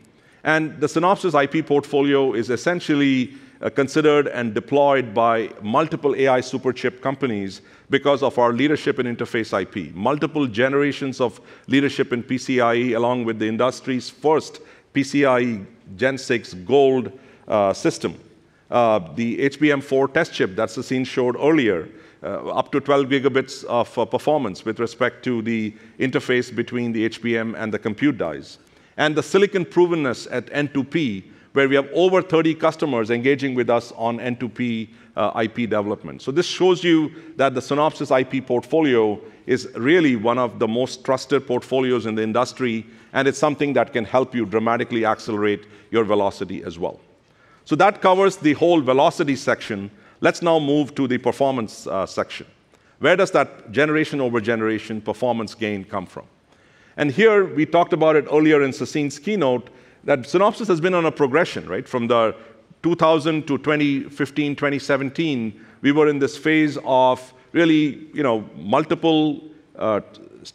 S10: The Synopsys IP portfolio is essentially considered and deployed by multiple AI super chip companies because of our leadership in interface IP. Multiple generations of leadership in PCIe, along with the industry's first PCIe Gen 6 Gold system. The HBM4 test chip that Sassine showed earlier, up to 12 gigabits of performance with respect to the interface between the HBM and the compute dies. The silicon provenness at N2P, where we have over 30 customers engaging with us on N2P IP development. This shows you that the Synopsys IP portfolio is really one of the most trusted portfolios in the industry, and it's something that can help you dramatically accelerate your velocity as well. That covers the whole velocity section. Let's now move to the performance section. Where does that generation-over-generation performance gain come from? Here, we talked about it earlier in Sassine's keynote, that Synopsys has been on a progression, right? From 2000 to 2015, 2017, we were in this phase of really, you know, multiple,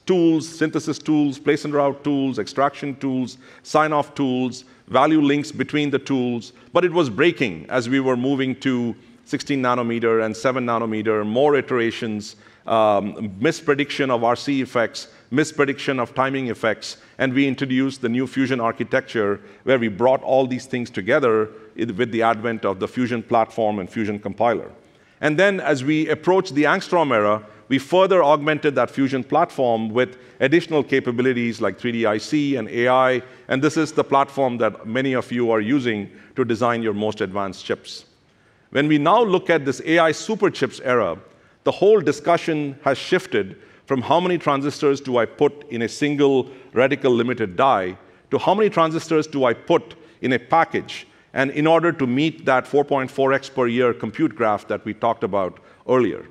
S10: tools, synthesis tools, place and route tools, extraction tools, sign-off tools, value links between the tools. It was breaking as we were moving to 16 nanometer and 7 nanometer, more iterations, misprediction of RC effects, misprediction of timing effects, and we introduced the new Fusion architecture where we brought all these things together with the advent of the Fusion platform and Fusion Compiler. Then as we approach the Angstrom era, we further augmented that Fusion platform with additional capabilities like 3DIC and AI, and this is the platform that many of you are using to design your most advanced chips. When we now look at this AI super chips era, the whole discussion has shifted from how many transistors do I put in a single, radically limited die, to how many transistors do I put in a package, and in order to meet that 4.4x per year compute growth that we talked about earlier.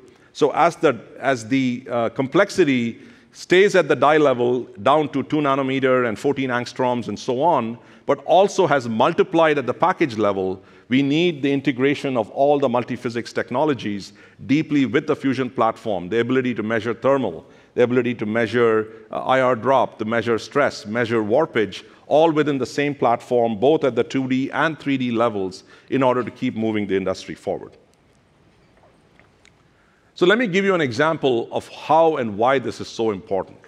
S10: As the complexity stays at the die level down to 2 nanometer and 14 angstroms and so on, but also has multiplied at the package level, we need the integration of all the multi-physics technologies deeply with the Fusion platform, the ability to measure thermal, the ability to measure IR drop, to measure stress, measure warpage, all within the same platform, both at the 2D and 3D levels, in order to keep moving the industry forward. Let me give you an example of how and why this is so important,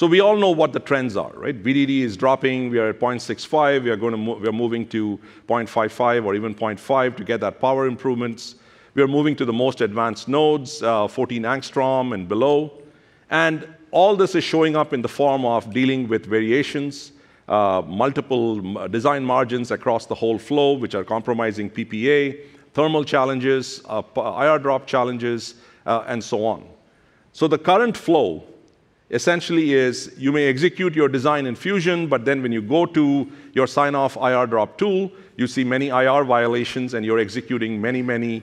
S10: right? We all know what the trends are, right? VDD is dropping, we are at 0.65, we are gonna we are moving to 0.55 or even 0.5 to get that power improvements. We are moving to the most advanced nodes, 14 Angstrom and below. All this is showing up in the form of dealing with variations, multiple design margins across the whole flow, which are compromising PPA, thermal challenges, IR drop challenges, and so on. The current flow essentially is you may execute your design in Fusion, but then when you go to your sign off IR drop tool, you see many IR violations and you're executing many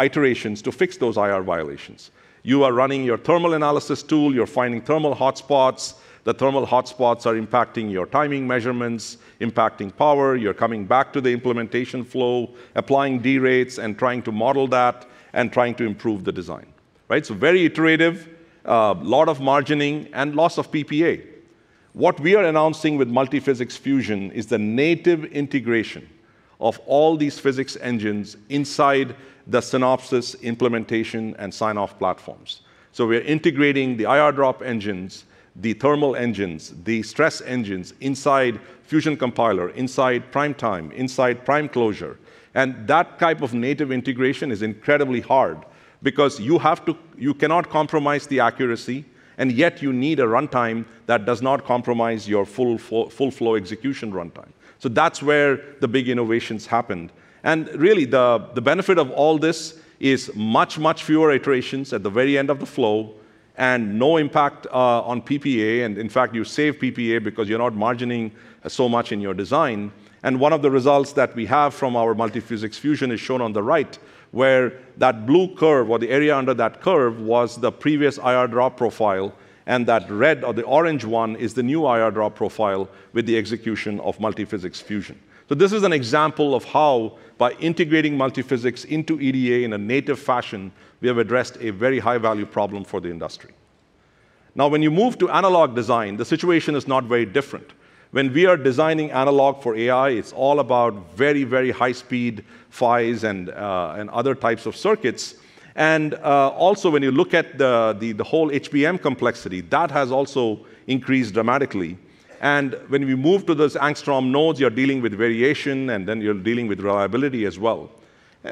S10: iterations to fix those IR violations. You are running your thermal analysis tool, you're finding thermal hotspots. The thermal hotspots are impacting your timing measurements, impacting power, you're coming back to the implementation flow, applying D-rates and trying to model that and trying to improve the design, right? Very iterative, lot of margining and loss of PPA. What we are announcing with Multi-Physics Fusion is the native integration of all these physics engines inside the Synopsys implementation and sign-off platforms. We're integrating the IR drop engines, the thermal engines, the stress engines inside Fusion Compiler, inside PrimeTime, inside PrimeClosure. That type of native integration is incredibly hard because you have to, you cannot compromise the accuracy, and yet you need a runtime that does not compromise your full flow execution runtime. That's where the big innovations happened. Really, the benefit of all this is much, much fewer iterations at the very end of the flow and no impact on PPA, and in fact, you save PPA because you're not margining so much in your design. One of the results that we have from our Multi-Physics Fusion is shown on the right, where that blue curve or the area under that curve was the previous IR drop profile, and that red or the orange one is the new IR drop profile with the execution of Multi-Physics Fusion. This is an example of how by integrating Multi-Physics into EDA in a native fashion, we have addressed a very high-value problem for the industry. Now when you move to analog design, the situation is not very different. When we are designing analog for AI, it's all about very, very high speed PHYs and other types of circuits. When you look at the whole HBM complexity, that has also increased dramatically. When we move to those Angstrom nodes, you're dealing with variation, and then you're dealing with reliability as well.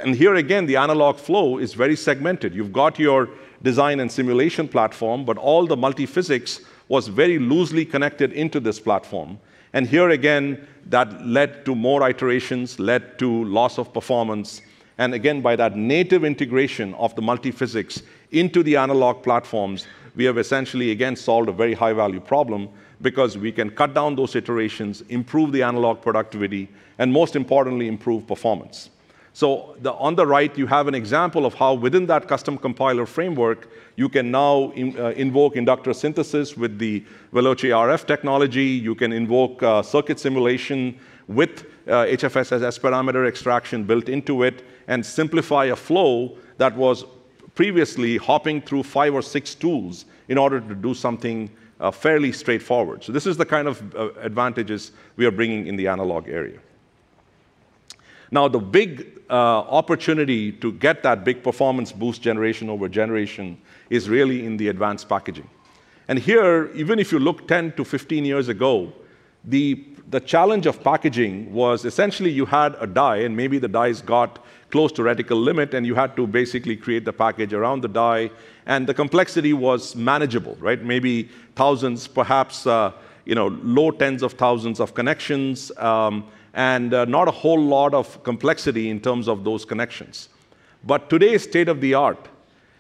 S10: Here again, the analog flow is very segmented. You've got your design and simulation platform, but all the Multi-Physics was very loosely connected into this platform. Here again, that led to more iterations and loss of performance. Again, by that native integration of the Multi-Physics into the analog platforms, we have essentially again solved a very high-value problem because we can cut down those iterations, improve the analog productivity, and most importantly, improve performance. On the right, you have an example of how within that Custom Compiler framework, you can now invoke inductor synthesis with the VeloceRF technology. You can invoke circuit simulation with HFSS parameter extraction built into it and simplify a flow that was previously hopping through five or six tools in order to do something fairly straightforward. This is the kind of advantages we are bringing in the analog area. Now, the big opportunity to get that big performance boost generation over generation is really in the advanced packaging. Here, even if you look 10-15 years ago, the challenge of packaging was essentially you had a die, and maybe the dies got close to reticle limit, and you had to basically create the package around the die, and the complexity was manageable, right? Maybe thousands, perhaps, you know, low tens of thousands of connections, and not a whole lot of complexity in terms of those connections. Today's state-of-the-art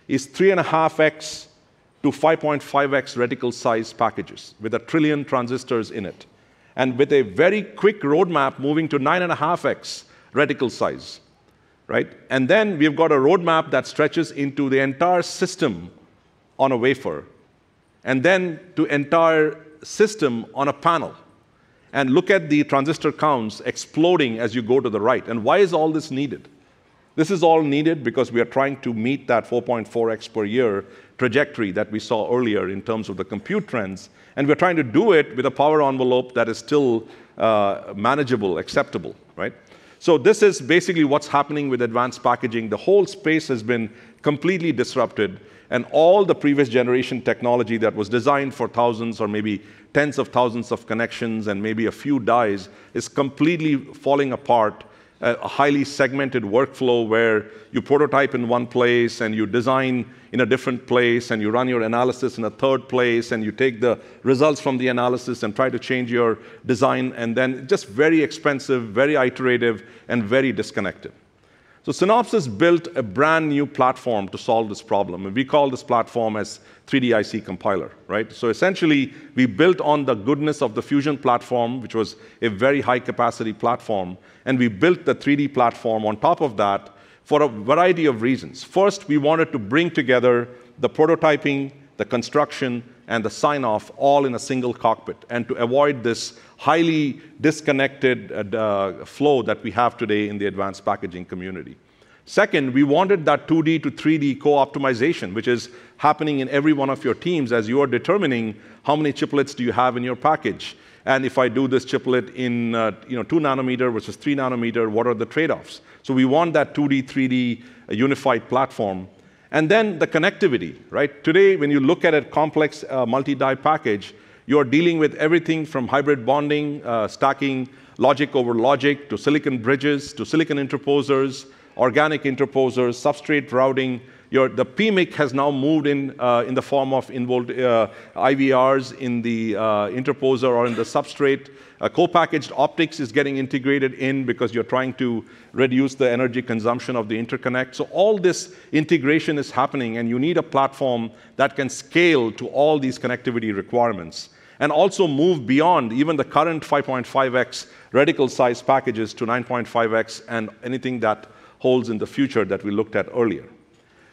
S10: is 3.5x-5.5x reticle size packages with a trillion transistors in it, and with a very quick roadmap moving to 9.5x reticle size, right? We've got a roadmap that stretches into the entire system on a wafer, and then to entire system on a panel, and look at the transistor counts exploding as you go to the right. Why is all this needed? This is all needed because we are trying to meet that 4.4x per year trajectory that we saw earlier in terms of the compute trends, and we're trying to do it with a power envelope that is still, manageable, acceptable, right? This is basically what's happening with advanced packaging. The whole space has been completely disrupted, and all the previous generation technology that was designed for thousands or maybe tens of thousands of connections and maybe a few dies is completely falling apart. A highly segmented workflow where you prototype in one place, and you design in a different place, and you run your analysis in a third place, and you take the results from the analysis and try to change your design, and then just very expensive, very iterative, and very disconnected. Synopsys built a brand-new platform to solve this problem, and we call this platform as 3DIC Compiler, right? Essentially, we built on the goodness of the Fusion Compiler, which was a very high-capacity platform, and we built the 3DIC platform on top of that for a variety of reasons. First, we wanted to bring together the prototyping, the construction, and the sign-off all in a single cockpit, and to avoid this highly disconnected flow that we have today in the advanced packaging community. Second, we wanted that 2D to 3D co-optimization, which is happening in every one of your teams as you are determining how many chiplets do you have in your package. And if I do this chiplet in, you know, 2 nanometer versus 3 nanometer, what are the trade-offs? We want that 2D, 3D unified platform. The connectivity, right? Today, when you look at a complex, multi-die package, you're dealing with everything from hybrid bonding, stacking logic over logic, to silicon bridges, to silicon interposers, organic interposers, substrate routing. The PMIC has now moved in the form of involved, IVRs in the interposer or in the substrate. Co-packaged optics is getting integrated in because you're trying to reduce the energy consumption of the interconnect. All this integration is happening, and you need a platform that can scale to all these connectivity requirements and also move beyond even the current 5.5x reticle size packages to 9.5x and anything that holds in the future that we looked at earlier.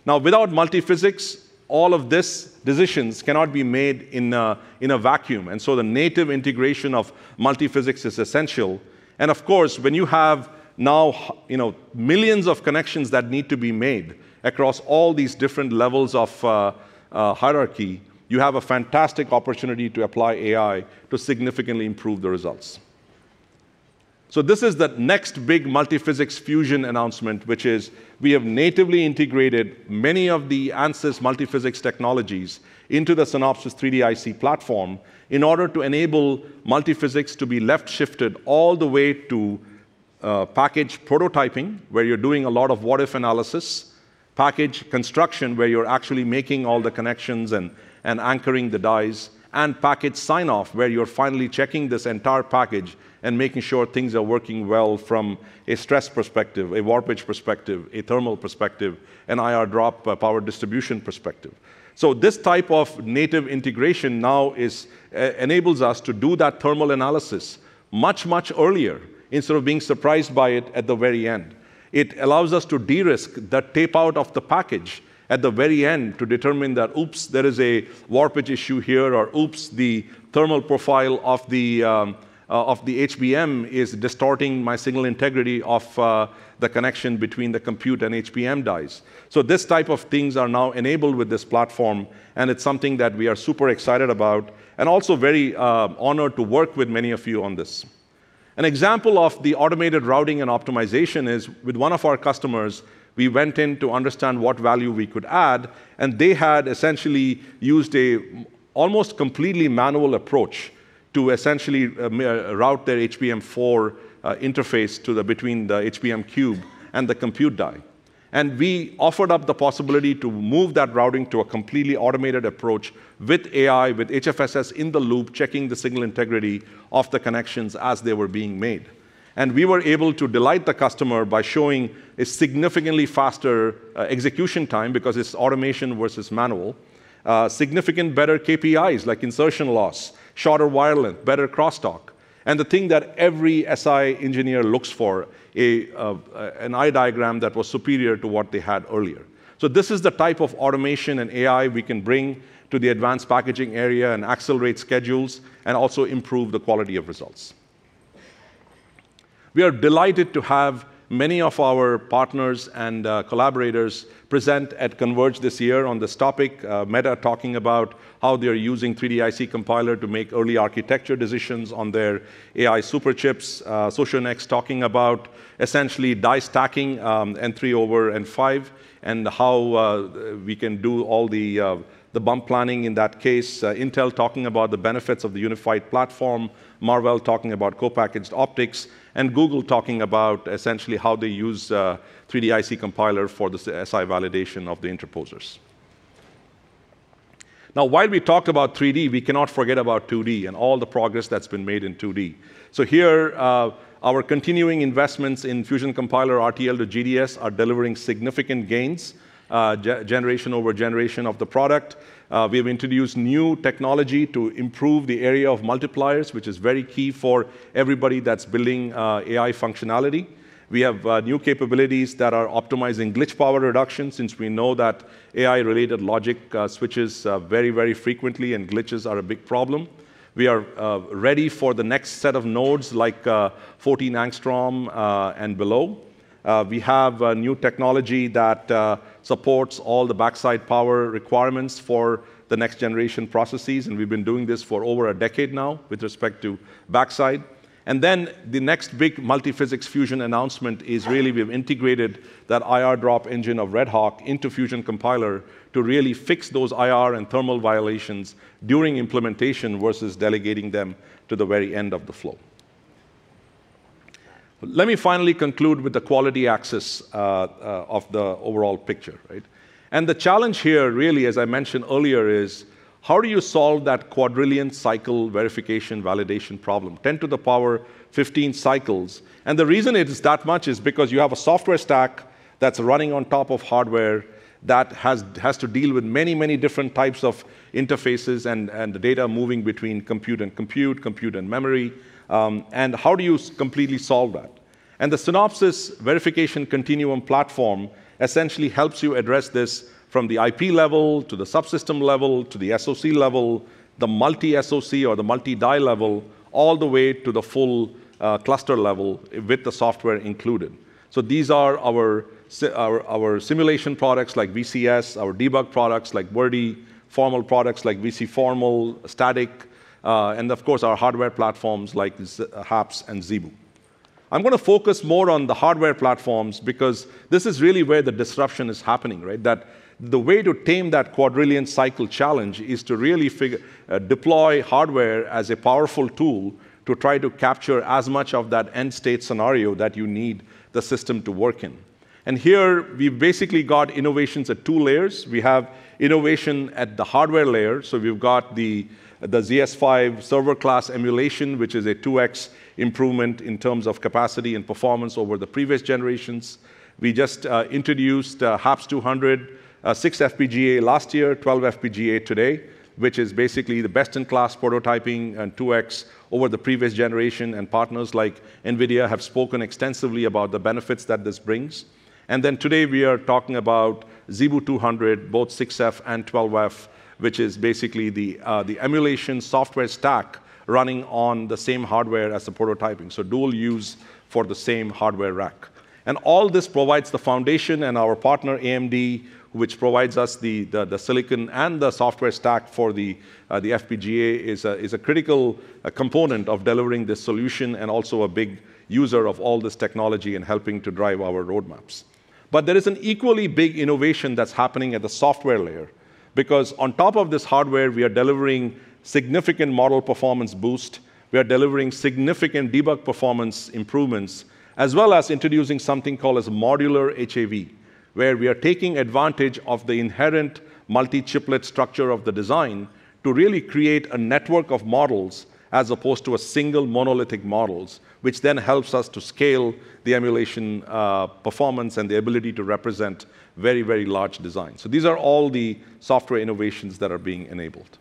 S10: Now, without multi-physics, all of this decisions cannot be made in a vacuum. The native integration of multi-physics is essential. Of course, when you have now you know, millions of connections that need to be made across all these different levels of hierarchy, you have a fantastic opportunity to apply AI to significantly improve the results. This is the next big Multi-Physics Fusion announcement, which is we have natively integrated many of the Ansys multi-physics technologies into the Synopsys 3D IC platform in order to enable multi-physics to be left-shifted all the way to package prototyping, where you're doing a lot of what-if analysis, package construction, where you're actually making all the connections and anchoring the dies, and package sign-off, where you're finally checking this entire package and making sure things are working well from a stress perspective, a warpage perspective, a thermal perspective, an IR drop power distribution perspective. This type of native integration now is enables us to do that thermal analysis much, much earlier instead of being surprised by it at the very end. It allows us to de-risk that tapeout of the package at the very end to determine that, oops, there is a warpage issue here, or oops, the thermal profile of the of the HBM is distorting my signal integrity of the connection between the compute and HBM dies. This type of things are now enabled with this platform, and it's something that we are super excited about and also very honored to work with many of you on this. An example of the automated routing and optimization is with one of our customers. We went in to understand what value we could add, and they had essentially used almost completely manual approach to essentially route their HBM4 interface between the HBM cube and the compute die. We offered up the possibility to move that routing to a completely automated approach with AI, with HFSS in the loop, checking the signal integrity of the connections as they were being made. We were able to delight the customer by showing a significantly faster execution time because it's automation versus manual, significant better KPIs like insertion loss, shorter wire length, better crosstalk. The thing that every SI engineer looks for, an eye diagram that was superior to what they had earlier. This is the type of automation and AI we can bring to the advanced packaging area and accelerate schedules and also improve the quality of results. We are delighted to have many of our partners and collaborators present at Converge this year on this topic. Meta talking about how they're using 3DIC Compiler to make early architecture decisions on their AI super chips. Socionext talking about essentially die stacking, N3 over N5 and how we can do all the bump planning in that case. Intel talking about the benefits of the unified platform, Marvell talking about co-packaged optics, and Google talking about essentially how they use 3DIC Compiler for the SI validation of the interposers. Now, while we talked about 3D, we cannot forget about 2D and all the progress that's been made in 2D. Here, our continuing investments in Fusion Compiler RTL-GDS are delivering significant gains, generation over generation of the product. We have introduced new technology to improve the area of multipliers, which is very key for everybody that's building AI functionality. We have new capabilities that are optimizing glitch power reduction since we know that AI-related logic switches very, very frequently and glitches are a big problem. We are ready for the next set of nodes like 14 Angstrom and below. We have a new technology that supports all the backside power requirements for the next generation processes, and we've been doing this for over a decade now with respect to backside. The next big multi-physics Fusion announcement is really we've integrated that IR drop engine of RedHawk into Fusion Compiler to really fix those IR and thermal violations during implementation versus delegating them to the very end of the flow. Let me finally conclude with the quality axis of the overall picture, right? The challenge here really, as I mentioned earlier, is how do you solve that quadrillion cycle verification validation problem, 10^15 cycles. The reason it is that much is because you have a software stack that's running on top of hardware that has to deal with many different types of interfaces and the data moving between compute and memory. How do you completely solve that? The Synopsys Verification Continuum platform essentially helps you address this from the IP level to the subsystem level to the SoC level, the multi-SoC or the multi-die level, all the way to the full, cluster level with the software included. These are our simulation products like VCS, our debug products like Verdi, formal products like VC Formal, Static, and of course our hardware platforms like HAPS and ZeBu. I'm gonna focus more on the hardware platforms because this is really where the disruption is happening, right? That the way to tame that quadrillion cycle challenge is to really figure deploy hardware as a powerful tool to try to capture as much of that end state scenario that you need the system to work in. Here we've basically got innovations at two layers. We have innovation at the hardware layer, so we've got the ZeBu Server 5 server class emulation, which is a 2x improvement in terms of capacity and performance over the previous generations. We just introduced HAPS-200 six FPGA last year, twelve FPGA today, which is basically the best-in-class prototyping and 2x over the previous generation, and partners like NVIDIA have spoken extensively about the benefits that this brings. Today we are talking about ZeBu-200, both six-F and twelve-F, which is basically the emulation software stack running on the same hardware as the prototyping, so dual use for the same hardware rack. All this provides the foundation and our partner, AMD, which provides us the silicon and the software stack for the FPGA is a critical component of delivering this solution and also a big user of all this technology and helping to drive our roadmaps. There is an equally big innovation that's happening at the software layer because on top of this hardware, we are delivering significant model performance boost, we are delivering significant debug performance improvements, as well as introducing something called as Modular HAV, where we are taking advantage of the inherent multi-chiplet structure of the design to really create a network of models as opposed to a single monolithic models, which then helps us to scale the emulation performance and the ability to represent very, very large designs. These are all the software innovations that are being enabled.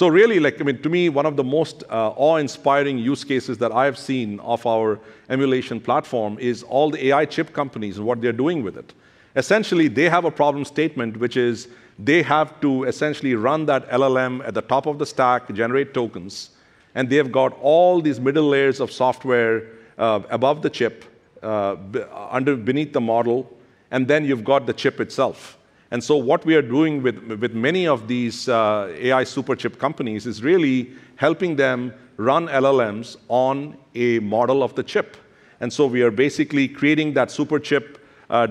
S10: Really, like, I mean, to me, one of the most awe-inspiring use cases that I have seen of our emulation platform is all the AI chip companies and what they're doing with it. Essentially, they have a problem statement, which is they have to essentially run that LLM at the top of the stack, generate tokens, and they have got all these middle layers of software above the chip, under, beneath the model, and then you've got the chip itself. What we are doing with many of these AI superchip companies is really helping them run LLMs on a model of the chip. We are basically creating that superchip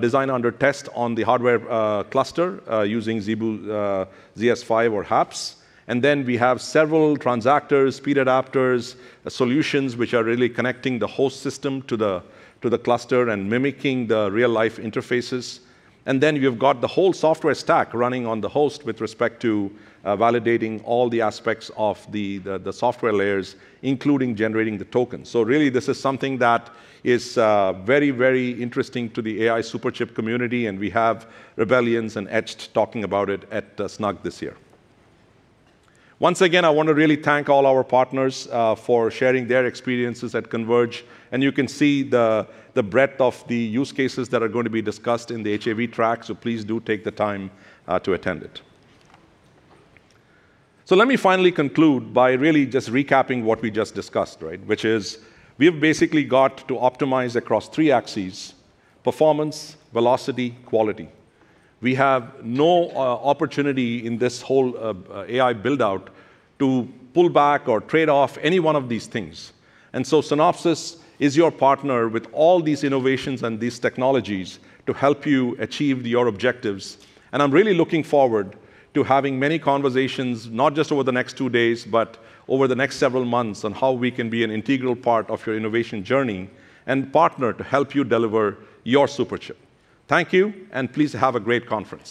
S10: design under test on the hardware cluster using ZeBu Server 5 or HAPS. We have several transactors, speed adapters, solutions which are really connecting the host system to the cluster and mimicking the real-life interfaces. You've got the whole software stack running on the host with respect to validating all the aspects of the software layers, including generating the tokens. Really this is something that is very, very interesting to the AI superchip community, and we have Rebellions and Etched talking about it at SNUG this year. Once again, I want to really thank all our partners for sharing their experiences at Converge, and you can see the breadth of the use cases that are going to be discussed in the HAV track, so please do take the time to attend it. Let me finally conclude by really just recapping what we just discussed, right? Which is we've basically got to optimize across three axes, performance, velocity, quality. We have no opportunity in this whole AI build-out to pull back or trade off any one of these things. Synopsys is your partner with all these innovations and these technologies to help you achieve your objectives. I'm really looking forward to having many conversations, not just over the next two days, but over the next several months on how we can be an integral part of your innovation journey and partner to help you deliver your superchip. Thank you, and please have a great conference.